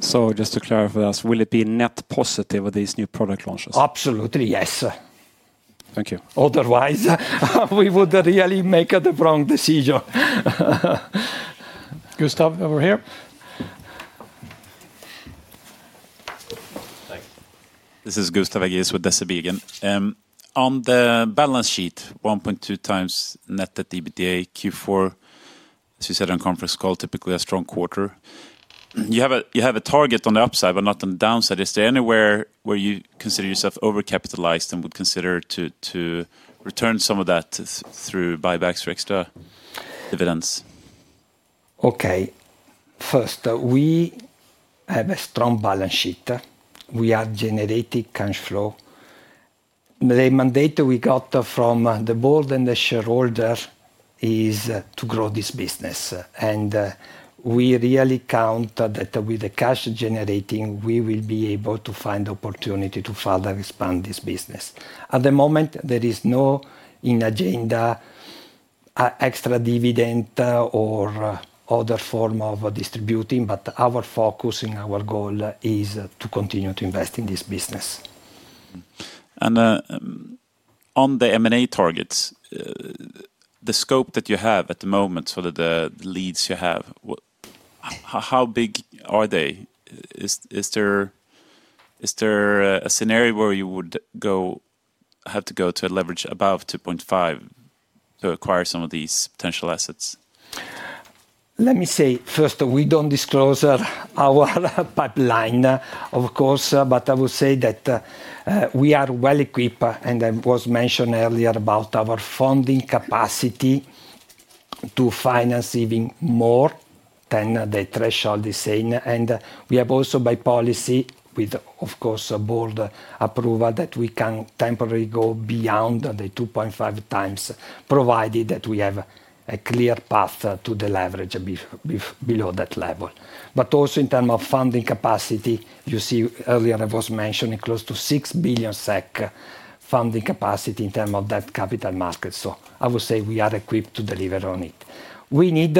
Just to clarify that, will it be net positive with these new product launches? Absolutely, yes. Thank you. Otherwise, we would really make the wrong decision. Gustav, over here. Thanks. This is Gustav, I guess, with SEB. On the balance sheet, 1.2 times net at EBITDA, Q4. As we said on conference call, typically a strong quarter. You have a target on the upside, but not on the downside. Is there anywhere where you consider yourself overcapitalized and would consider to return some of that through buybacks or extra dividends? Okay. First, we have a strong balance sheet. We are generating cash flow. The mandate we got from the board and the shareholder is to grow this business. And we really count that with the cash generating, we will be able to find opportunity to further expand this business. At the moment, there is no in agenda. Extra dividend or other form of distributing, but our focus and our goal is to continue to invest in this business. On the M&A targets, the scope that you have at the moment, so the leads you have, how big are they? Is there a scenario where you would have to go to leverage above 2.5 to acquire some of these potential assets? Let me say, first, we do not disclose our pipeline, of course, but I will say that we are well equipped, and I was mentioning earlier about our funding capacity, to finance even more than the threshold is saying. We have also, by policy, with, of course, a board approval, that we can temporarily go beyond the 2.5 times, provided that we have a clear path to the leverage below that level. But also in terms of funding capacity, you see earlier I was mentioning close to 6 billion SEK funding capacity in terms of that capital market. I would say we are equipped to deliver on it. We need,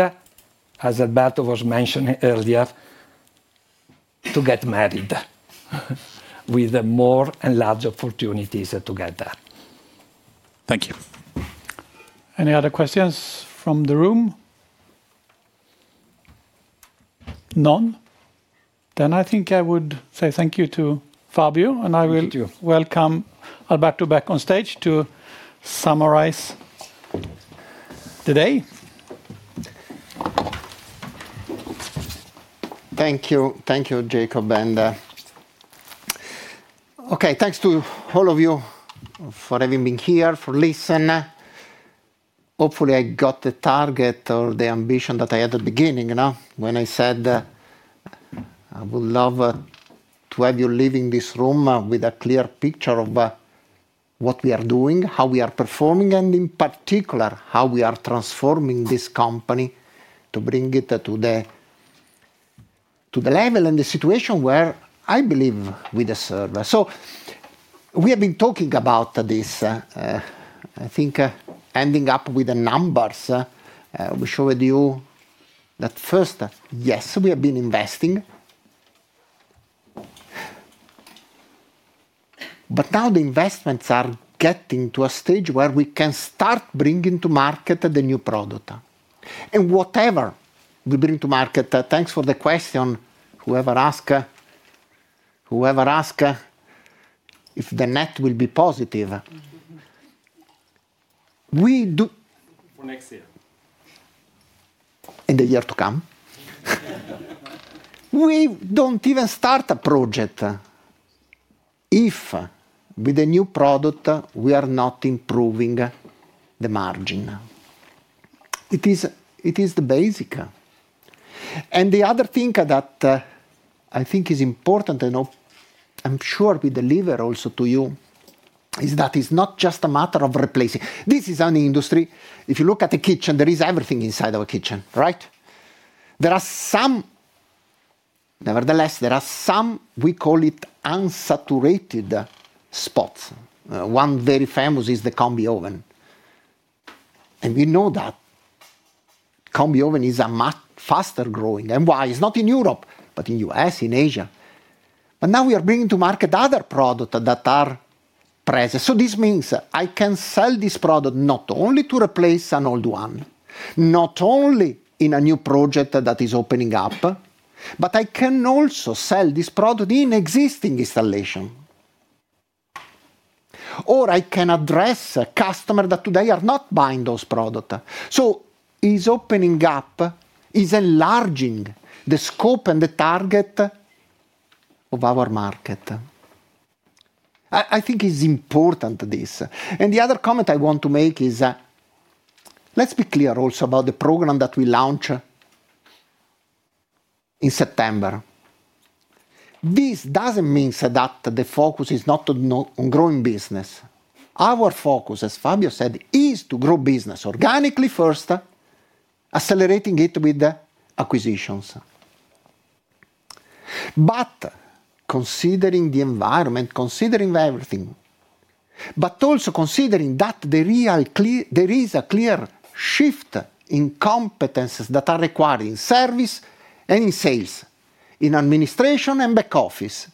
as Alberto was mentioning earlier, to get married with more and larger opportunities together. Thank you. Any other questions from the room? None? I think I would say thank you to Fabio, and I will welcome Alberto back on stage to summarize the day. Thank you, Jacob, and okay, thanks to all of you for having been here, for listening. Hopefully, I got the target or the ambition that I had at the beginning when I said I would love to have you leaving this room with a clear picture of. What we are doing, how we are performing, and in particular, how we are transforming this company to bring it to the level and the situation where I believe we deserve. We have been talking about this, I think, ending up with the numbers. We showed you that first, yes, we have been investing. Now the investments are getting to a stage where we can start bringing to market the new product. Whatever we bring to market, thanks for the question, whoever asked, if the net will be positive. We do. For next year. In the year to come. We do not even start a project if with the new product, we are not improving the margin. It is the basic. The other thing that I think is important, and I am sure we deliver also to you, is that it is not just a matter of replacing. This is an industry. If you look at the kitchen, there is everything inside of a kitchen, right? Nevertheless, there are some, we call it unsaturated spots. One very famous is the Combi Oven. We know that Combi Oven is a faster growing. Why? It's not in Europe, but in the U.S., in Asia. Now we are bringing to market other products that are present. This means I can sell this product not only to replace an old one, not only in a new project that is opening up, but I can also sell this product in existing installation. I can address a customer that today is not buying those products. It's opening up, it's enlarging the scope and the target of our market. I think it's important, this. The other comment I want to make is. Let's be clear also about the program that we launch in September. This does not mean that the focus is not on growing business. Our focus, as Fabio said, is to grow business organically first, accelerating it with acquisitions. Considering the environment, considering everything, and also considering that there is a clear shift in competences that are required in service and in sales, in administration and back office,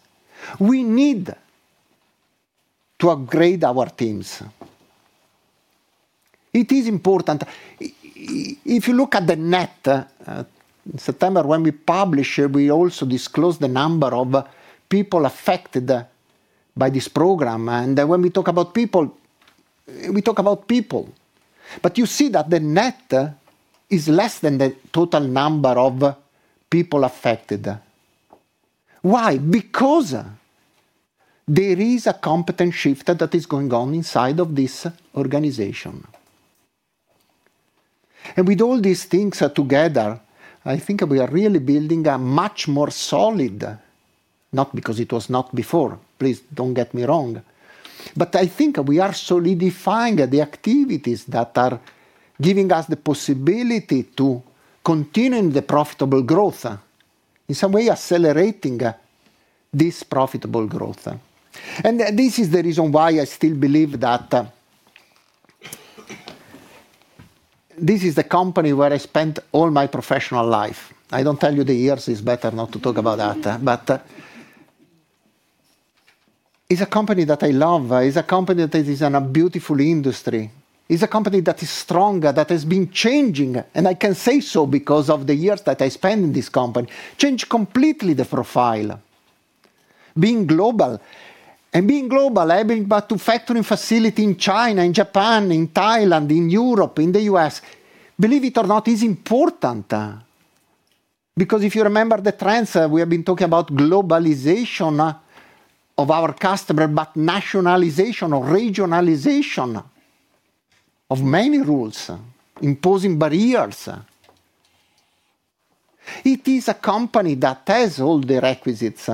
we need to upgrade our teams. It is important. If you look at the net, in September, when we published it, we also disclosed the number of people affected by this program. When we talk about people, we talk about people. You see that the net is less than the total number of people affected. Why? There is a competence shift that is going on inside of this organization. With all these things together, I think we are really building a much more solid, not because it was not before, please do not get me wrong, but I think we are solidifying the activities that are giving us the possibility to continue in the profitable growth, in some way accelerating this profitable growth. This is the reason why I still believe that this is the company where I spent all my professional life. I do not tell you the years, it is better not to talk about that. It is a company that I love. It is a company that is in a beautiful industry. It is a company that is stronger, that has been changing, and I can say so because of the years that I spend in this company, changed completely the profile. Being global. Being global, having a factory facility in China, in Japan, in Thailand, in Europe, in the U.S., believe it or not, is important. Because if you remember the trends, we have been talking about globalization of our customer, but nationalization or regionalization of many rules, imposing barriers. It is a company that has all the requisites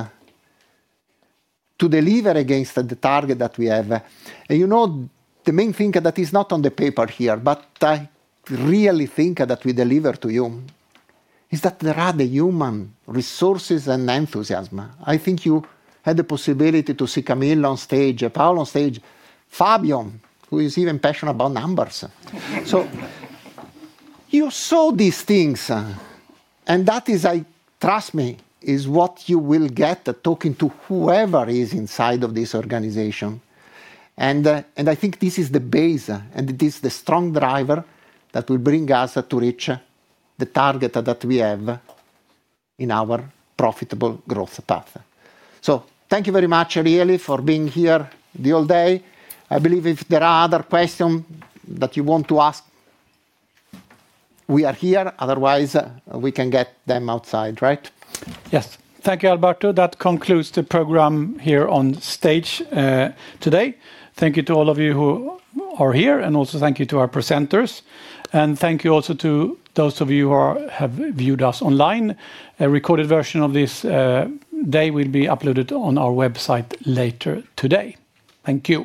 to deliver against the target that we have. You know, the main thing that is not on the paper here, but I really think that we deliver to you, is that there are the human resources and enthusiasm. I think you had the possibility to see Camilla on stage, Paolo on stage, Fabio, who is even passionate about numbers. You saw these things, and that is, trust me, what you will get talking to whoever is inside of this organization. I think this is the base, and it is the strong driver that will bring us to reach the target that we have in our profitable growth path. Thank you very much, really, for being here the whole day. I believe if there are other questions that you want to ask, we are here. Otherwise, we can get them outside, right? Yes. Thank you, Alberto. That concludes the program here on stage today. Thank you to all of you who are here, and also thank you to our presenters. Thank you also to those of you who have viewed us online. A recorded version of this day will be uploaded on our website later today. Thank you.